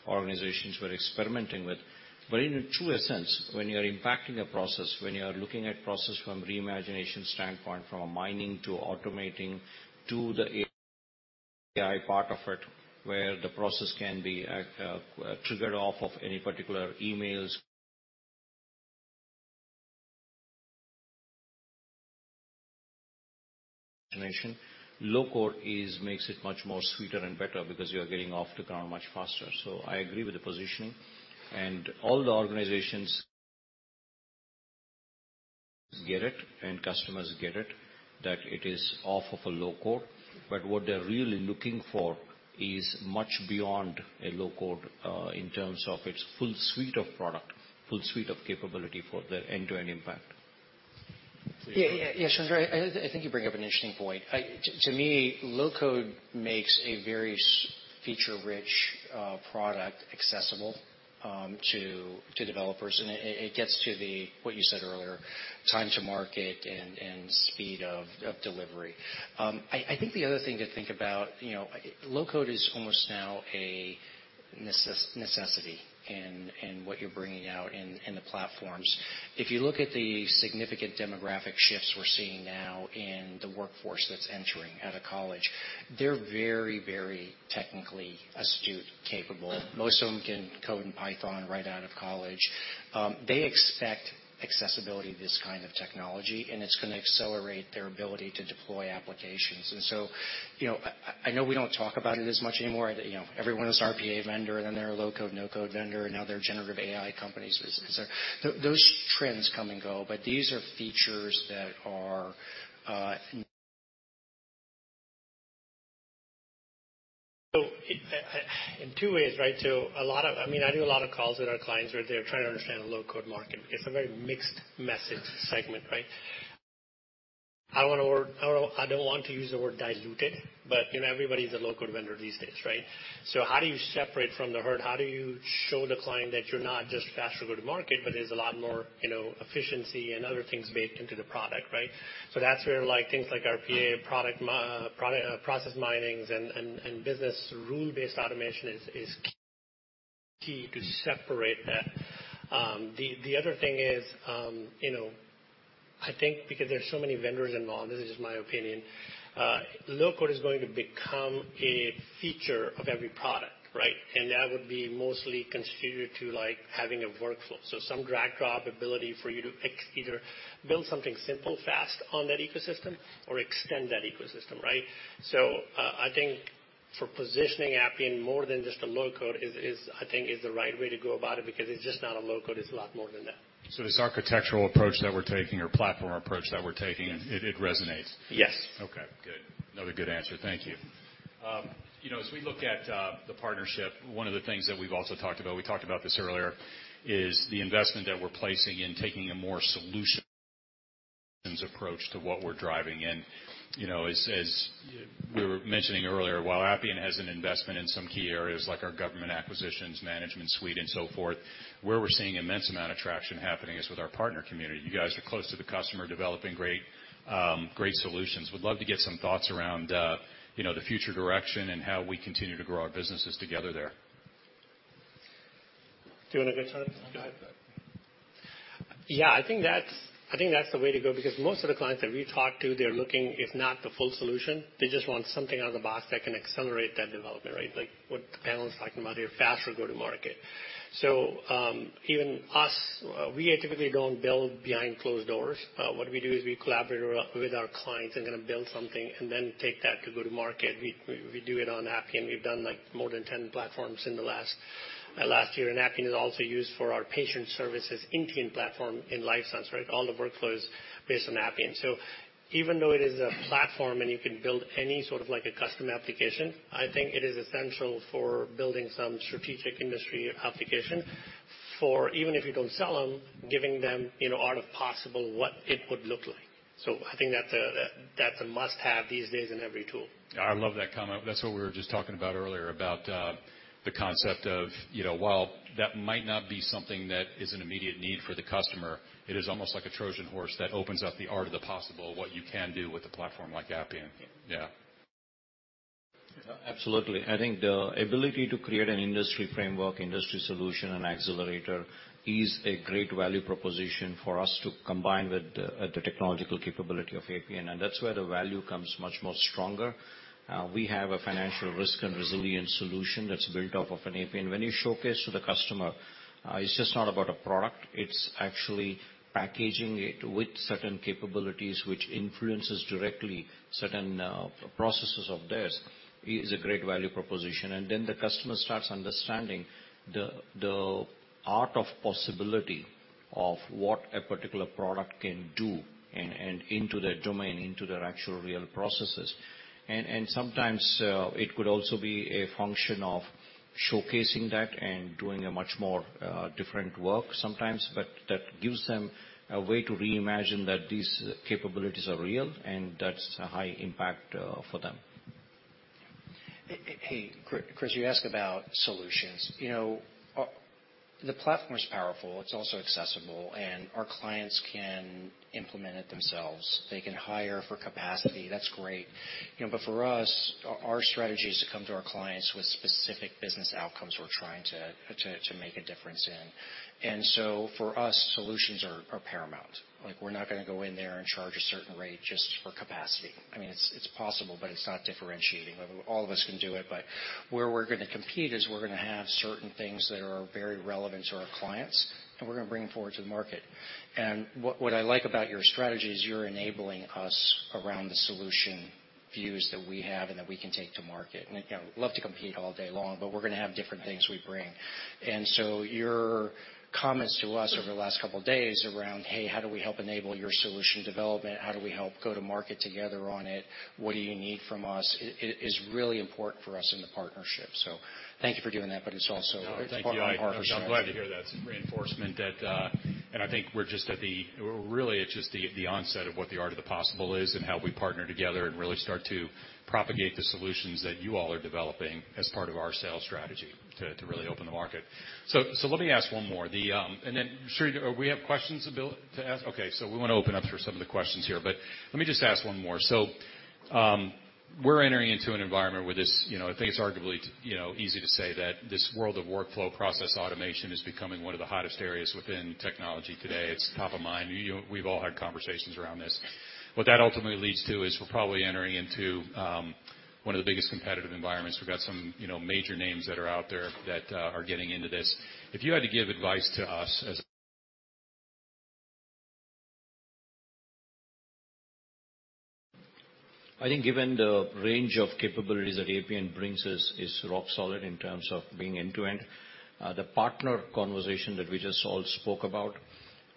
[SPEAKER 11] Organizations were experimenting with. In a true essence, when you're impacting a process, when you are looking at process from reimagination standpoint, from a mining to automating to the AI part of it, where the process can be triggered off of any particular emails. Low-code makes it much more sweeter and better because you are getting off the ground much faster. I agree with the positioning and all the organizations get it and customers get it, that it is off of a low code, but what they're really looking for is much beyond a low code in terms of its full suite of product, full suite of capability for the end-to-end impact.
[SPEAKER 12] Yeah, Chandra, I think you bring up an interesting point. To me, low code makes a very feature-rich product accessible to developers. It gets to the, what you said earlier, time to market and speed of delivery. I think the other thing to think about, you know, low code is almost now a necessity in what you're bringing out in the platforms. If you look at the significant demographic shifts we're seeing now in the workforce that's entering out of college, they're very technically astute, capable. Most of them can code in Python right out of college. They expect accessibility to this kind of technology, and it's gonna accelerate their ability to deploy applications. You know, I know we don't talk about it as much anymore. You know, everyone is RPA vendor, then they're a low-code, no-code vendor, and now they're generative AI companies. Those trends come and go, but these are features that are.
[SPEAKER 13] In two ways, right? I mean, I do a lot of calls with our clients where they're trying to understand the low-code market because it's a very mixed message segment, right? I don't want to use the word diluted, but, you know, everybody's a low-code vendor these days, right? How do you separate from the herd? How do you show the client that you're not just faster go-to-market, but there's a lot more, you know, efficiency and other things baked into the product, right? That's where like, things like RPA, product, process minings and business rule-based automation is key to separate that. The other thing is, you know, I think because there's so many vendors involved, this is just my opinion, low-code is going to become a feature of every product, right? That would be mostly contributed to like having a workflow. Some drag drop ability for you to either build something simple, fast on that ecosystem or extend that ecosystem, right? I think for positioning Appian more than just a low-code is I think is the right way to go about it because it's just not a low-code, it's a lot more than that.
[SPEAKER 8] This architectural approach that we're taking or platform approach that we're taking, it resonates.
[SPEAKER 13] Yes.
[SPEAKER 12] Okay, good. Another good answer. Thank you. You know, as we look at the partnership, one of the things that we've also talked about, we talked about this earlier, is the investment that we're placing in taking a more solutions approach to what we're driving. You know, as we were mentioning earlier, while Appian has an investment in some key areas like our government acquisitions, management suite and so forth, where we're seeing immense amount of traction happening is with our partner community. You guys are close to the customer, developing great solutions. Would love to get some thoughts around, you know, the future direction and how we continue to grow our businesses together there.
[SPEAKER 13] Do you wanna get started? Go ahead. I think that's, I think that's the way to go because most of the clients that we talk to, they're looking, if not the full solution, they just want something out of the box that can accelerate that development, right? Like what the panel is talking about here, faster go-to-market. Even us, we typically don't build behind closed doors. What we do is we collaborate with our, with our clients and gonna build something and then take that to go to market. We do it on Appian. We've done like more than 10 platforms in the last year. Appian is also used for our patient services Intune platform in Life Sciences, right? All the workflows based on Appian. Even though it is a platform and you can build any sort of like a custom application, I think it is essential for building some strategic industry application for even if you don't sell them, giving them you know art of possible what it would look like. I think that's a, that's a must-have these days in every tool.
[SPEAKER 8] I love that comment. That's what we were just talking about earlier, about, the concept of, you know, while that might not be something that is an immediate need for the customer, it is almost like a Trojan horse that opens up the art of the possible, what you can do with a platform like Appian. Yeah.
[SPEAKER 11] Absolutely. I think the ability to create an industry framework, industry solution and accelerator is a great value proposition for us to combine with the technological capability of Appian. That's where the value comes much more stronger. We have a financial risk and resilience solution that's built off of an Appian. When you showcase to the customer, it's just not about a product, it's actually packaging it with certain capabilities which influences directly certain processes of theirs, is a great value proposition. Then the customer starts understanding the art of possibility of what a particular product can do and into their domain, into their actual real processes. Sometimes, it could also be a function of showcasing that and doing a much more different work sometimes. That gives them a way to reimagine that these capabilities are real, and that's a high impact for them.
[SPEAKER 12] Hey, Chris, you asked about solutions. You know, the platform is powerful. It's also accessible, and our clients can implement it themselves. They can hire for capacity. That's great. You know, but for us, our strategy is to come to our clients with specific business outcomes we're trying to make a difference in. For us, solutions are paramount. Like, we're not gonna go in there and charge a certain rate just for capacity. I mean, it's possible, but it's not differentiating. All of us can do it, but where we're gonna compete is we're gonna have certain things that are very relevant to our clients, and we're gonna bring them forward to the market. What I like about your strategy is you're enabling us around the solution views that we have and that we can take to market. You know, love to compete all day long, but we're gonna have different things we bring. Your comments to us over the last couple days around, "Hey, how do we help enable your solution development? How do we help go to market together on it? What do you need from us?" is really important for us in the partnership. Thank you for doing that.
[SPEAKER 8] Thank you. I'm glad to hear that reinforcement that. Really, it's just the onset of what the art of the possible is and how we partner together and really start to propagate the solutions that you all are developing as part of our sales strategy to really open the market. Let me ask one more. The. Then, Sridhar, we have questions ability to ask? Okay, we wanna open up for some of the questions here, but let me just ask one more. We're entering into an environment where this, you know, I think it's arguably, you know, easy to say that this world of workflow process automation is becoming one of the hottest areas within technology today. It's top of mind. We've all had conversations around this. What that ultimately leads to is we're probably entering into, one of the biggest competitive environments. We've got some, you know, major names that are out there that are getting into this. If you had to give advice to us as-.
[SPEAKER 11] I think given the range of capabilities that Appian brings us is rock solid in terms of being end-to-end. The partner conversation that we just all spoke about,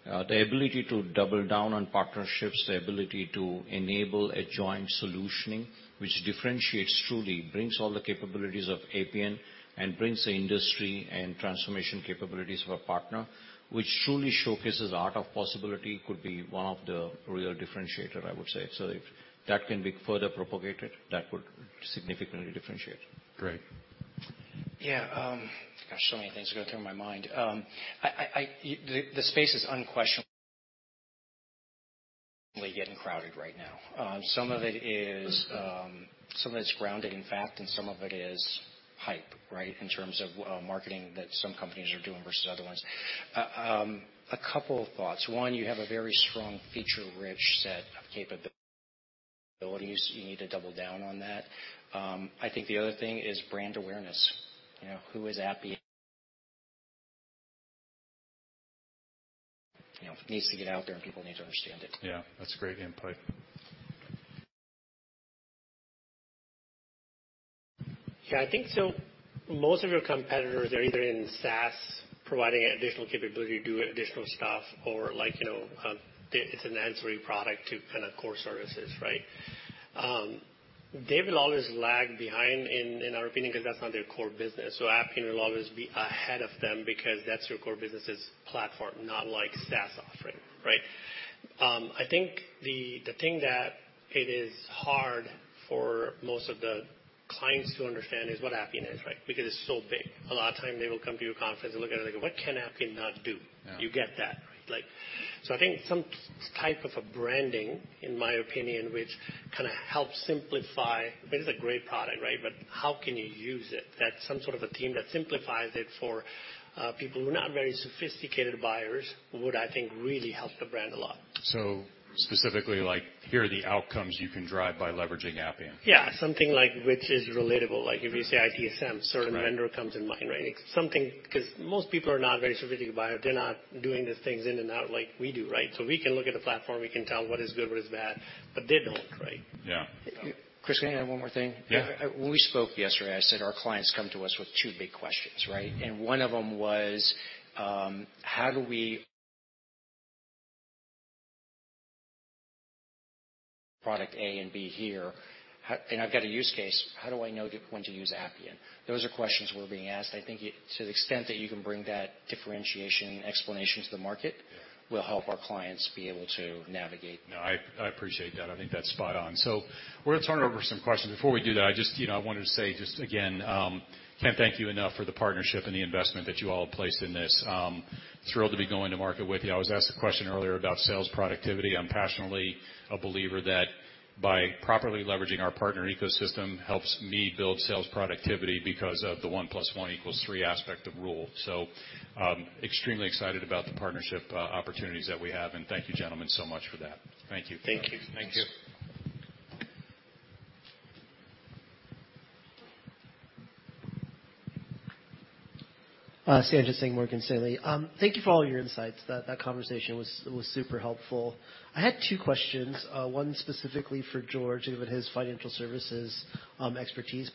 [SPEAKER 11] the ability to double down on partnerships, the ability to enable a joint solutioning, which differentiates truly, brings all the capabilities of Appian and brings the industry and transformation capabilities of our partner, which truly showcases art of possibility, could be one of the real differentiator, I would say. If that can be further propagated, that would significantly differentiate.
[SPEAKER 8] Great.
[SPEAKER 12] Yeah, gosh, so many things going through my mind. The space is unquestionably getting crowded right now. Some of it is, some of it's grounded in fact, and some of it is hype, right? In terms of marketing that some companies are doing versus other ones. A couple of thoughts. One, you have a very strong feature-rich set of capabilities. You need to double down on that. I think the other thing is brand awareness. You know, who is Appian? You know, it needs to get out there, and people need to understand it.
[SPEAKER 8] Yeah, that's great input.
[SPEAKER 13] I think so most of your competitors are either in SaaS providing additional capability to do additional stuff or like, you know, it's an ancillary product to kinda core services, right? They will always lag behind, in our opinion, 'cause that's not their core business. Appian will always be ahead of them because that's your core business' platform, not like SaaS offering, right? I think the thing that it is hard for most of the clients to understand is what Appian is, right? It's so big. A lot of time, they will come to your conference and look at it like, "What can Appian not do?
[SPEAKER 8] Yeah.
[SPEAKER 13] You get that, right? I think some type of a branding, in my opinion, which kind of helps simplify. It is a great product, right? How can you use it? That's some sort of a team that simplifies it for people who are not very sophisticated buyers would, I think, really help the brand a lot.
[SPEAKER 8] Specifically, like, here are the outcomes you can drive by leveraging Appian.
[SPEAKER 13] Yeah, something like, which is relatable. Like, if you say ITSM-
[SPEAKER 8] Right.
[SPEAKER 13] certain vendor comes in mind, right? Something... 'cause most people are not very sophisticated buyer. They're not doing the things in and out like we do, right? We can look at a platform, we can tell what is good, what is bad, but they don't, right?
[SPEAKER 8] Yeah.
[SPEAKER 12] Chris, can I add one more thing?
[SPEAKER 8] Yeah.
[SPEAKER 12] When we spoke yesterday, I said our clients come to us with 2 big questions, right? One of them was, Product A and B here. I've got a use case. How do I know when to use Appian? Those are questions we're being asked. I think to the extent that you can bring that differentiation and explanation to the market-
[SPEAKER 8] Yeah.
[SPEAKER 12] will help our clients be able to navigate.
[SPEAKER 8] No, I appreciate that. I think that's spot on. We're going to turn over some questions. Before we do that, I just, you know, I wanted to say just again, can't thank you enough for the partnership and the investment that you all have placed in this. Thrilled to be going to market with you. I was asked a question earlier about sales productivity. I'm passionately a believer that by properly leveraging our partner ecosystem helps me build sales productivity because of the one plus one equals three aspect of rule. Extremely excited about the partnership opportunities that we have, and thank you, gentlemen, so much for that. Thank you.
[SPEAKER 11] Thank you.
[SPEAKER 12] Thank you.
[SPEAKER 9] Sanjit Singh, Morgan Stanley. Thank you for all your insights. That conversation was super helpful. I had two questions, one specifically for George, given his financial services expertise.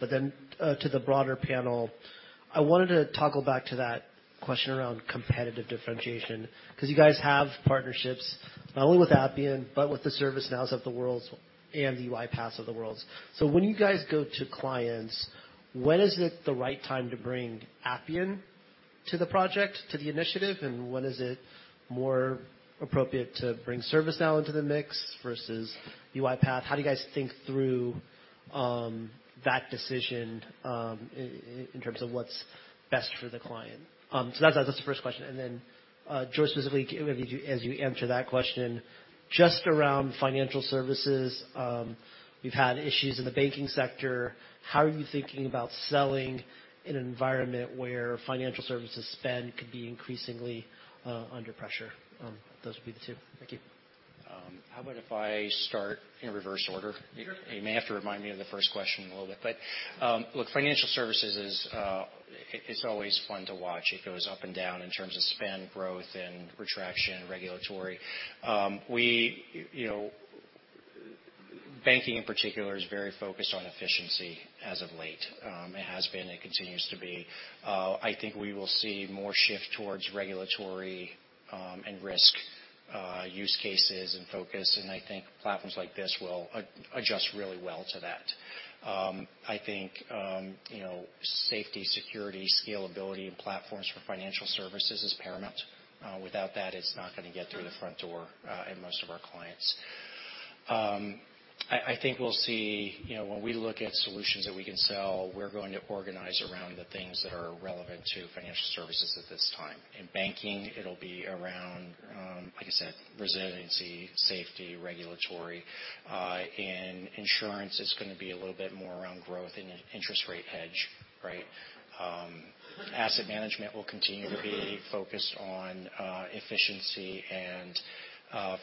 [SPEAKER 9] I wanted to toggle back to that question around competitive differentiation, 'cause you guys have partnerships not only with Appian, but with the ServiceNow of the world and the UiPath of the world. When you guys go to clients, when is it the right time to bring Appian to the project, to the initiative, and when is it more appropriate to bring ServiceNow into the mix versus UiPath? How do you guys think through that decision in terms of what's best for the client? That's the first question. George, specifically, maybe as you answer that question, just around financial services, we've had issues in the banking sector. How are you thinking about selling in an environment where financial services spend could be increasingly under pressure? Those would be the two. Thank you.
[SPEAKER 12] How about if I start in reverse order?
[SPEAKER 9] Sure.
[SPEAKER 12] You may have to remind me of the first question a little bit, but look, financial services is always fun to watch. It goes up and down in terms of spend growth and retraction, regulatory. You know, banking in particular is very focused on efficiency as of late. It has been, it continues to be. I think we will see more shift towards regulatory and risk use cases and focus, and I think platforms like this will adjust really well to that. I think, you know, safety, security, scalability and platforms for financial services is paramount. Without that, it's not gonna get through the front door in most of our clients. I think we'll see, you know, when we look at solutions that we can sell, we're going to organize around the things that are relevant to financial services at this time. In banking, it'll be around, like I said, resiliency, safety, regulatory. In insurance, it's gonna be a little bit more around growth and an interest rate hedge, right? Asset management will continue to be focused on efficiency and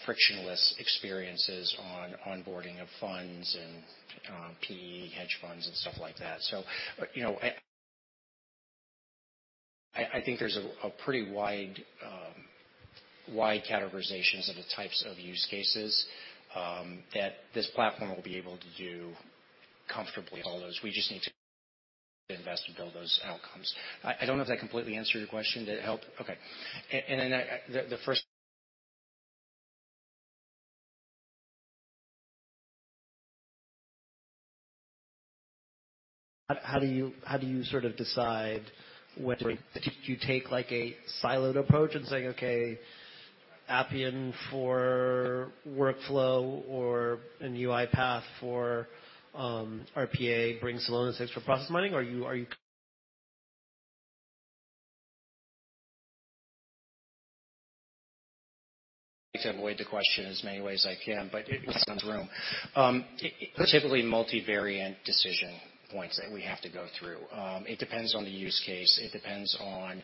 [SPEAKER 12] frictionless experiences on onboarding of funds and PE hedge funds and stuff like that. You know, I think there's a pretty wide categorizations of the types of use cases that this platform will be able to do comfortably all those. We just need to invest and build those outcomes. I don't know if that completely answered your question. Did it help? Okay. The first... How do you sort of decide when?
[SPEAKER 9] Right.
[SPEAKER 12] Do you take, like, a siloed approach and say, "Okay, Appian for workflow or an UiPath for RPA brings Celonis for process mining?" Are you... I avoid the question as many ways I can, but it sounds room. Typically multivariate decision points that we have to go through. It depends on the use case. It depends on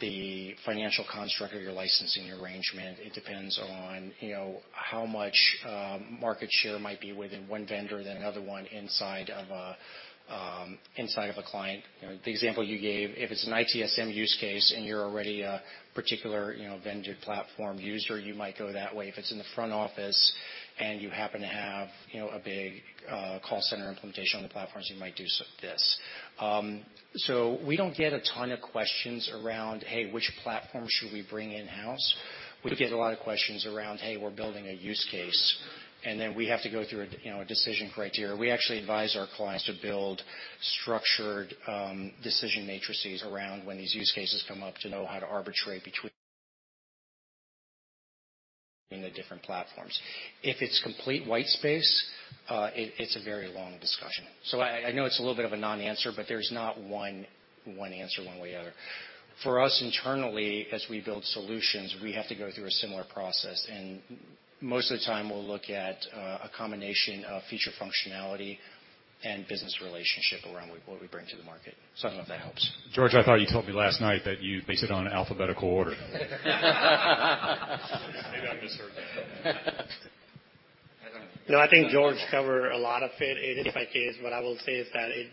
[SPEAKER 12] the financial construct or your licensing arrangement. It depends on, you know, how much market share might be within one vendor than another one inside of a inside of a client. You know, the example you gave, if it's an ITSM use case, and you're already a particular, you know, vendor platform user, you might go that way. If it's in the front office and you happen to have, you know, a big call center implementation on the platforms, you might do this. We don't get a ton of questions around, "Hey, which platform should we bring in-house?" We get a lot of questions around, "Hey, we're building a use case." Then we have to go through a, you know, a decision criteria. We actually advise our clients to build structured decision matrices around when these use cases come up to know how to arbitrate between the different platforms. If it's complete white space, it's a very long discussion. I know it's a little bit of a non-answer, but there's not one answer one way or the other. For us, internally, as we build solutions, we have to go through a similar process. Most of the time we'll look at a combination of feature functionality and business relationship around what we bring to the market. I don't know if that helps.
[SPEAKER 8] George, I thought you told me last night that you base it on alphabetical order. Maybe I misheard that.
[SPEAKER 9] I don't know.
[SPEAKER 14] I think George covered a lot of it. It is my case. What I will say is that it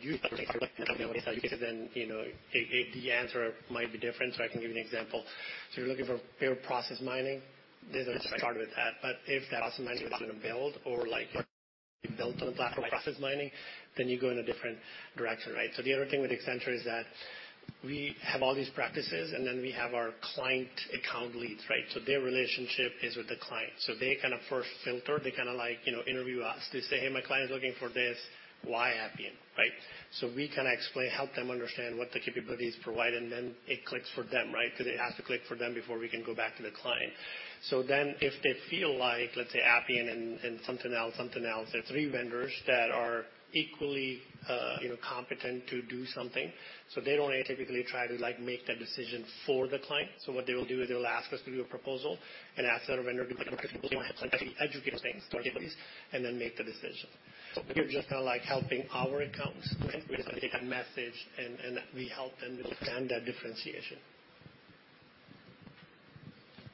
[SPEAKER 14] usually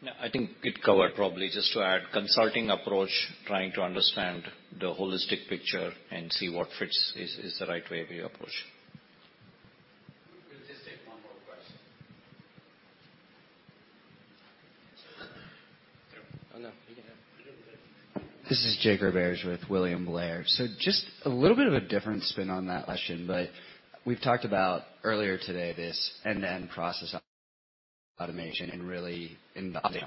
[SPEAKER 14] takes
[SPEAKER 12] Automation really investing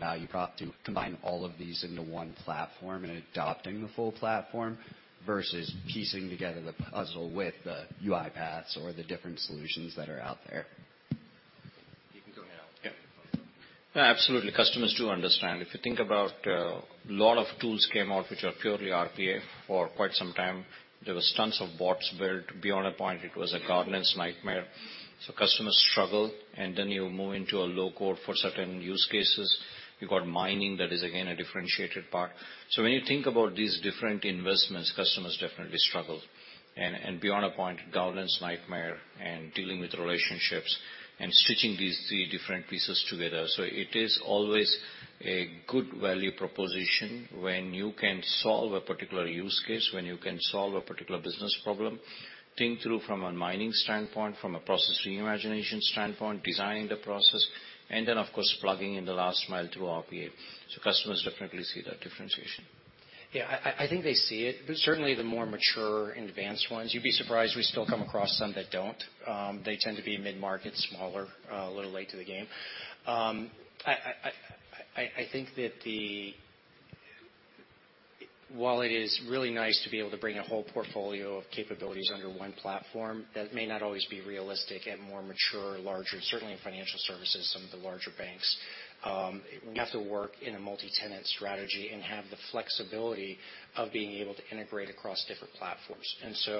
[SPEAKER 12] value prop to combine all of these into one platform and adopting the full platform versus piecing together the puzzle with the UiPath or the different solutions that are out there.
[SPEAKER 14] You can go ahead.
[SPEAKER 11] Yeah. Absolutely. Customers do understand. If you think about, a lot of tools came out which are purely RPA for quite some time. There was tons of bots built. Beyond a point, it was a governance nightmare. Customers struggle, and then you move into a low code for certain use cases. You've got mining, that is again a differentiated part. When you think about these different investments, customers definitely struggle. And beyond a point, governance nightmare and dealing with relationships and stitching these three different pieces together. It is always a good value proposition when you can solve a particular use case, when you can solve a particular business problem, think through from a mining standpoint, from a process reimagination standpoint, designing the process, and then, of course, plugging in the last mile through RPA. Customers definitely see that differentiation.
[SPEAKER 12] Yeah, I think they see it, but certainly the more mature advanced ones. You'd be surprised, we still come across some that don't. They tend to be mid-market, smaller, a little late to the game. I think that while it is really nice to be able to bring a whole portfolio of capabilities under one platform, that may not always be realistic and more mature, larger, certainly in financial services, some of the larger banks, we have to work in a multi-tenant strategy and have the flexibility of being able to integrate across different platforms. You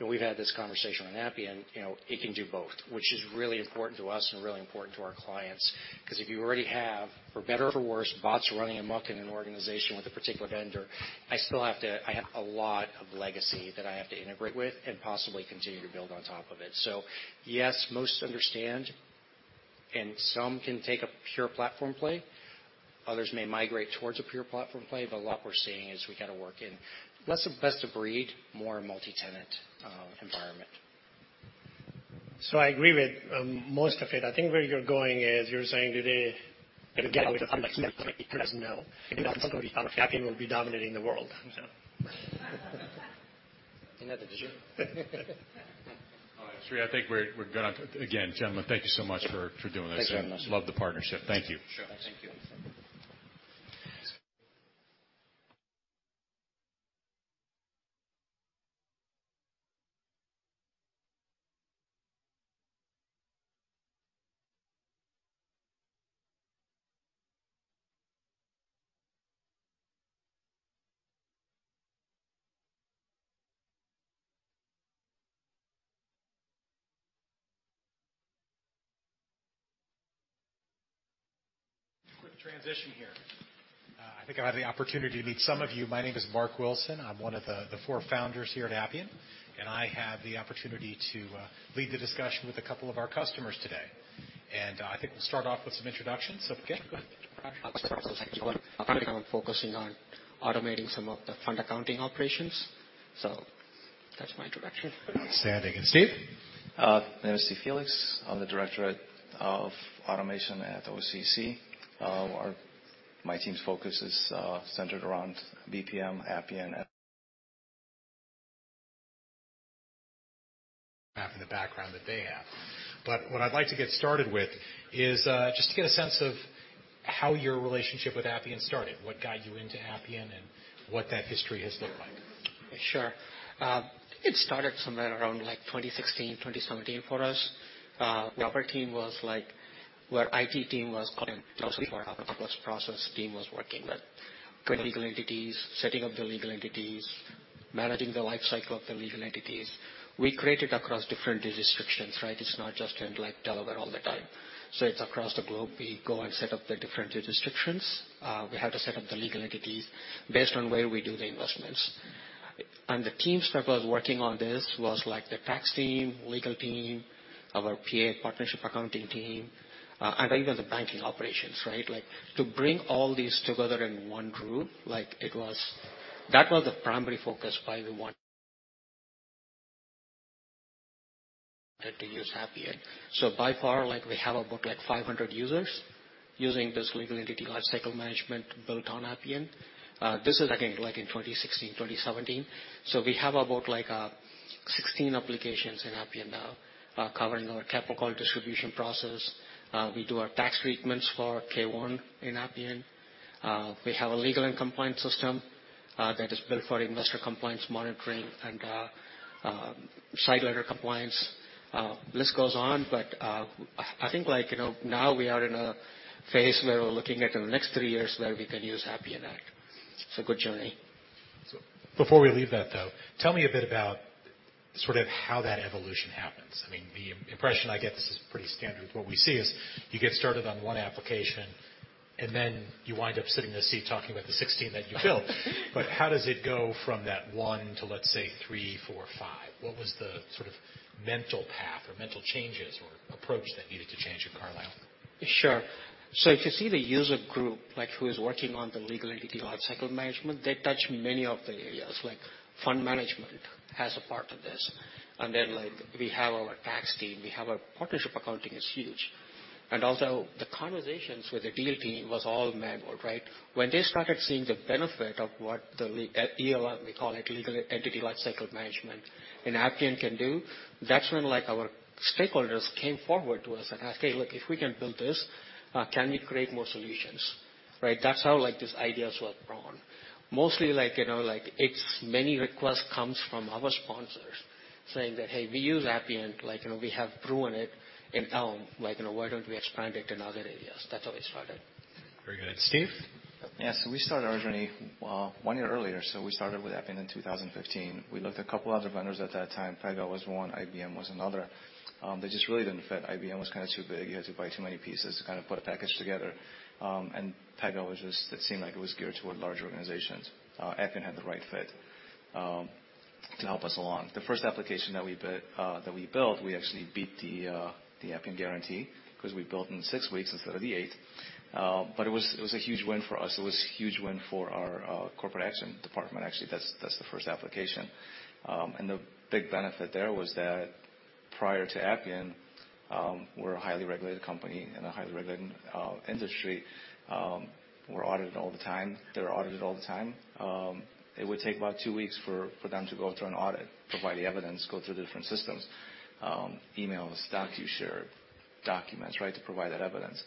[SPEAKER 12] know, we've had this conversation on Appian, you know, it can do both, which is really important to us and really important to our clients. 'Cause if you already have, for better or for worse, bots running amok in an organization with a particular vendor, I have a lot of legacy that I have to integrate with and possibly continue to build on top of it. Yes, most understand, and some can take a pure platform play. Others may migrate towards a pure platform play, but a lot we're seeing is we gotta work in less of best-of-breed, more multi-tenant environment.
[SPEAKER 14] I agree with most of it. I think where you're going is you're saying today, get out of the public sector, because no, if you don't go to public, Appian will be dominating the world, so. Another decision.
[SPEAKER 7] I think we're gonna. Again, gentlemen, thank you so much for doing this.
[SPEAKER 14] Thank you very much, sir.
[SPEAKER 7] Love the partnership. Thank you.
[SPEAKER 11] Sure.
[SPEAKER 14] Thank you.
[SPEAKER 7] Quick transition here. I think I've had the opportunity to meet some of you. My name is Marc Wilson. I'm one of the four founders here at Appian. I have the opportunity to lead the discussion with a couple of our customers today. I think we'll start off with some introductions. Again, go ahead.
[SPEAKER 14] Currently, I'm focusing on automating some of the fund accounting operations. That's my introduction.
[SPEAKER 7] Outstanding. Steve?
[SPEAKER 11] Name is Steve Felix. I'm the Director of automation at OCC. My team's focus is centered around BPM, Appian, and
[SPEAKER 7] Have the background that they have. What I'd like to get started with is, just to get a sense of how your relationship with Appian started, what got you into Appian, and what that history has looked like.
[SPEAKER 14] Sure. It started somewhere around 2016, 2017 for us. The Appian team was where IT team was coming mostly for our process team was working with legal entities, setting up the legal entities, managing the life cycle of the legal entities. We created across different jurisdictions, right? It's not just in Delaware all the time. It's across the globe. We go and set up the different jurisdictions. We have to set up the legal entities based on where we do the investments. The teams that was working on this was the tax team, legal team, our PA, partnership accounting team, and even the banking operations, right? To bring all these together in one group, That was the primary focus why we want to use Appian. By far, like, we have about, like, 500 users using this legal entity lifecycle management built on Appian. This is again, like, in 2016, 2017. We have about, like, 16 applications in Appian now, covering our capital distribution process. We do our tax treatments for K-1 in Appian. We have a legal and compliance system, that is built for investor compliance monitoring and side letter compliance. List goes on. I think, like, you know, now we are in a phase where we're looking at the next three years where we can use Appian. It's a good journey.
[SPEAKER 7] Before we leave that, though, tell me a bit about sort of how that evolution happens. I mean, the impression I get, this is pretty standard. What we see is you get started on one application, and then you wind up sitting in a seat talking about the 16 that you built. How does it go from that one to, let's say, three, four, five? What was the sort of mental path or mental changes or approach that needed to change at Carlyle?
[SPEAKER 14] Sure. If you see the user group, like, who is working on the Legal Entity Lifecycle Management, they touch many of the areas, like fund management has a part of this. Like, we have our tax team, we have our Partnership accounting is huge. The conversations with the deal team was all manual, right? When they started seeing the benefit of what the EOM, we call it Legal Entity Lifecycle Management, and Appian can do, that's when, like, our stakeholders came forward to us and asked, "Hey, look, if we can build this, can you create more solutions?" Right? That's how, like, these ideas were born. Mostly like, you know, like it's many requests comes from our sponsors saying that, "Hey, we use Appian, like, you know, we have proven it in EOM. Like, you know, why don't we expand it to other areas?" That's how it started.
[SPEAKER 7] Very good. Steve?
[SPEAKER 15] Yeah. We started our journey, one year earlier, we started with Appian in 2015. We looked a couple other vendors at that time. Pega was one, IBM was another. They just really didn't fit. IBM was kind of too big. You had to buy too many pieces to kind of put a package together. Pega was just, it seemed like it was geared toward large organizations. Appian had the right fit to help us along. The first application that we built, we actually beat the Appian Guarantee 'cause we built in six weeks instead of the eight. It was a huge win for us. It was huge win for our corporate action department, actually. That's the first application. The big benefit there was that prior to Appian, we're a highly regulated company in a highly regulated industry. We're audited all the time. They're audited all the time. It would take about two weeks for them to go through an audit, provide the evidence, go through the different systems, emails, DocuShare, documents, right, to provide that evidence.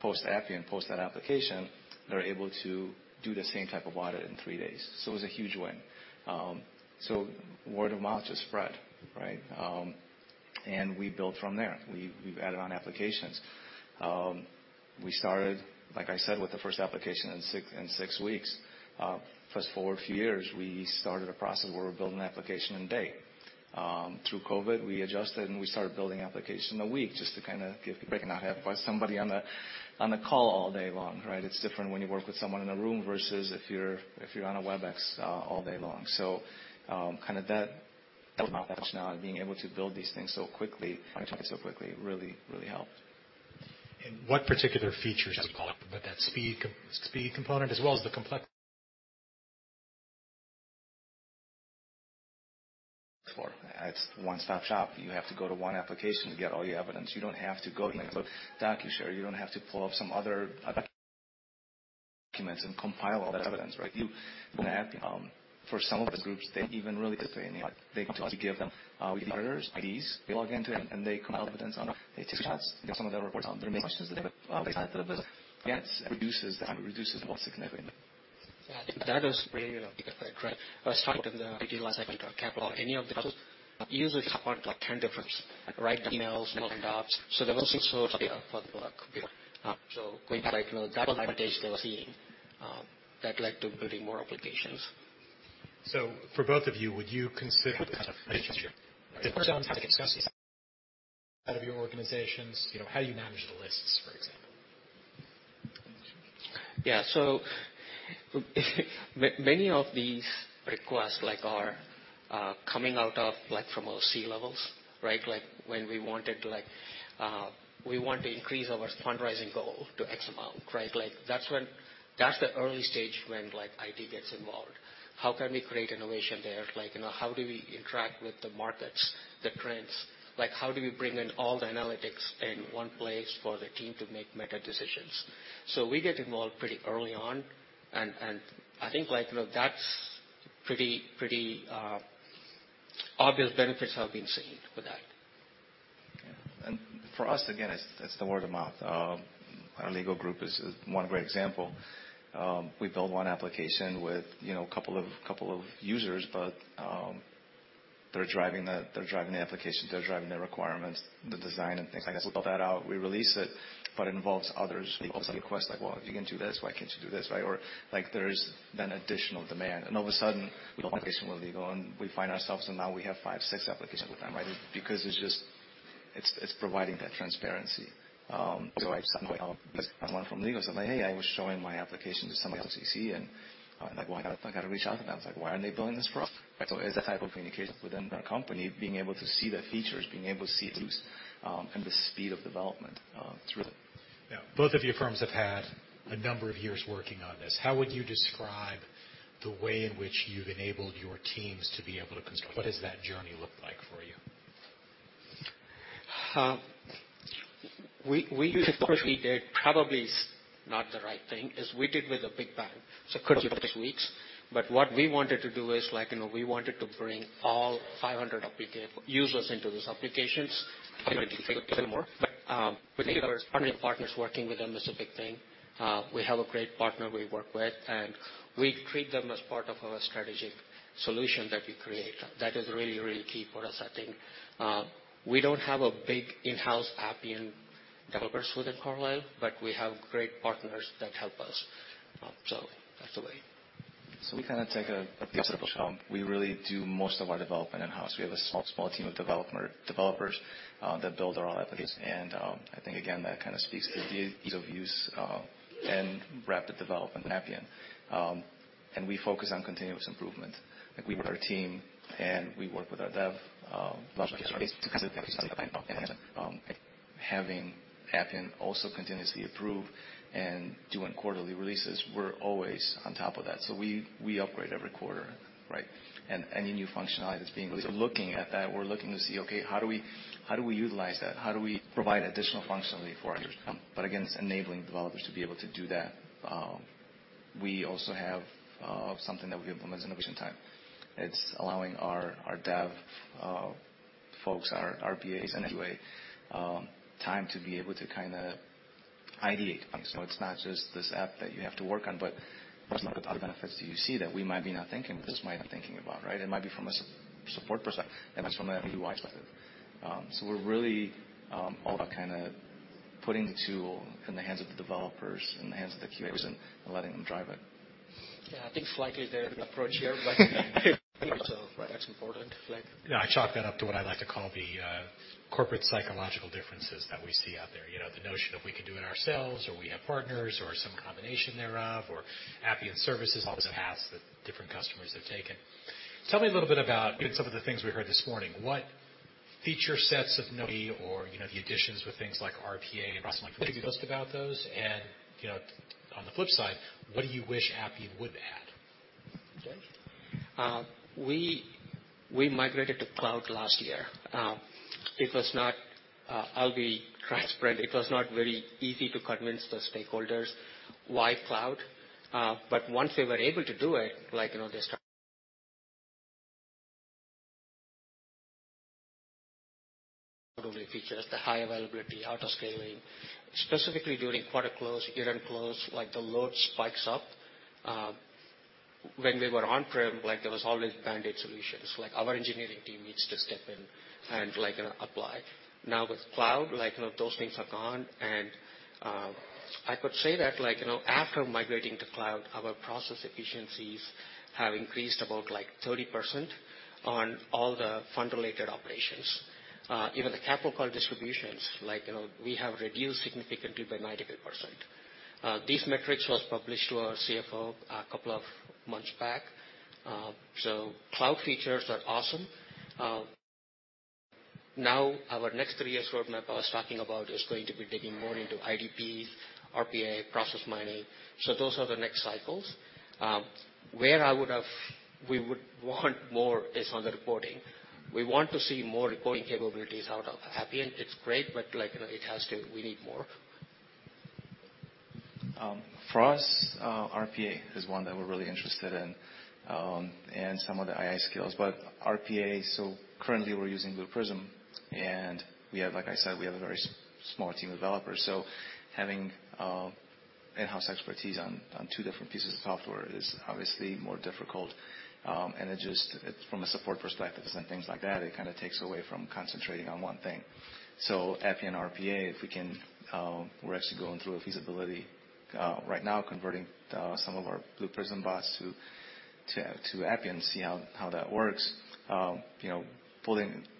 [SPEAKER 15] Post Appian, post that application, they're able to do the same type of audit in three days. It was a huge win. Word of mouth just spread, right? We built from there. We've added on applications. We started, like I said, with the first application in six weeks. Fast-forward a few years, we started a process where we're building an application in a day. Through COVID, we adjusted, and we started building application a week just to kind of give, breaking a half by somebody on a, on a call all day long, right? It's different when you work with someone in a room versus if you're, if you're on a Webex, all day long. Kind of that
[SPEAKER 7] What particular features?
[SPEAKER 15] That's the point.
[SPEAKER 7] With that speed component as well as the
[SPEAKER 15] For it's one-stop shop. You have to go to one application to get all your evidence. You don't have to go and look DocuShare. You don't have to pull up some other documents and compile all that evidence, right? You, for Appian, for some of the groups, they even really.
[SPEAKER 14] Yeah. That was really, you know, because I started in the last second to capital any of the users apart, like 10 difference, write emails, fill adopt. There was some source for the work. Going back, you know, that was the advantage they were seeing, that led to building more applications.
[SPEAKER 7] for both of you, would you consider
[SPEAKER 15] Kind of your organizations, you know, how do you manage the lists, for example?
[SPEAKER 14] Yeah. Many of these requests, like, are coming out of, like, from our C-levels, right? Like, when we wanted to, like, we want to increase our fundraising goal to X amount, right? Like, that's when, that's the early stage when, like, IT gets involved. How can we create innovation there? Like, you know, how do we interact with the markets, the trends? Like, how do we bring in all the analytics in one place for the team to make meta decisions? We get involved pretty early on and I think, like, you know, that's pretty obvious benefits have been seen with that.
[SPEAKER 15] For us, again, it's the word of mouth. Our legal group is one great example. We build one application with, you know, a couple of users, but they're driving the application. They're driving the requirements, the design, and things like this. We build that out, we release it, but it involves others. People send requests like, "Well, if you can do this, why can't you do this?" right? Like, there's then additional demand. All of a sudden, people want this from legal, and we find ourselves, and now we have five, six applications with them, right? Because it's just, it's providing that transparency. I just don't know how someone from legal said, like, "Hey, I was showing my application to somebody at CC, and, like, why I gotta reach out to them?" I was like, "Why aren't they building this for us?" It's the type of communication within our company, being able to see the features, being able to see use, and the speed of development, through them.
[SPEAKER 7] Both of your firms have had a number of years working on this. How would you describe the way in which you've enabled your teams to be able to construct? What does that journey look like for you?
[SPEAKER 14] We used what we did probably is not the right thing as we did with the big bang, so could you take weeks. What we wanted to do is like, you know, we wanted to bring all 500 users into these applications. We think our partners working with them is a big thing. We have a great partner we work with, and we treat them as part of our strategic solution that we create. That is really, really key for us, I think. We don't have a big in-house Appian developers within Carlyle, but we have great partners that help us. That's the way.
[SPEAKER 15] We kind of take a piece of the show. We really do most of our development in-house. We have a small team of developers that build our own apps. I think again, that kind of speaks to the ease of use and rapid development in Appian. We focus on continuous improvement. Like, we work our team, and we work with our dev. Having Appian also continuously improve and doing quarterly releases, we're always on top of that. We, we upgrade every quarter, right? Any new functionality that's being released, we're looking at that. We're looking to see, okay, how do we, how do we utilize that? How do we provide additional functionality for our users? Again, it's enabling developers to be able to do that. We also have something that we implement as innovation time. It's allowing our dev folks, our BAs and QA time to be able to kinda ideate. It's not just this app that you have to work on, but what's some of the other benefits do you see that we might be not thinking, but this might be thinking about, right? It might be from a support perspective, and that's from an Appian-wide perspective. We're really all about kinda putting the tool in the hands of the developers, in the hands of the QAs and letting them drive it.
[SPEAKER 14] Yeah. I think Flag is there with approach here. That's important, Flag.
[SPEAKER 7] Yeah, I chalk that up to what I like to call the corporate psychological differences that we see out there. You know, the notion of we can do it ourselves, or we have partners, or some combination thereof, or Appian services, all those paths that different customers have taken. Tell me a little bit about some of the things we heard this morning. What feature sets of know me or, you know, the additions with things like RPA and Russell, can you tell us about those? On the flip side, what do you wish Appian would add?
[SPEAKER 14] Okay. We migrated to cloud last year. It was not, I'll be transparent, it was not very easy to convince the stakeholders why cloud. Once they were able to do it, like, you know, Totally features the high availability auto-scaling, specifically during quarter close, year-end close, like, the load spikes up. When we were on-prem, like, there was always band-aid solutions. Like, our engineering team needs to step in and, like, apply. Now with cloud, like, you know, those things are gone. I could say that, like, you know, after migrating to cloud, our process efficiencies have increased about, like, 30% on all the fund-related operations. Even the capital call distributions, like, you know, we have reduced significantly by 90%. These metrics was published to our CFO a couple of months back. Cloud features are awesome. Now our next three years roadmap I was talking about is going to be digging more into IDPs, RPA, process mining. Those are the next cycles. Where we would want more is on the reporting. We want to see more reporting capabilities out of Appian. It's great, but, like, you know, We need more.
[SPEAKER 15] For us, RPA is one that we're really interested in, and some of the AI skills. RPA, so currently we're using Blue Prism, and we have, like I said, we have a very small team of developers. Having in-house expertise on two different pieces of software is obviously more difficult. It just, from a support perspectives and things like that, it kinda takes away from concentrating on one thing. Appian RPA, if we can, we're actually going through a feasibility right now, converting some of our Blue Prism bots to Appian, see how that works. You know,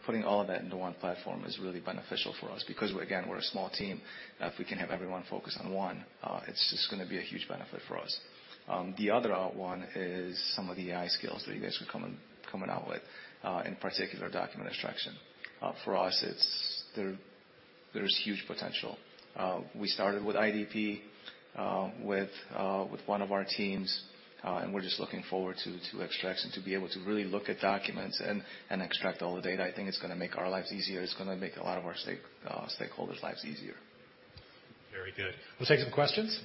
[SPEAKER 15] putting all of that into one platform is really beneficial for us because we're, again, we're a small team. If we can have everyone focus on one, it's just gonna be a huge benefit for us. The other one is some of the AI skills that you guys are coming out with, in particular document extraction. For us, there's huge potential. We started with IDP, with one of our teams, and we're just looking forward to extraction, to be able to really look at documents and extract all the data. I think it's gonna make our lives easier. It's gonna make a lot of our stakeholders' lives easier.
[SPEAKER 7] Very good. We'll take some questions.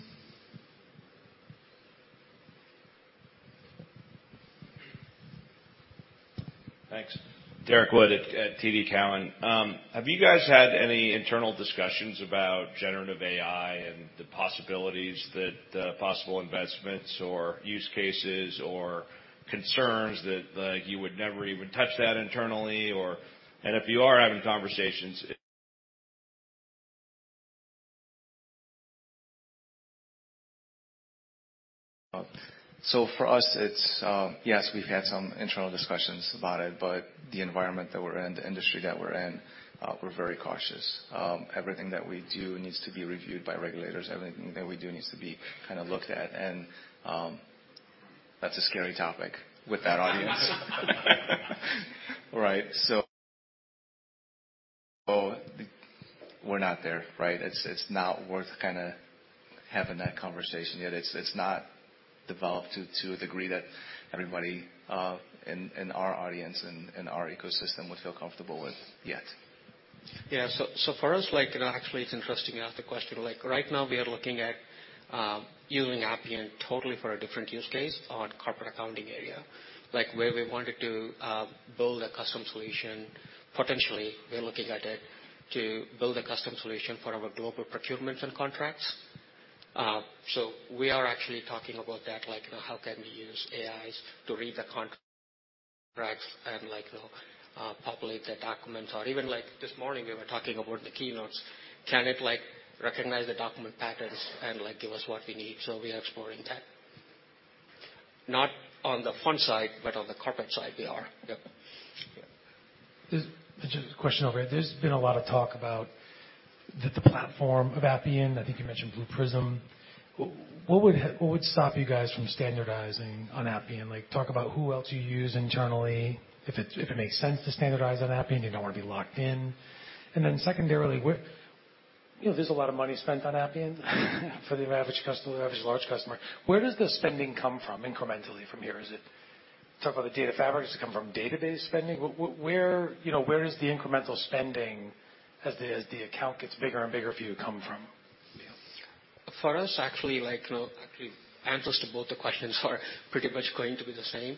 [SPEAKER 5] Thanks. Derrick Wood at TD Cowen. Have you guys had any internal discussions about generative AI and the possibilities that, possible investments or use cases or concerns that you would never even touch that internally, or if you are having conversations?
[SPEAKER 15] For us, it's, yes, we've had some internal discussions about it, but the environment that we're in, the industry that we're in, we're very cautious. Everything that we do needs to be reviewed by regulators. Everything that we do needs to be kind of looked at. That's a scary topic with that audience. Right? We're not there, right? It's not worth kind of having that conversation yet. It's not developed to a degree that everybody in our audience and our ecosystem would feel comfortable with yet.
[SPEAKER 14] For us, like, you know, actually it's interesting you ask the question. Like, right now we are looking at using Appian totally for a different use case on corporate accounting area. Like, where we wanted to build a custom solution, potentially, we are looking at it to build a custom solution for our global procurements and contracts. We are actually talking about that, like, you know, how can we use AIs to read the contracts and, like, you know, populate the documents. Even, like, this morning we were talking about the keynotes, can it, like, recognize the document patterns and, like, give us what we need? We are exploring that. Not on the front side, but on the corporate side, we are. Yep.
[SPEAKER 7] Yeah.
[SPEAKER 16] Just a question over here. There's been a lot of talk about the platform of Appian. I think you mentioned Blue Prism. What would stop you guys from standardizing on Appian? Like, talk about who else you use internally, if it makes sense to standardize on Appian, you don't wanna be locked in. Secondarily, you know, there's a lot of money spent on Appian for the average customer, average large customer. Where does the spending come from incrementally from here? Talk about the data fabrics that come from database spending. Where, you know, where is the incremental spending as the account gets bigger and bigger for you to come from?
[SPEAKER 14] For us, actually, like, you know, actually, answers to both the questions are pretty much going to be the same.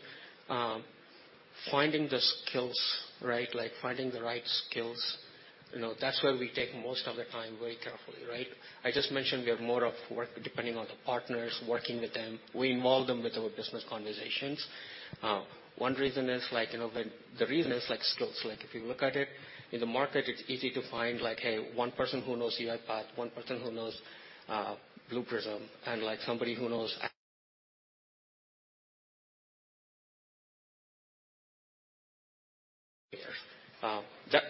[SPEAKER 14] Finding the skills, right? Like finding the right skills, you know, that's where we take most of the time very carefully, right? I just mentioned we have more of work depending on the partners working with them. We involve them with our business conversations. One reason is like, you know, The reason is like skills. Like if you look at it, in the market, it's easy to find like, hey, one person who knows UiPath, one person who knows Blue Prism, and like somebody who knows.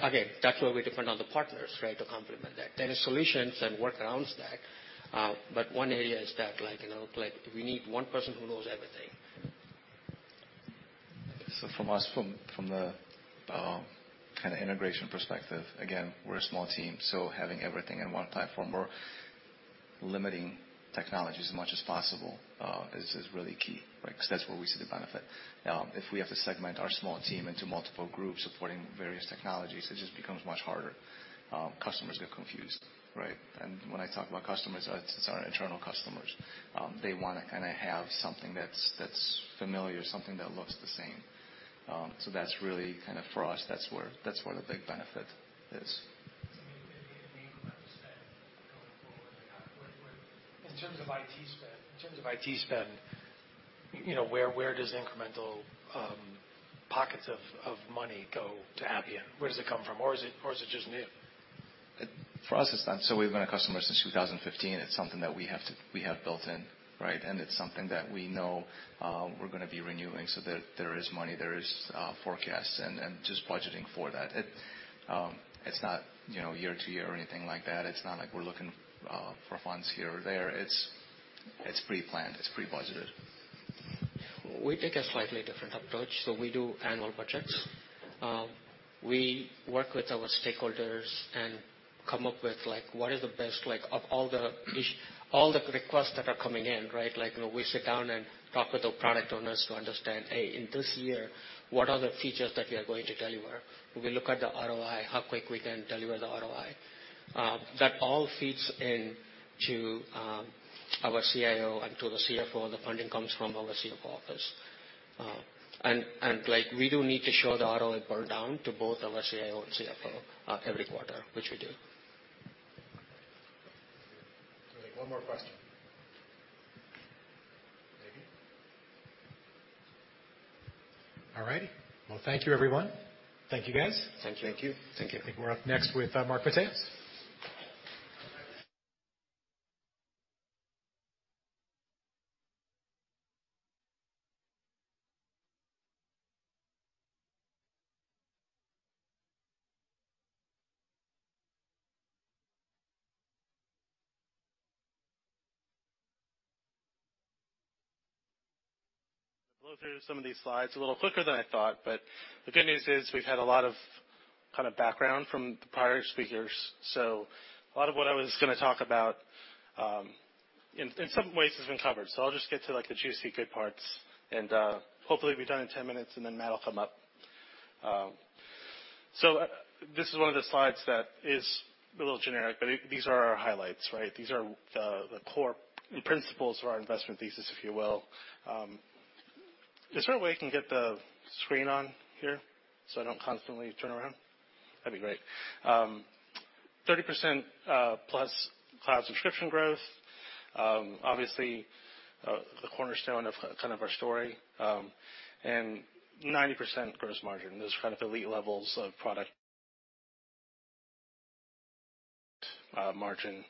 [SPEAKER 14] Again, that's where we depend on the partners, right? To complement that. There are solutions and work arounds that, but one area is that, like, you know, like we need one person who knows everything.
[SPEAKER 15] From us, from the kinda integration perspective, again, we're a small team, so having everything in one platform or limiting technology as much as possible, is really key. Like, 'cause that's where we see the benefit. If we have to segment our small team into multiple groups supporting various technologies, it just becomes much harder. Customers get confused, right? When I talk about customers, it's our internal customers. They wanna kinda have something that's familiar, something that looks the same. That's really kind of, for us, that's where the big benefit is.
[SPEAKER 16] In terms of IT spend, you know, where does the incremental pockets of money go to Appian? Where does it come from? Is it just new?
[SPEAKER 15] For us, it's not. We've been a customer since 2015. It's something that we have built in, right? It's something that we know, we're gonna be renewing so there is money, there is forecasts and just budgeting for that. It's not, you know, year to year or anything like that. It's not like we're looking for funds here or there. It's pre-planned, it's pre-budgeted.
[SPEAKER 14] We take a slightly different approach, so we do annual budgets. We work with our stakeholders and come up with like what is the best like of all the requests that are coming in, right? Like, you know, we sit down and talk with our product owners to understand, hey, in this year, what are the features that we are going to deliver? We look at the ROI, how quick we can deliver the ROI. That all feeds into our CIO and to the CFO. The funding comes from our CFO office. Like we do need to show the ROI breakdown to both our CIO and CFO every quarter, which we do.
[SPEAKER 16] We'll take one more question. All righty. Thank you everyone. Thank you guys.
[SPEAKER 14] Thank you.
[SPEAKER 15] Thank you.
[SPEAKER 14] Thank you.
[SPEAKER 16] I think we're up next with Mark Batayeh.
[SPEAKER 17] Blow through some of these slides a little quicker than I thought. The good news is we've had a lot of kind of background from the prior speakers. A lot of what I was gonna talk about, in some ways has been covered. I'll just get to like the juicy good parts, and hopefully be done in 10 minutes, and then Matt will come up. This is one of the slides that is a little generic, but these are our highlights, right? These are the core principles for our investment thesis, if you will. Is there a way I can get the screen on here, so I don't constantly turn around? That'd be great. 30% plus cloud subscription growth. Obviously, the cornerstone of kind of our story, and 90% gross margin. Those kind of elite levels of product, margin.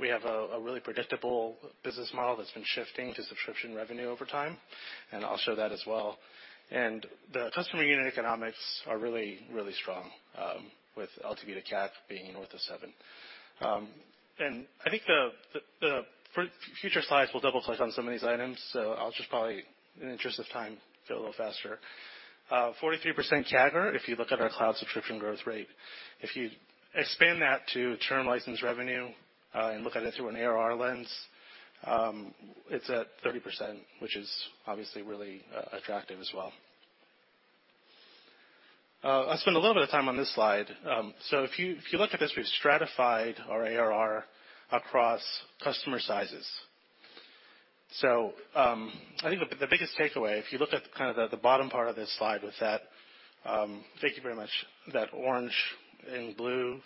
[SPEAKER 17] We have a really predictable business model that's been shifting to subscription revenue over time. I'll show that as well. The customer unit economics are really, really strong, with LTV to CAC being north of 7. I think the future slides will double click on some of these items. I'll just probably, in the interest of time, go a little faster. 43% CAGR if you look at our cloud subscription growth rate. If you expand that to term license revenue and look at it through an ARR lens, it's at 30%, which is obviously really attractive as well. I'll spend a little bit of time on this slide. If you look at this, we've stratified our ARR across customer sizes. I think the biggest takeaway, if you look at kind of the bottom part of this slide with that, thank you very much. That orange and blue color,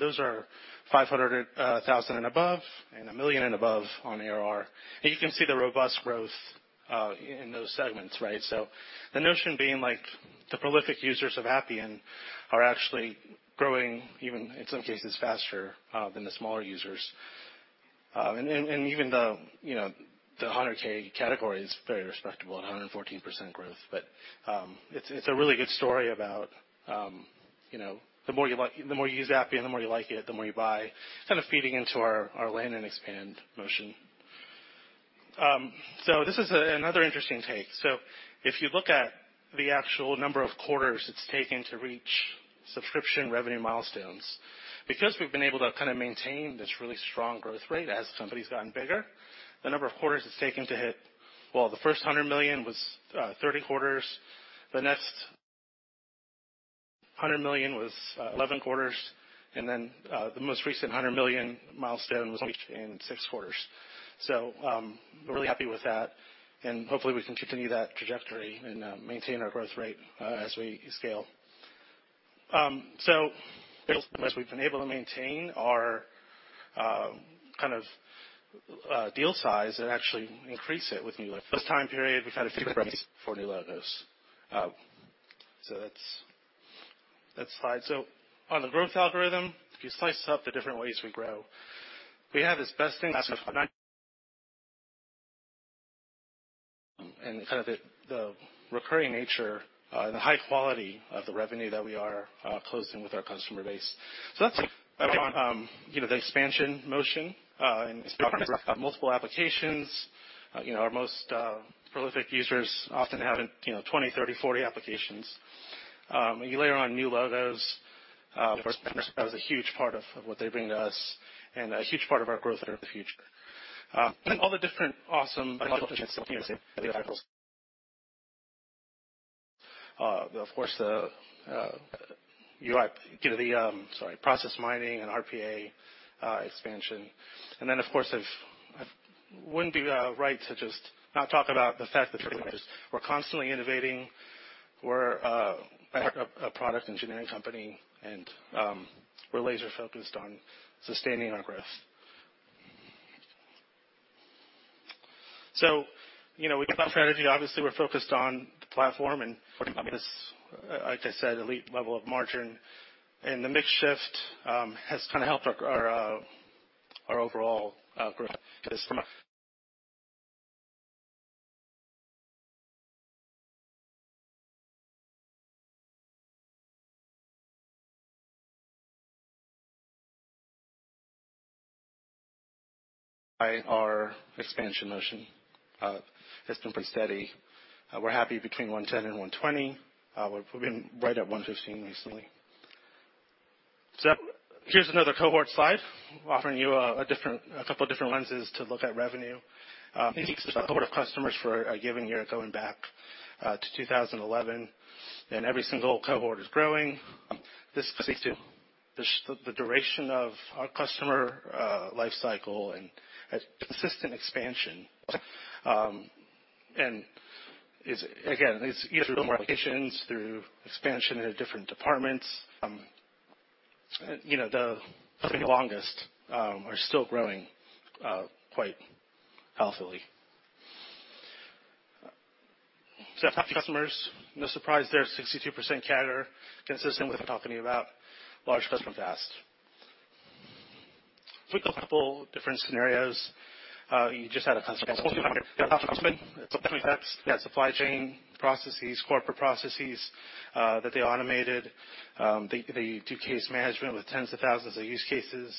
[SPEAKER 17] those are $500,000 and above and $1 million and above on ARR. You can see the robust growth in those segments, right? The notion being like the prolific users of Appian are actually growing even in some cases faster than the smaller users. And even the, you know, the $100K category is very respectable at 114% growth. It's, it's a really good story about, you know, the more you use Appian, the more you like it, the more you buy, kind of feeding into our land and expand motion. This is another interesting take. If you look at the actual number of quarters it's taken to reach subscription revenue milestones. Because we've been able to kind of maintain this really strong growth rate as companies gotten bigger, the number of quarters it's taken to hit, well, the first $100 million was 30 quarters. The next $100 million was 11 quarters, the most recent $100 million milestone was reached in 6 quarters. We're really happy with that, hopefully, we can continue that trajectory and maintain our growth rate as we scale. As we've been able to maintain our kind of deal size and actually increase it with this time period, we've had a few for new logos. That's fine. On the growth algorithm, if you slice up the different ways we grow, we have this best in and kind of the recurring nature and the high quality of the revenue that we are closing with our customer base. That's, you know, the expansion motion and multiple applications. You know, our most prolific users often have, you know, 20, 30, 40 applications. You layer on new logos. That was a huge part of what they bring to us and a huge part of our growth in the future. All the different awesome opportunities. Of course, the UI, you know, the, sorry, process mining and RPA expansion. Then, of course, it wouldn't be right to just not talk about the fact that we're constantly innovating. We're a product engineering company, and we're laser-focused on sustaining our growth. You know, with the platform strategy, obviously, we're focused on the platform and this, like I said, elite level of margin. The mix shift has kind of helped our overall growth. By our expansion motion has been pretty steady. We're happy between 110% and 120%. We've been right at 115% recently. Here's another cohort slide offering you a different, a couple of different lenses to look at revenue. Cohort of customers for a given year going back to 2011, and every single cohort is growing. This speaks to the duration of our customer life cycle and a consistent expansion. It's, again, it's through applications, through expansion into different departments. You know, the longest are still growing quite healthily. Customers, no surprise there, 62% carrier consistent with the company about large custom fast. A couple different scenarios. You just had a customer. It's definitely supply chain processes, corporate processes that they automated. They do case management with tens of thousands of use cases.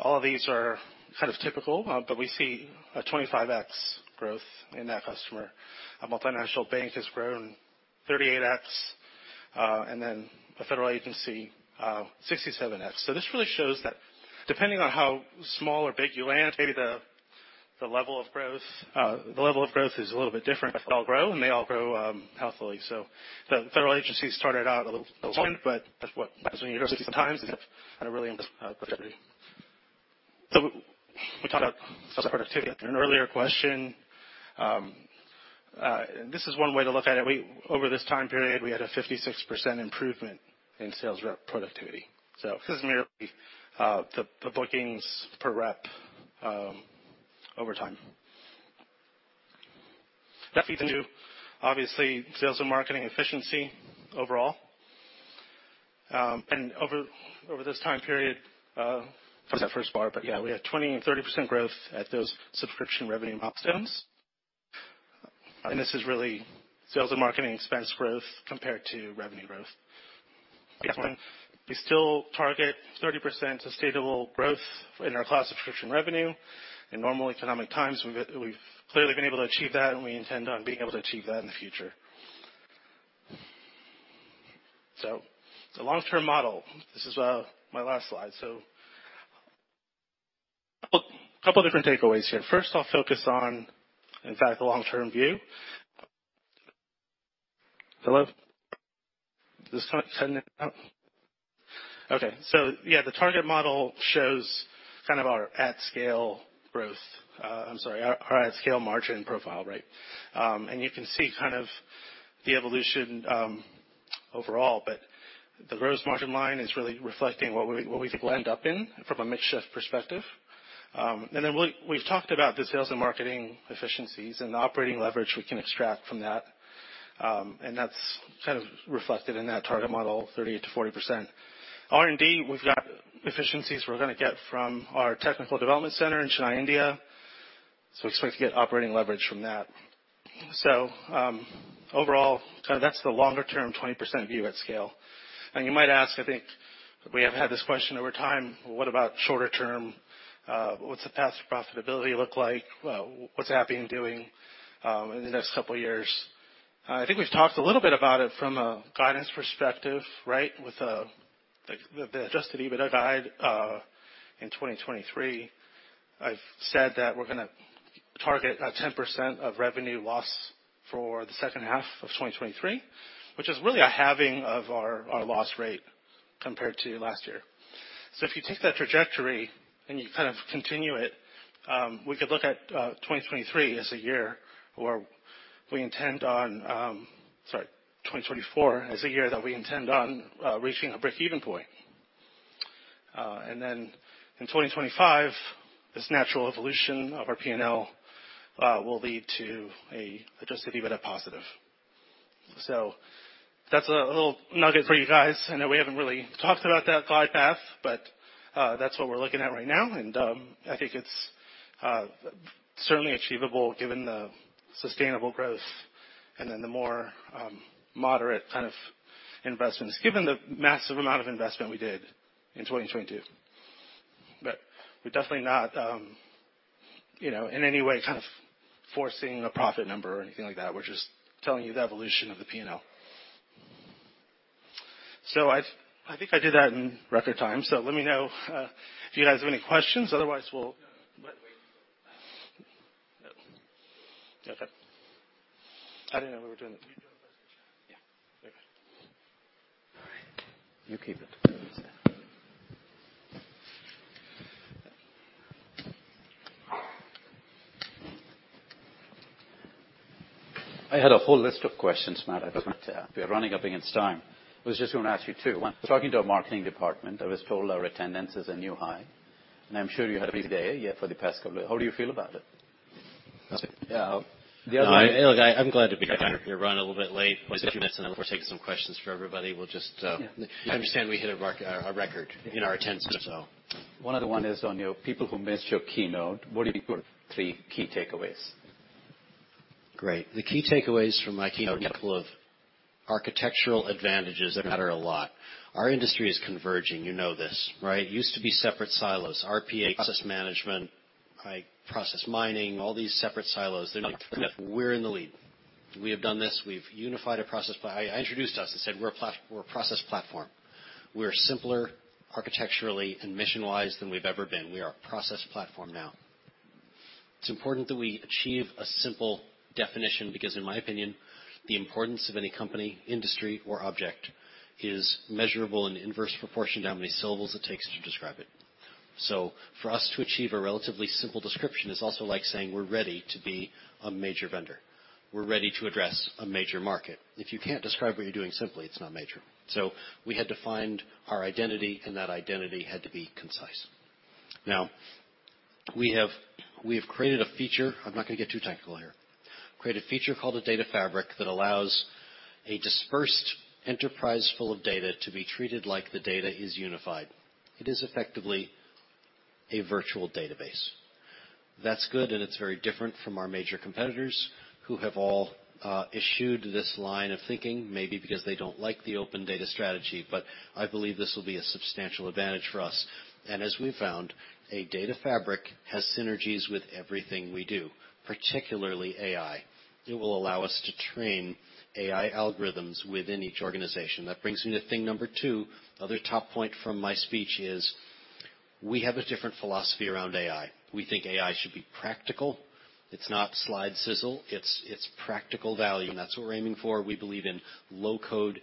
[SPEAKER 17] All of these are kind of typical. We see a 25x growth in that customer. A multinational bank has grown 38x. A federal agency 67x. This really shows that depending on how small or big you land, maybe the level of growth is a little bit different, but they all grow, and they all grow healthily. The federal agency started out a little, but that's what university sometimes, and it really is. We talked about productivity in an earlier question. This is one way to look at it. Over this time period, we had a 56% improvement in sales rep productivity. This is merely the bookings per rep over time. That feeds into obviously sales and marketing efficiency overall. Over this time period, that's that first bar, but yeah, we had 20% and 30% growth at those subscription revenue milestones. This is really sales and marketing expense growth compared to revenue growth. We still target 30% sustainable growth in our class subscription revenue. In normal economic times, we've clearly been able to achieve that, and we intend on being able to achieve that in the future. The long-term model, this is my last slide. A couple of different takeaways here. First, I'll focus on, in fact, the long-term view. Hello? Is this cutting out? Okay. The target model shows kind of our at scale growth. I'm sorry, our at scale margin profile, right? You can see kind of the evolution overall, but the gross margin line is really reflecting what we end up in from a mix shift perspective. Then we've talked about the sales and marketing efficiencies and the operating leverage we can extract from that. That's kind of reflected in that target model, 30%-40%. R&D, we've got efficiencies we're gonna get from our technical development center in Chennai, India, so we expect to get operating leverage from that. Overall, that's the longer-term 20% view at scale. You might ask, We have had this question over time, what about shorter term? What's the path to profitability look like? What's Happn doing in the next couple of years? I think we've talked a little bit about it from a guidance perspective, right? With like the adjusted EBITDA guide in 2023. I've said that we're gonna target 10% of revenue loss for the second half of 2023, which is really a halving of our loss rate compared to last year. If you take that trajectory and you kind of continue it, we could look at 2023 as a year where we intend on... Sorry, 2024 as a year that we intend on reaching a breakeven point. Then in 2025, this natural evolution of our P&L will lead to an adjusted EBITDA positive. That's a little nugget for you guys. I know we haven't really talked about that guide path, but that's what we're looking at right now. I think it's certainly achievable given the sustainable growth and then the more moderate kind of investments, given the massive amount of investment we did in 2022. We're definitely not, you know, in any way kind of forcing a profit number or anything like that. We're just telling you the evolution of the P&L. I think I did that in record time. Let me know if you guys have any questions. Otherwise, we'll.
[SPEAKER 18] No, no.
[SPEAKER 17] What?
[SPEAKER 18] Wait.
[SPEAKER 17] Okay. I didn't know we were doing this.
[SPEAKER 18] You do it.
[SPEAKER 17] Yeah. Okay. All right. You keep it.
[SPEAKER 18] I had a whole list of questions, Matt. We are running up against time. I was just gonna ask you two. One, talking to our marketing department, I was told our attendance is a new high. I'm sure you had a big day, yeah, for the past couple... How do you feel about it? That's it.
[SPEAKER 17] Yeah.
[SPEAKER 18] No. Look, I'm glad to be here. We're running a little bit late. Just a few minutes, and then we're taking some questions for everybody. We'll just.
[SPEAKER 17] Yeah.
[SPEAKER 18] I understand we hit a record in our attendance, so.
[SPEAKER 17] One other one is on your people who missed your keynote, what do you think were three key takeaways?
[SPEAKER 18] Great. The key takeaways from my keynote, architectural advantages that matter a lot. Our industry is converging. You know this, right? It used to be separate silos. RPA, process management, like, process mining, all these separate silos. They're not. We're in the lead. We have done this. We've unified a process. I introduced us and said we're a process platform. We're simpler architecturally and mission-wise than we've ever been. We are a process platform now. It's important that we achieve a simple definition because in my opinion, the importance of any company, industry or object is measurable in inverse proportion to how many syllables it takes to describe it. For us to achieve a relatively simple description is also like saying we're ready to be a major vendor. We're ready to address a major market. If you can't describe what you're doing simply, it's not major. We had to find our identity, and that identity had to be concise. We have created a feature. I'm not gonna get too technical here. Created a feature called a data fabric that allows a dispersed enterprise full of data to be treated like the data is unified. It is effectively a virtual database. That's good. It's very different from our major competitors who have all issued this line of thinking, maybe because they don't like the open data strategy. I believe this will be a substantial advantage for us. As we found, a data fabric has synergies with everything we do, particularly AI. It will allow us to train AI algorithms within each organization. That brings me to thing number two. The other top point from my speech is we have a different philosophy around AI. We think AI should be practical. It's not slide sizzle, it's practical value, and that's what we're aiming for. We believe in low code,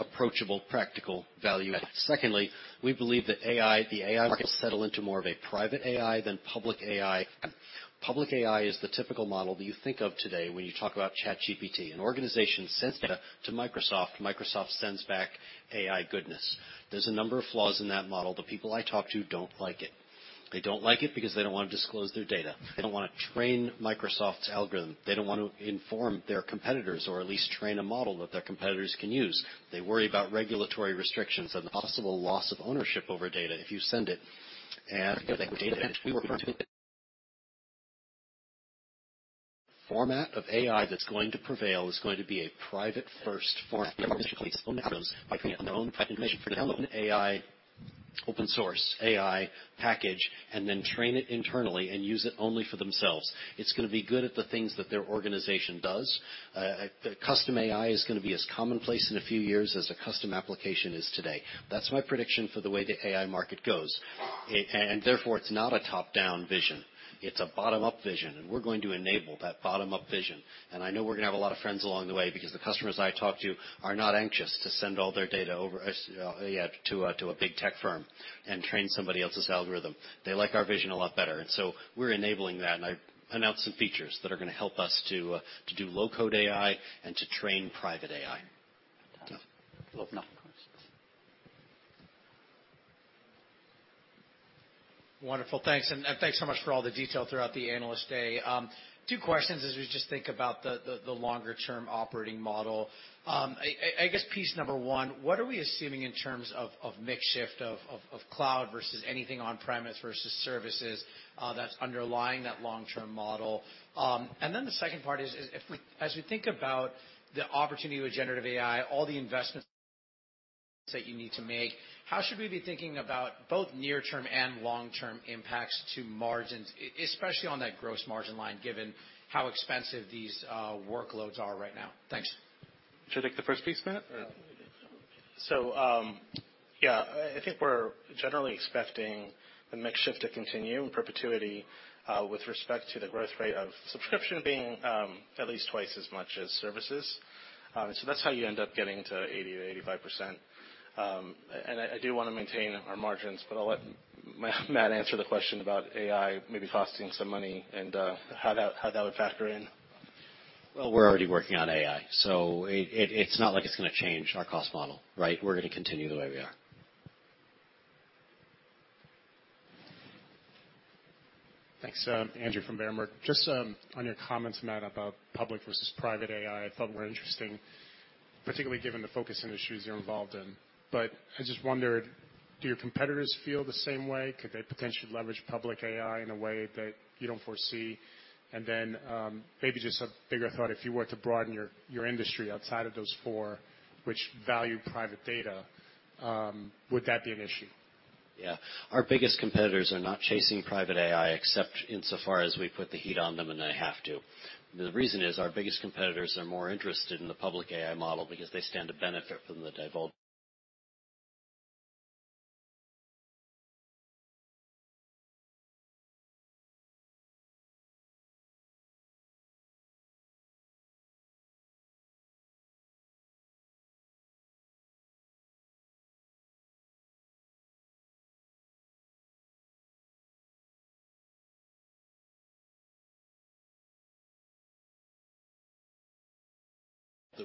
[SPEAKER 18] approachable, practical value. Secondly, we believe that AI, the AI market, settle into more of a private AI than public AI. Public AI is the typical model that you think of today when you talk about ChatGPT. An organization sends data to Microsoft sends back AI goodness. There's a number of flaws in that model. The people I talk to don't like it. They don't like it because they don't want to disclose their data. They don't want to train Microsoft's algorithm. They don't want to inform their competitors or at least train a model that their competitors can use. They worry about regulatory restrictions and possible loss of ownership over data if you send it. The data format of AI that's going to prevail is going to be a private first AI, open source AI package, and then train it internally and use it only for themselves. It's gonna be good at the things that their organization does. The custom AI is gonna be as commonplace in a few years as a custom application is today. That's my prediction for the way the AI market goes. Therefore, it's not a top-down vision, it's a bottom-up vision, and we're going to enable that bottom-up vision. I know we're gonna have a lot of friends along the way because the customers I talk to are not anxious to send all their data over, yeah, to a big tech firm and train somebody else's algorithm. They like our vision a lot better, we're enabling that. I announced some features that are gonna help us to do low-code AI and to train private AI.
[SPEAKER 17] Fantastic. We'll open up for questions.
[SPEAKER 16] Wonderful. Thanks. Thanks so much for all the detail throughout the analyst day. Two questions as we just think about the longer term operating model. I guess piece number 1, what are we assuming in terms of mix shift of cloud versus anything on-premise versus services that's underlying that long-term model? The second part as we think about the opportunity with generative AI, all the investments That you need to make. How should we be thinking about both near-term and long-term impacts to margins, especially on that gross margin line, given how expensive these workloads are right now? Thanks.
[SPEAKER 17] Should I take the first piece, Matt? Yeah. Yeah, I think we're generally expecting the mix shift to continue in perpetuity, with respect to the growth rate of subscription being, at least twice as much as services. That's how you end up getting to 80%-85%. I do wanna maintain our margins, but I'll let Matt answer the question about AI maybe costing some money and, how that, how that would factor in.
[SPEAKER 18] Well, we're already working on AI, so it's not like it's going to change our cost model, right? We're going to continue the way we are.
[SPEAKER 3] Thanks. Andrew from Berenberg. Just on your comments, Matt, about public versus private AI, I thought were interesting, particularly given the focus on issues you're involved in. I just wondered, do your competitors feel the same way? Could they potentially leverage public AI in a way that you don't foresee? Maybe just a bigger thought, if you were to broaden your industry outside of those four which value private data, would that be an issue?
[SPEAKER 18] Yeah. Our biggest competitors are not chasing private AI except insofar as we put the heat on them and they have to. The reason is our biggest competitors are more interested in the public AI model because they stand to benefit from That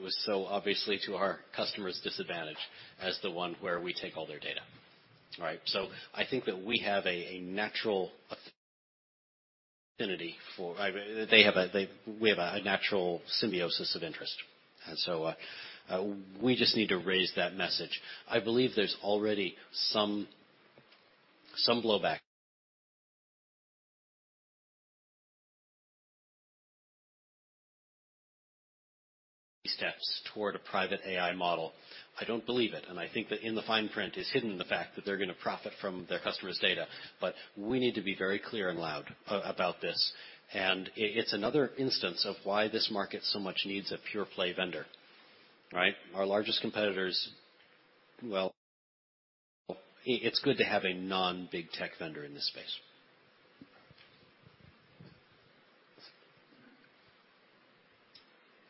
[SPEAKER 18] was so obviously to our customer's disadvantage as the one where we take all their data. All right? I think that we have a natural symbiosis of interest. We just need to raise that message. I believe there's already some blowback. Steps toward a private AI model. I don't believe it, and I think that in the fine print is hidden in the fact that they're gonna profit from their customers' data. We need to be very clear and loud about this. It's another instance of why this market so much needs a pure play vendor, right? Our largest competitors, well, it's good to have a non-big tech vendor in this space.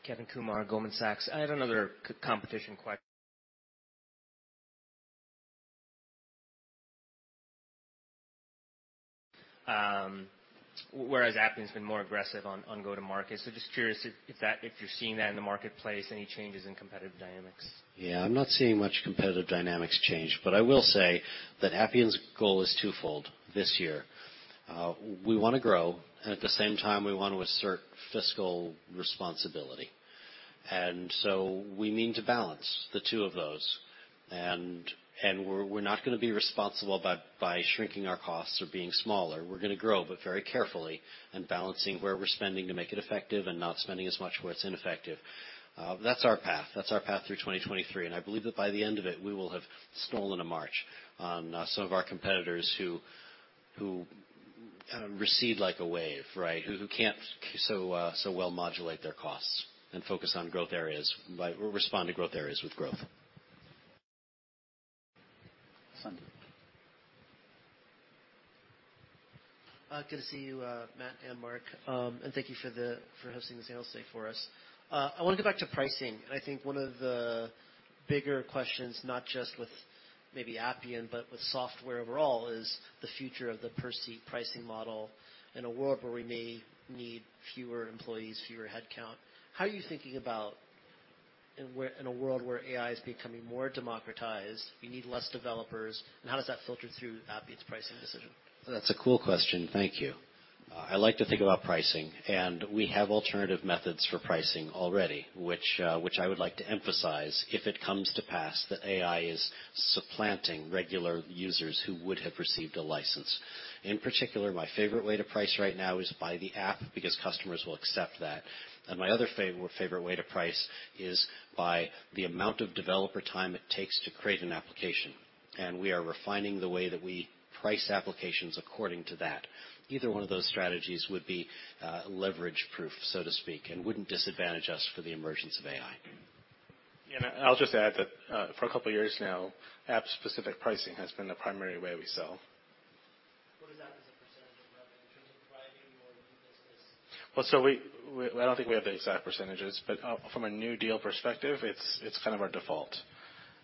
[SPEAKER 8] I had another. Appian's been more aggressive on go-to-market. Just curious if that, if you're seeing that in the marketplace, any changes in competitive dynamics?
[SPEAKER 18] Yeah, I'm not seeing much competitive dynamics change. I will say that Appian's goal is twofold this year. We wanna grow, and at the same time, we want to assert fiscal responsibility. So we mean to balance the 2 of those. We're not gonna be responsible by shrinking our costs or being smaller. We're gonna grow, but very carefully, and balancing where we're spending to make it effective and not spending as much where it's ineffective. That's our path. That's our path through 2023. I believe that by the end of it, we will have stolen a march on some of our competitors who kind of recede like a wave, right? Who can't so well modulate their costs and focus on growth areas, or respond to growth areas with growth.
[SPEAKER 8] Sandhu.
[SPEAKER 9] Good to see you, Matt and Mark. Thank you for hosting this Analyst Day for us. I wanna go back to pricing. I think one of the bigger questions, not just with maybe Appian, but with software overall, is the future of the per-seat pricing model in a world where we may need fewer employees, fewer headcount. How are you thinking about in a world where AI is becoming more democratized, you need less developers, and how does that filter through Appian's pricing decision?
[SPEAKER 18] That's a cool question. Thank you. I like to think about pricing. We have alternative methods for pricing already, which I would like to emphasize if it comes to pass that AI is supplanting regular users who would have received a license. In particular, my favorite way to price right now is by the app because customers will accept that. My other favorite way to price is by the amount of developer time it takes to create an application. We are refining the way that we price applications according to that. Either one of those strategies would be leverage proof, so to speak, and wouldn't disadvantage us for the emergence of AI.
[SPEAKER 17] I'll just add that, for a couple of years now, app-specific pricing has been the primary way we sell.
[SPEAKER 9] What is that as a % of revenue in terms of providing more business?
[SPEAKER 17] Well, I don't think we have the exact %, but, from a new deal perspective, it's kind of our default.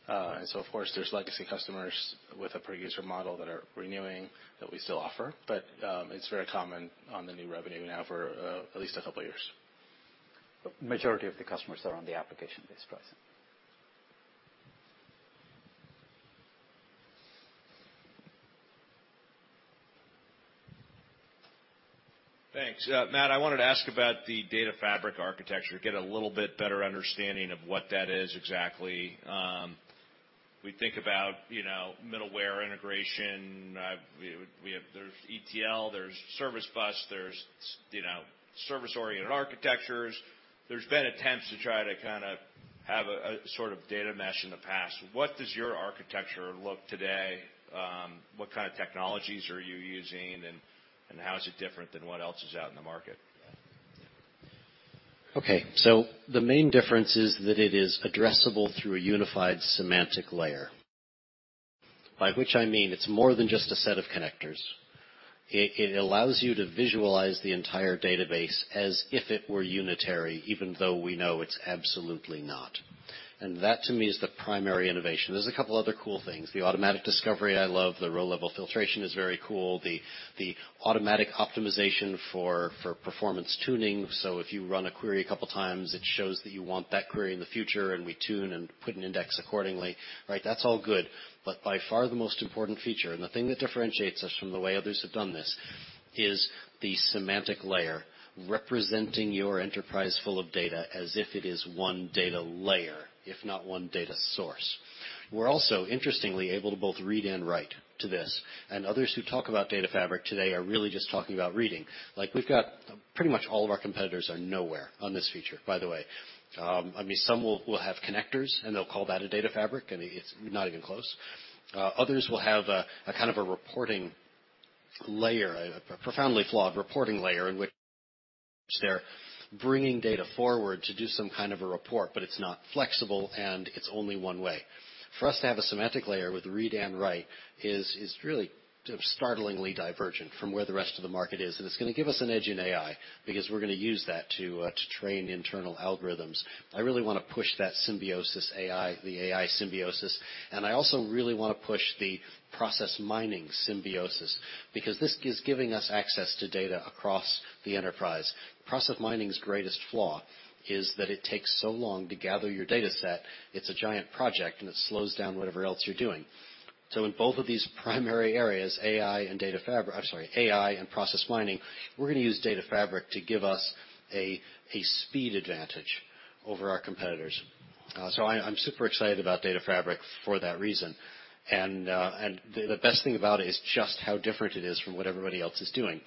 [SPEAKER 17] Of course, there's legacy customers with a per user model that are renewing that we still offer, but, it's very common on the new revenue now for, at least a couple of years.
[SPEAKER 18] Majority of the customers are on the application-based pricing.
[SPEAKER 5] Thanks. Matt, I wanted to ask about the data fabric architecture, get a little bit better understanding of what that is exactly. We think about, you know, middleware integration. There's ETL, there's service bus, there's, you know, service-oriented architectures. There's been attempts to try to. Have a sort of data mesh in the past. What does your architecture look today? What kind of technologies are you using and how is it different than what else is out in the market?
[SPEAKER 18] The main difference is that it is addressable through a unified semantic layer. By which I mean, it's more than just a set of connectors. It allows you to visualize the entire database as if it were unitary, even though we know it's absolutely not. That, to me, is the primary innovation. There's a couple other cool things. The automatic discovery, I love. The row-level filtration is very cool. The automatic optimization for performance tuning, so if you run a query a couple times, it shows that you want that query in the future, and we tune and put an index accordingly. Right? That's all good. By far the most important feature, and the thing that differentiates us from the way others have done this, is the semantic layer representing your enterprise full of data as if it is one data layer, if not one data source. We're also interestingly able to both read and write to this, and others who talk about data fabric today are really just talking about reading. Like, we've got... Pretty much all of our competitors are nowhere on this feature, by the way. I mean, some will have connectors, and they'll call that a data fabric, and it's not even close. Others will have a kind of a reporting layer, a profoundly flawed reporting layer in which they're bringing data forward to do some kind of a report, but it's not flexible, and it's only one way. For us to have a semantic layer with read and write is really startlingly divergent from where the rest of the market is. It's gonna give us an edge in AI because we're gonna use that to train internal algorithms. I really wanna push that symbiosis AI, the AI symbiosis. I also really wanna push the process mining symbiosis because this is giving us access to data across the enterprise. Process mining's greatest flaw is that it takes so long to gather your dataset. It's a giant project. It slows down whatever else you're doing. In both of these primary areas, I'm sorry, AI and process mining, we're gonna use data fabric to give us a speed advantage over our competitors. I'm super excited about data fabric for that reason. The best thing about it is just how different it is from what everybody else is doing.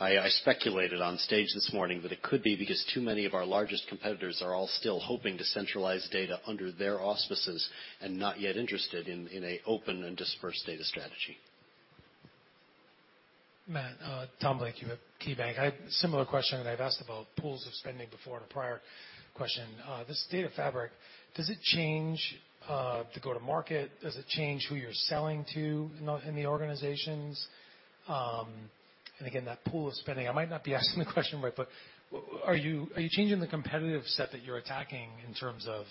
[SPEAKER 18] I speculated on stage this morning that it could be because too many of our largest competitors are all still hoping to centralize data under their auspices and not yet interested in a open and dispersed data strategy.
[SPEAKER 19] Matt, Tom Blakey, you have KeyBank. I have similar question that I've asked about pools of spending before in a prior question. This data fabric, does it change the go-to-market? Does it change who you're selling to in the organizations? Again, that pool of spending, I might not be asking the question right, but are you changing the competitive set that you're attacking in terms of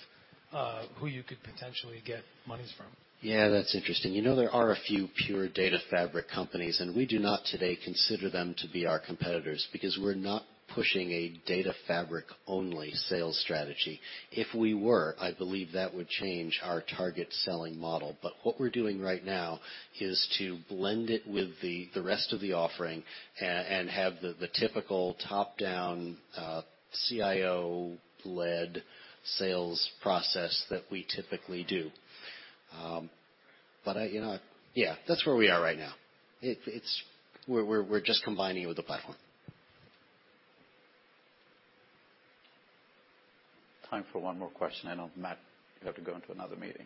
[SPEAKER 19] who you could potentially get monies from?
[SPEAKER 18] Yeah, that's interesting. You know, there are a few pure data fabric companies, and we do not today consider them to be our competitors because we're not pushing a data fabric only sales strategy. If we were, I believe that would change our target selling model. But what we're doing right now is to blend it with the rest of the offering and have the typical top-down, CIO-led sales process that we typically do. But I, you know, Yeah, that's where we are right now. It's, We're just combining it with the platform.
[SPEAKER 17] Time for one more question. I know, Matt, you have to go into another meeting.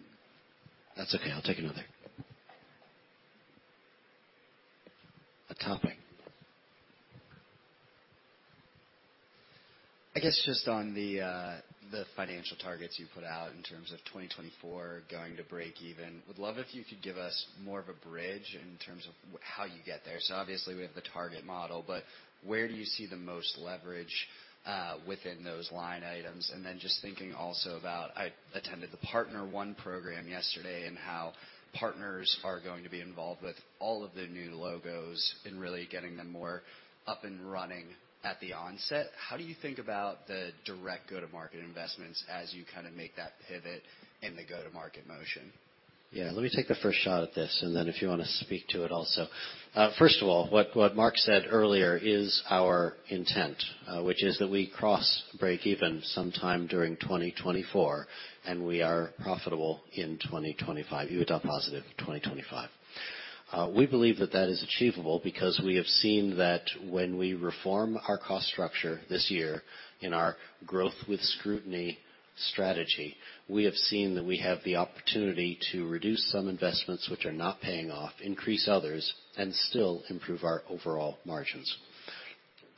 [SPEAKER 18] That's okay. I'll take another. A topping.
[SPEAKER 6] I guess just on the financial targets you put out in terms of 2024 going to break even, would love if you could give us more of a bridge in terms of how you get there. Obviously, we have the target model, but where do you see the most leverage, within those line items? Then just thinking also about, I attended the Partner One program yesterday and how partners are going to be involved with all of the new logos and really getting them more up and running at the onset. How do you think about the direct go-to-market investments as you kinda make that pivot in the go-to-market motion?
[SPEAKER 18] Yeah. Let me take the first shot at this, and then if you wanna speak to it also. First of all, what Mark said earlier is our intent, which is that we cross break even sometime during 2024, and we are profitable in 2025. EBITDA positive in 2025. We believe that that is achievable because we have seen that when we reform our cost structure this year in our growth with scrutiny strategy, we have the opportunity to reduce some investments which are not paying off, increase others, and still improve our overall margins.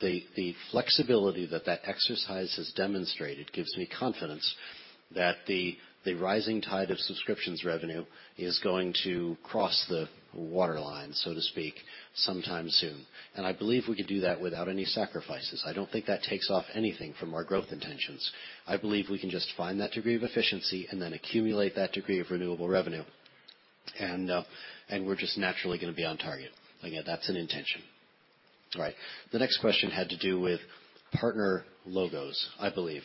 [SPEAKER 18] The flexibility that that exercise has demonstrated gives me confidence that the rising tide of subscriptions revenue is going to cross the waterline, so to speak, sometime soon. I believe we could do that without any sacrifices. I don't think that takes off anything from our growth intentions. I believe we can just find that degree of efficiency and then accumulate that degree of renewable revenue. We're just naturally gonna be on target. Again, that's an intention. Right. The next question had to do with partner logos, I believe.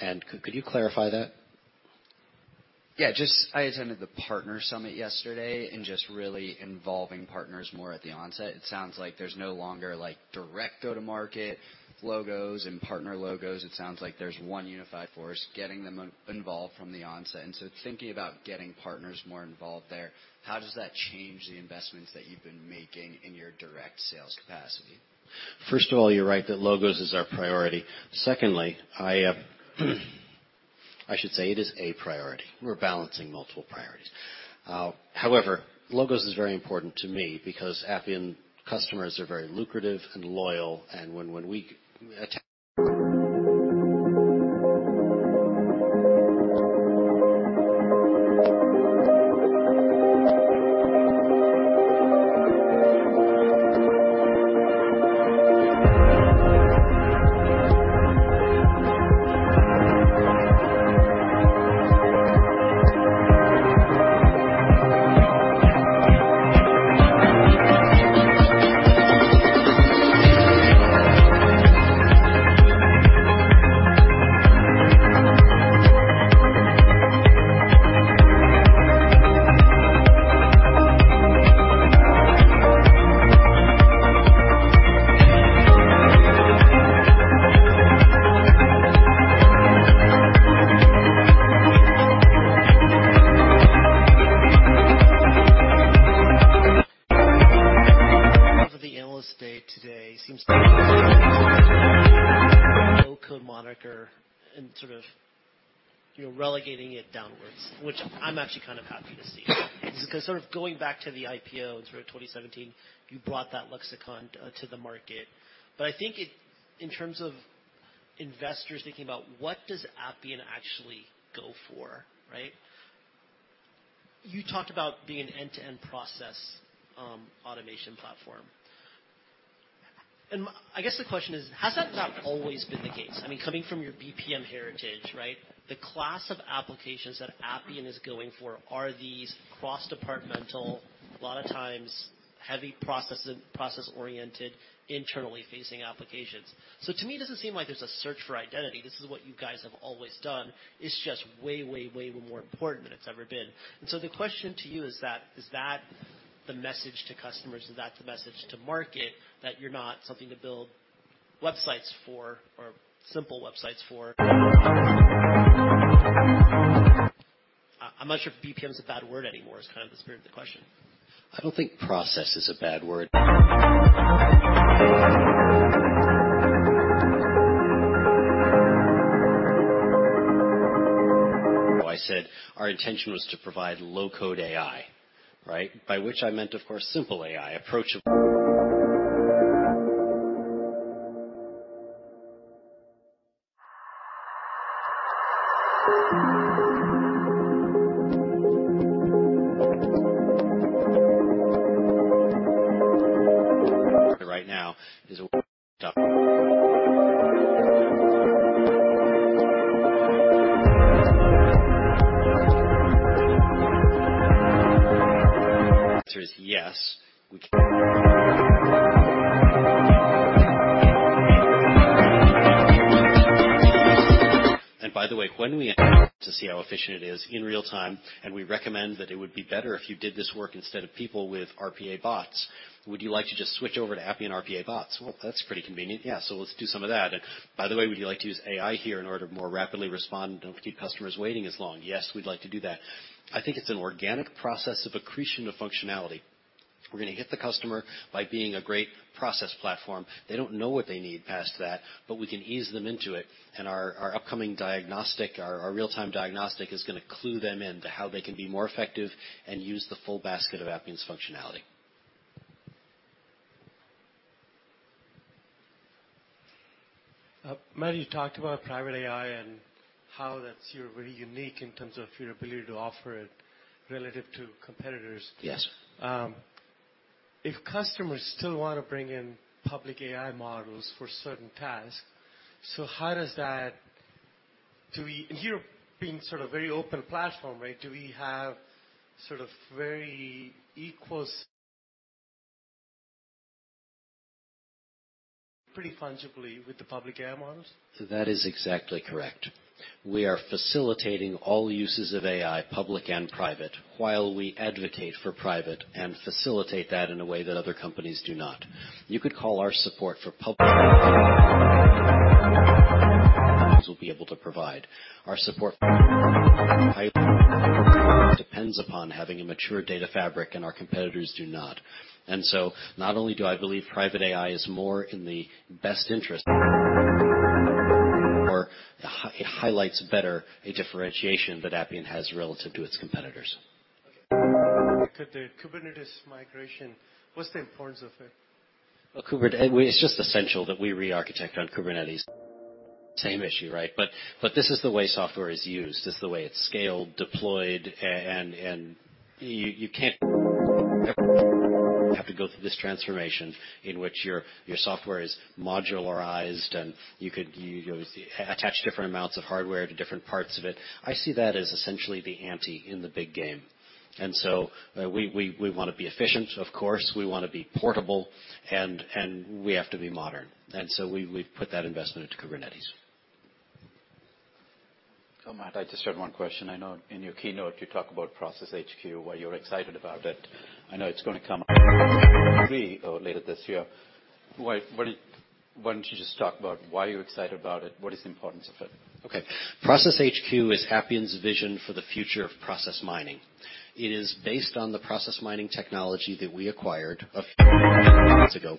[SPEAKER 18] Could you clarify that?
[SPEAKER 6] Yeah. Just I attended the partner summit yesterday and just really involving partners more at the onset. It sounds like there's no longer, like, direct go-to-market logos and partner logos. It sounds like there's one unified force getting them involved from. On the onset. Thinking about getting partners more involved there, how does that change the investments that you've been making in your direct sales capacity?
[SPEAKER 18] First of all, you're right that logos is our priority. Secondly, I should say it is a priority. We're balancing multiple priorities. However, logos is very important to me because Appian customers are very lucrative and loyal. When we attach-
[SPEAKER 9] Of the analyst day today seems to be moniker and sort of, you know, relegating it downwards, which I'm actually kind of happy to see. 'Cause sort of going back to the IPO in sort of 2017, you brought that lexicon to the market. I think in terms of investors thinking about what does Appian actually go for, right? You talked about being an end-to-end process automation platform. I guess the question is, has that not always been the case? I mean coming from your BPM heritage, right? The class of applications that Appian is going for are these cross-departmental, a lot of times heavy process-oriented, internally facing applications. To me, it doesn't seem like there's a search for identity. This is what you guys have always done. It's just way, way more important than it's ever been. The question to you is that, is that the message to customers? Is that the message to market that you're not something to build websites for or simple websites for? I'm not sure if BPM is a bad word anymore, is kind of the spirit of the question?
[SPEAKER 18] I don't think process is a bad word. I said our intention was to provide low-code AI, right? By which I meant, of course, simple AI, approachable. The answer is yes. By the way, when we see how efficient it is in real-time, and we recommend that it would be better if you did this work instead of people with RPA bots, would you like to just switch over to Appian RPA bots? Well, that's pretty convenient. Yeah. Let's do some of that. By the way, would you like to use AI here in order to more rapidly respond and don't keep customers waiting as long? Yes, we'd like to do that. I think it's an organic process of accretion of functionality. We're gonna hit the customer by being a great process platform. They don't know what they need past that, but we can ease them into it. Our upcoming diagnostic, our real-time diagnostic is gonna clue them into how they can be more effective and use the full basket of Appian's functionality.
[SPEAKER 10] Matt, you talked about private AI and how that's, you're really unique in terms of your ability to offer it relative to competitors.
[SPEAKER 18] Yes.
[SPEAKER 10] If customers still wanna bring in public AI models for certain tasks, here being sort of very open platform, right? Do we have sort of very equal... Pretty fungibly with the public AI models.
[SPEAKER 18] That is exactly correct. We are facilitating all uses of AI, public and private, while we advocate for private and facilitate that in a way that other companies do not. You could call our support for public companies will be able to provide. Our support depends upon having a mature data fabric, and our competitors do not. Not only do I believe private AI is more in the best interest or hi-highlights better a differentiation that Appian has relative to its competitors.
[SPEAKER 10] Okay. The Kubernetes migration, what's the importance of it?
[SPEAKER 18] it's just essential that we rearchitect on Kubernetes. Same issue, right? This is the way software is used, this is the way it's scaled, deployed. and you can't have to go through this transformation in which your software is modularized, and you attach different amounts of hardware to different parts of it. I see that as essentially the ante in the big game. We wanna be efficient, of course. We wanna be portable, and we have to be modern. We've put that investment into Kubernetes.
[SPEAKER 16] Matt, I just have one question. I know in your keynote you talk about Process HQ, why you're excited about it. I know it's gonna come or later this year. Why don't you just talk about why you're excited about it? What is the importance of it?
[SPEAKER 18] Okay. Process HQ is Appian's vision for the future of process mining. It is based on the process mining technology that we acquired a months ago.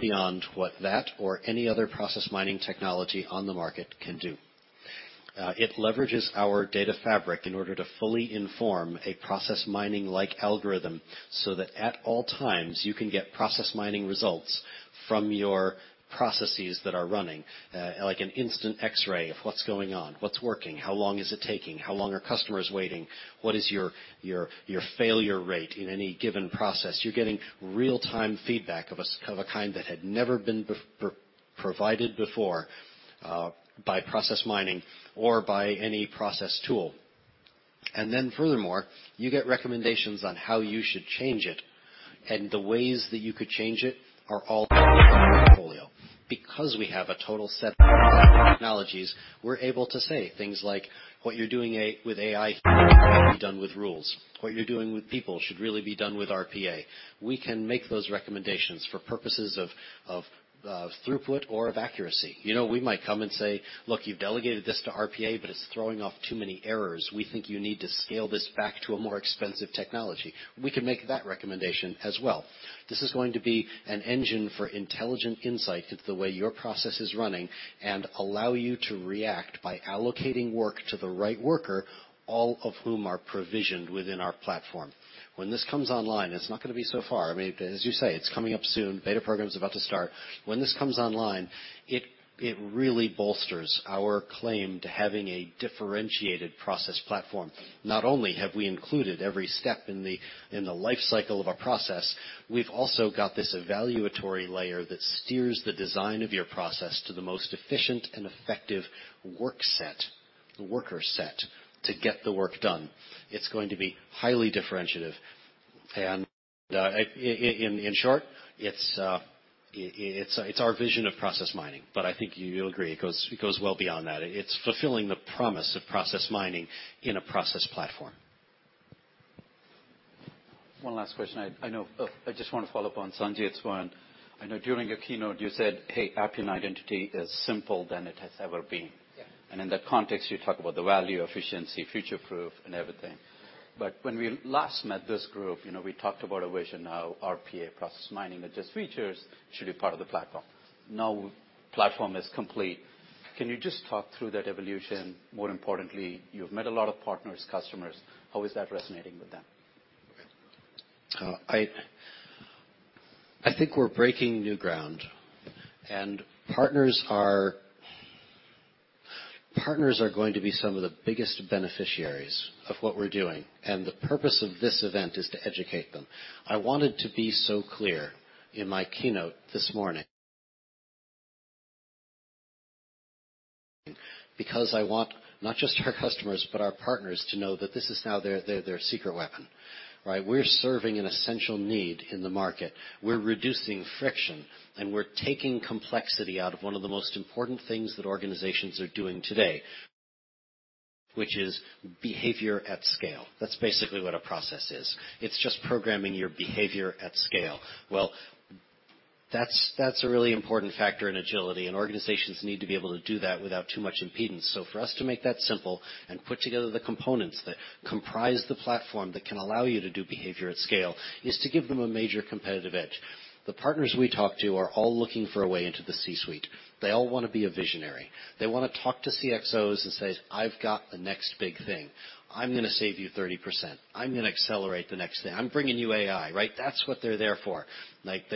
[SPEAKER 18] Beyond what that or any other process mining technology on the market can do. It leverages our data fabric in order to fully inform a process mining-like algorithm so that at all times you can get process mining results from your processes that are running, like an instant X-ray of what's going on, what's working, how long is it taking, how long are customers waiting, what is your failure rate in any given process. You're getting real-time feedback of a kind that had never been provided before, by process mining or by any process tool. Furthermore, you get recommendations on how you should change it, and the ways that you could change it are all portfolio. Because we have a total set of technologies, we're able to say things like, "What you're doing with AI should really be done with rules. What you're doing with people should really be done with RPA." We can make those recommendations for purposes of throughput or of accuracy. You know, we might come and say, "Look, you've delegated this to RPA, but it's throwing off too many errors. We think you need to scale this back to a more expensive technology." We can make that recommendation as well. This is going to be an engine for intelligent insight into the way your process is running and allow you to react by allocating work to the right worker, all of whom are provisioned within our platform. When this comes online, it's not gonna be so far. I mean, as you say, it's coming up soon. Beta program's about to start. When this comes online, it really bolsters our claim to having a differentiated process platform. Not only have we included every step in the life cycle of a process, we've also got this evaluatory layer that steers the design of your process to the most efficient and effective work set, worker set to get the work done. It's going to be highly differentiative. in short, it's our vision of process mining, but I think you'll agree, it goes well beyond that. It's fulfilling the promise of process mining in a process platform.
[SPEAKER 1] One last question. I just wanna follow up on Sanjay alight one. I know during your keynote, you said, hey, Appian identity is simple than it has ever been.
[SPEAKER 18] Yeah.
[SPEAKER 1] In that context, you talk about the value, efficiency, future proof and everything. When we last met this group, you know, we talked about a vision how RPA process mining and just features should be part of the platform. Now platform is complete. Can you just talk through that evolution? More importantly, you've met a lot of partners, customers, how is that resonating with them?
[SPEAKER 18] Okay. I think we're breaking new ground. Partners are going to be some of the biggest beneficiaries of what we're doing. The purpose of this event is to educate them. I wanted to be so clear in my keynote this morning. I want not just our customers, but our partners to know that this is now their secret weapon, right? We're serving an essential need in the market. We're reducing friction. We're taking complexity out of one of the most important things that organizations are doing today, which is behavior at scale. That's basically what a process is. It's just programming your behavior at scale. Well, that's a really important factor in agility. Organizations need to be able to do that without too much impedance. For us to make that simple and put together the components that comprise the platform that can allow you to do behavior at scale, is to give them a major competitive edge. The partners we talk to are all looking for a way into the C-suite. They all wanna be a visionary. They wanna talk to CXOs and say, "I've got the next big thing. I'm gonna save you 30%. I'm gonna accelerate the next thing. I'm bringing you AI," right? That's what they're there for. Like,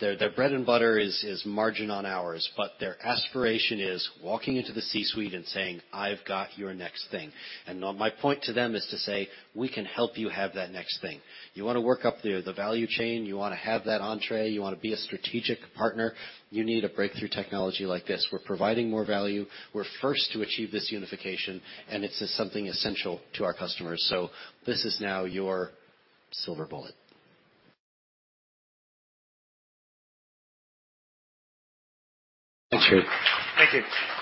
[SPEAKER 18] their bread and butter is margin on hours, but their aspiration is walking into the C-suite and saying, "I've got your next thing." Now my point to them is to say, "We can help you have that next thing." You wanna work up the value chain, you wanna have that entrée, you wanna be a strategic partner, you need a breakthrough technology like this. We're providing more value, we're first to achieve this unification, it's something essential to our customers. This is now your silver bullet.
[SPEAKER 1] Thanks, Hugh.
[SPEAKER 18] Thank you.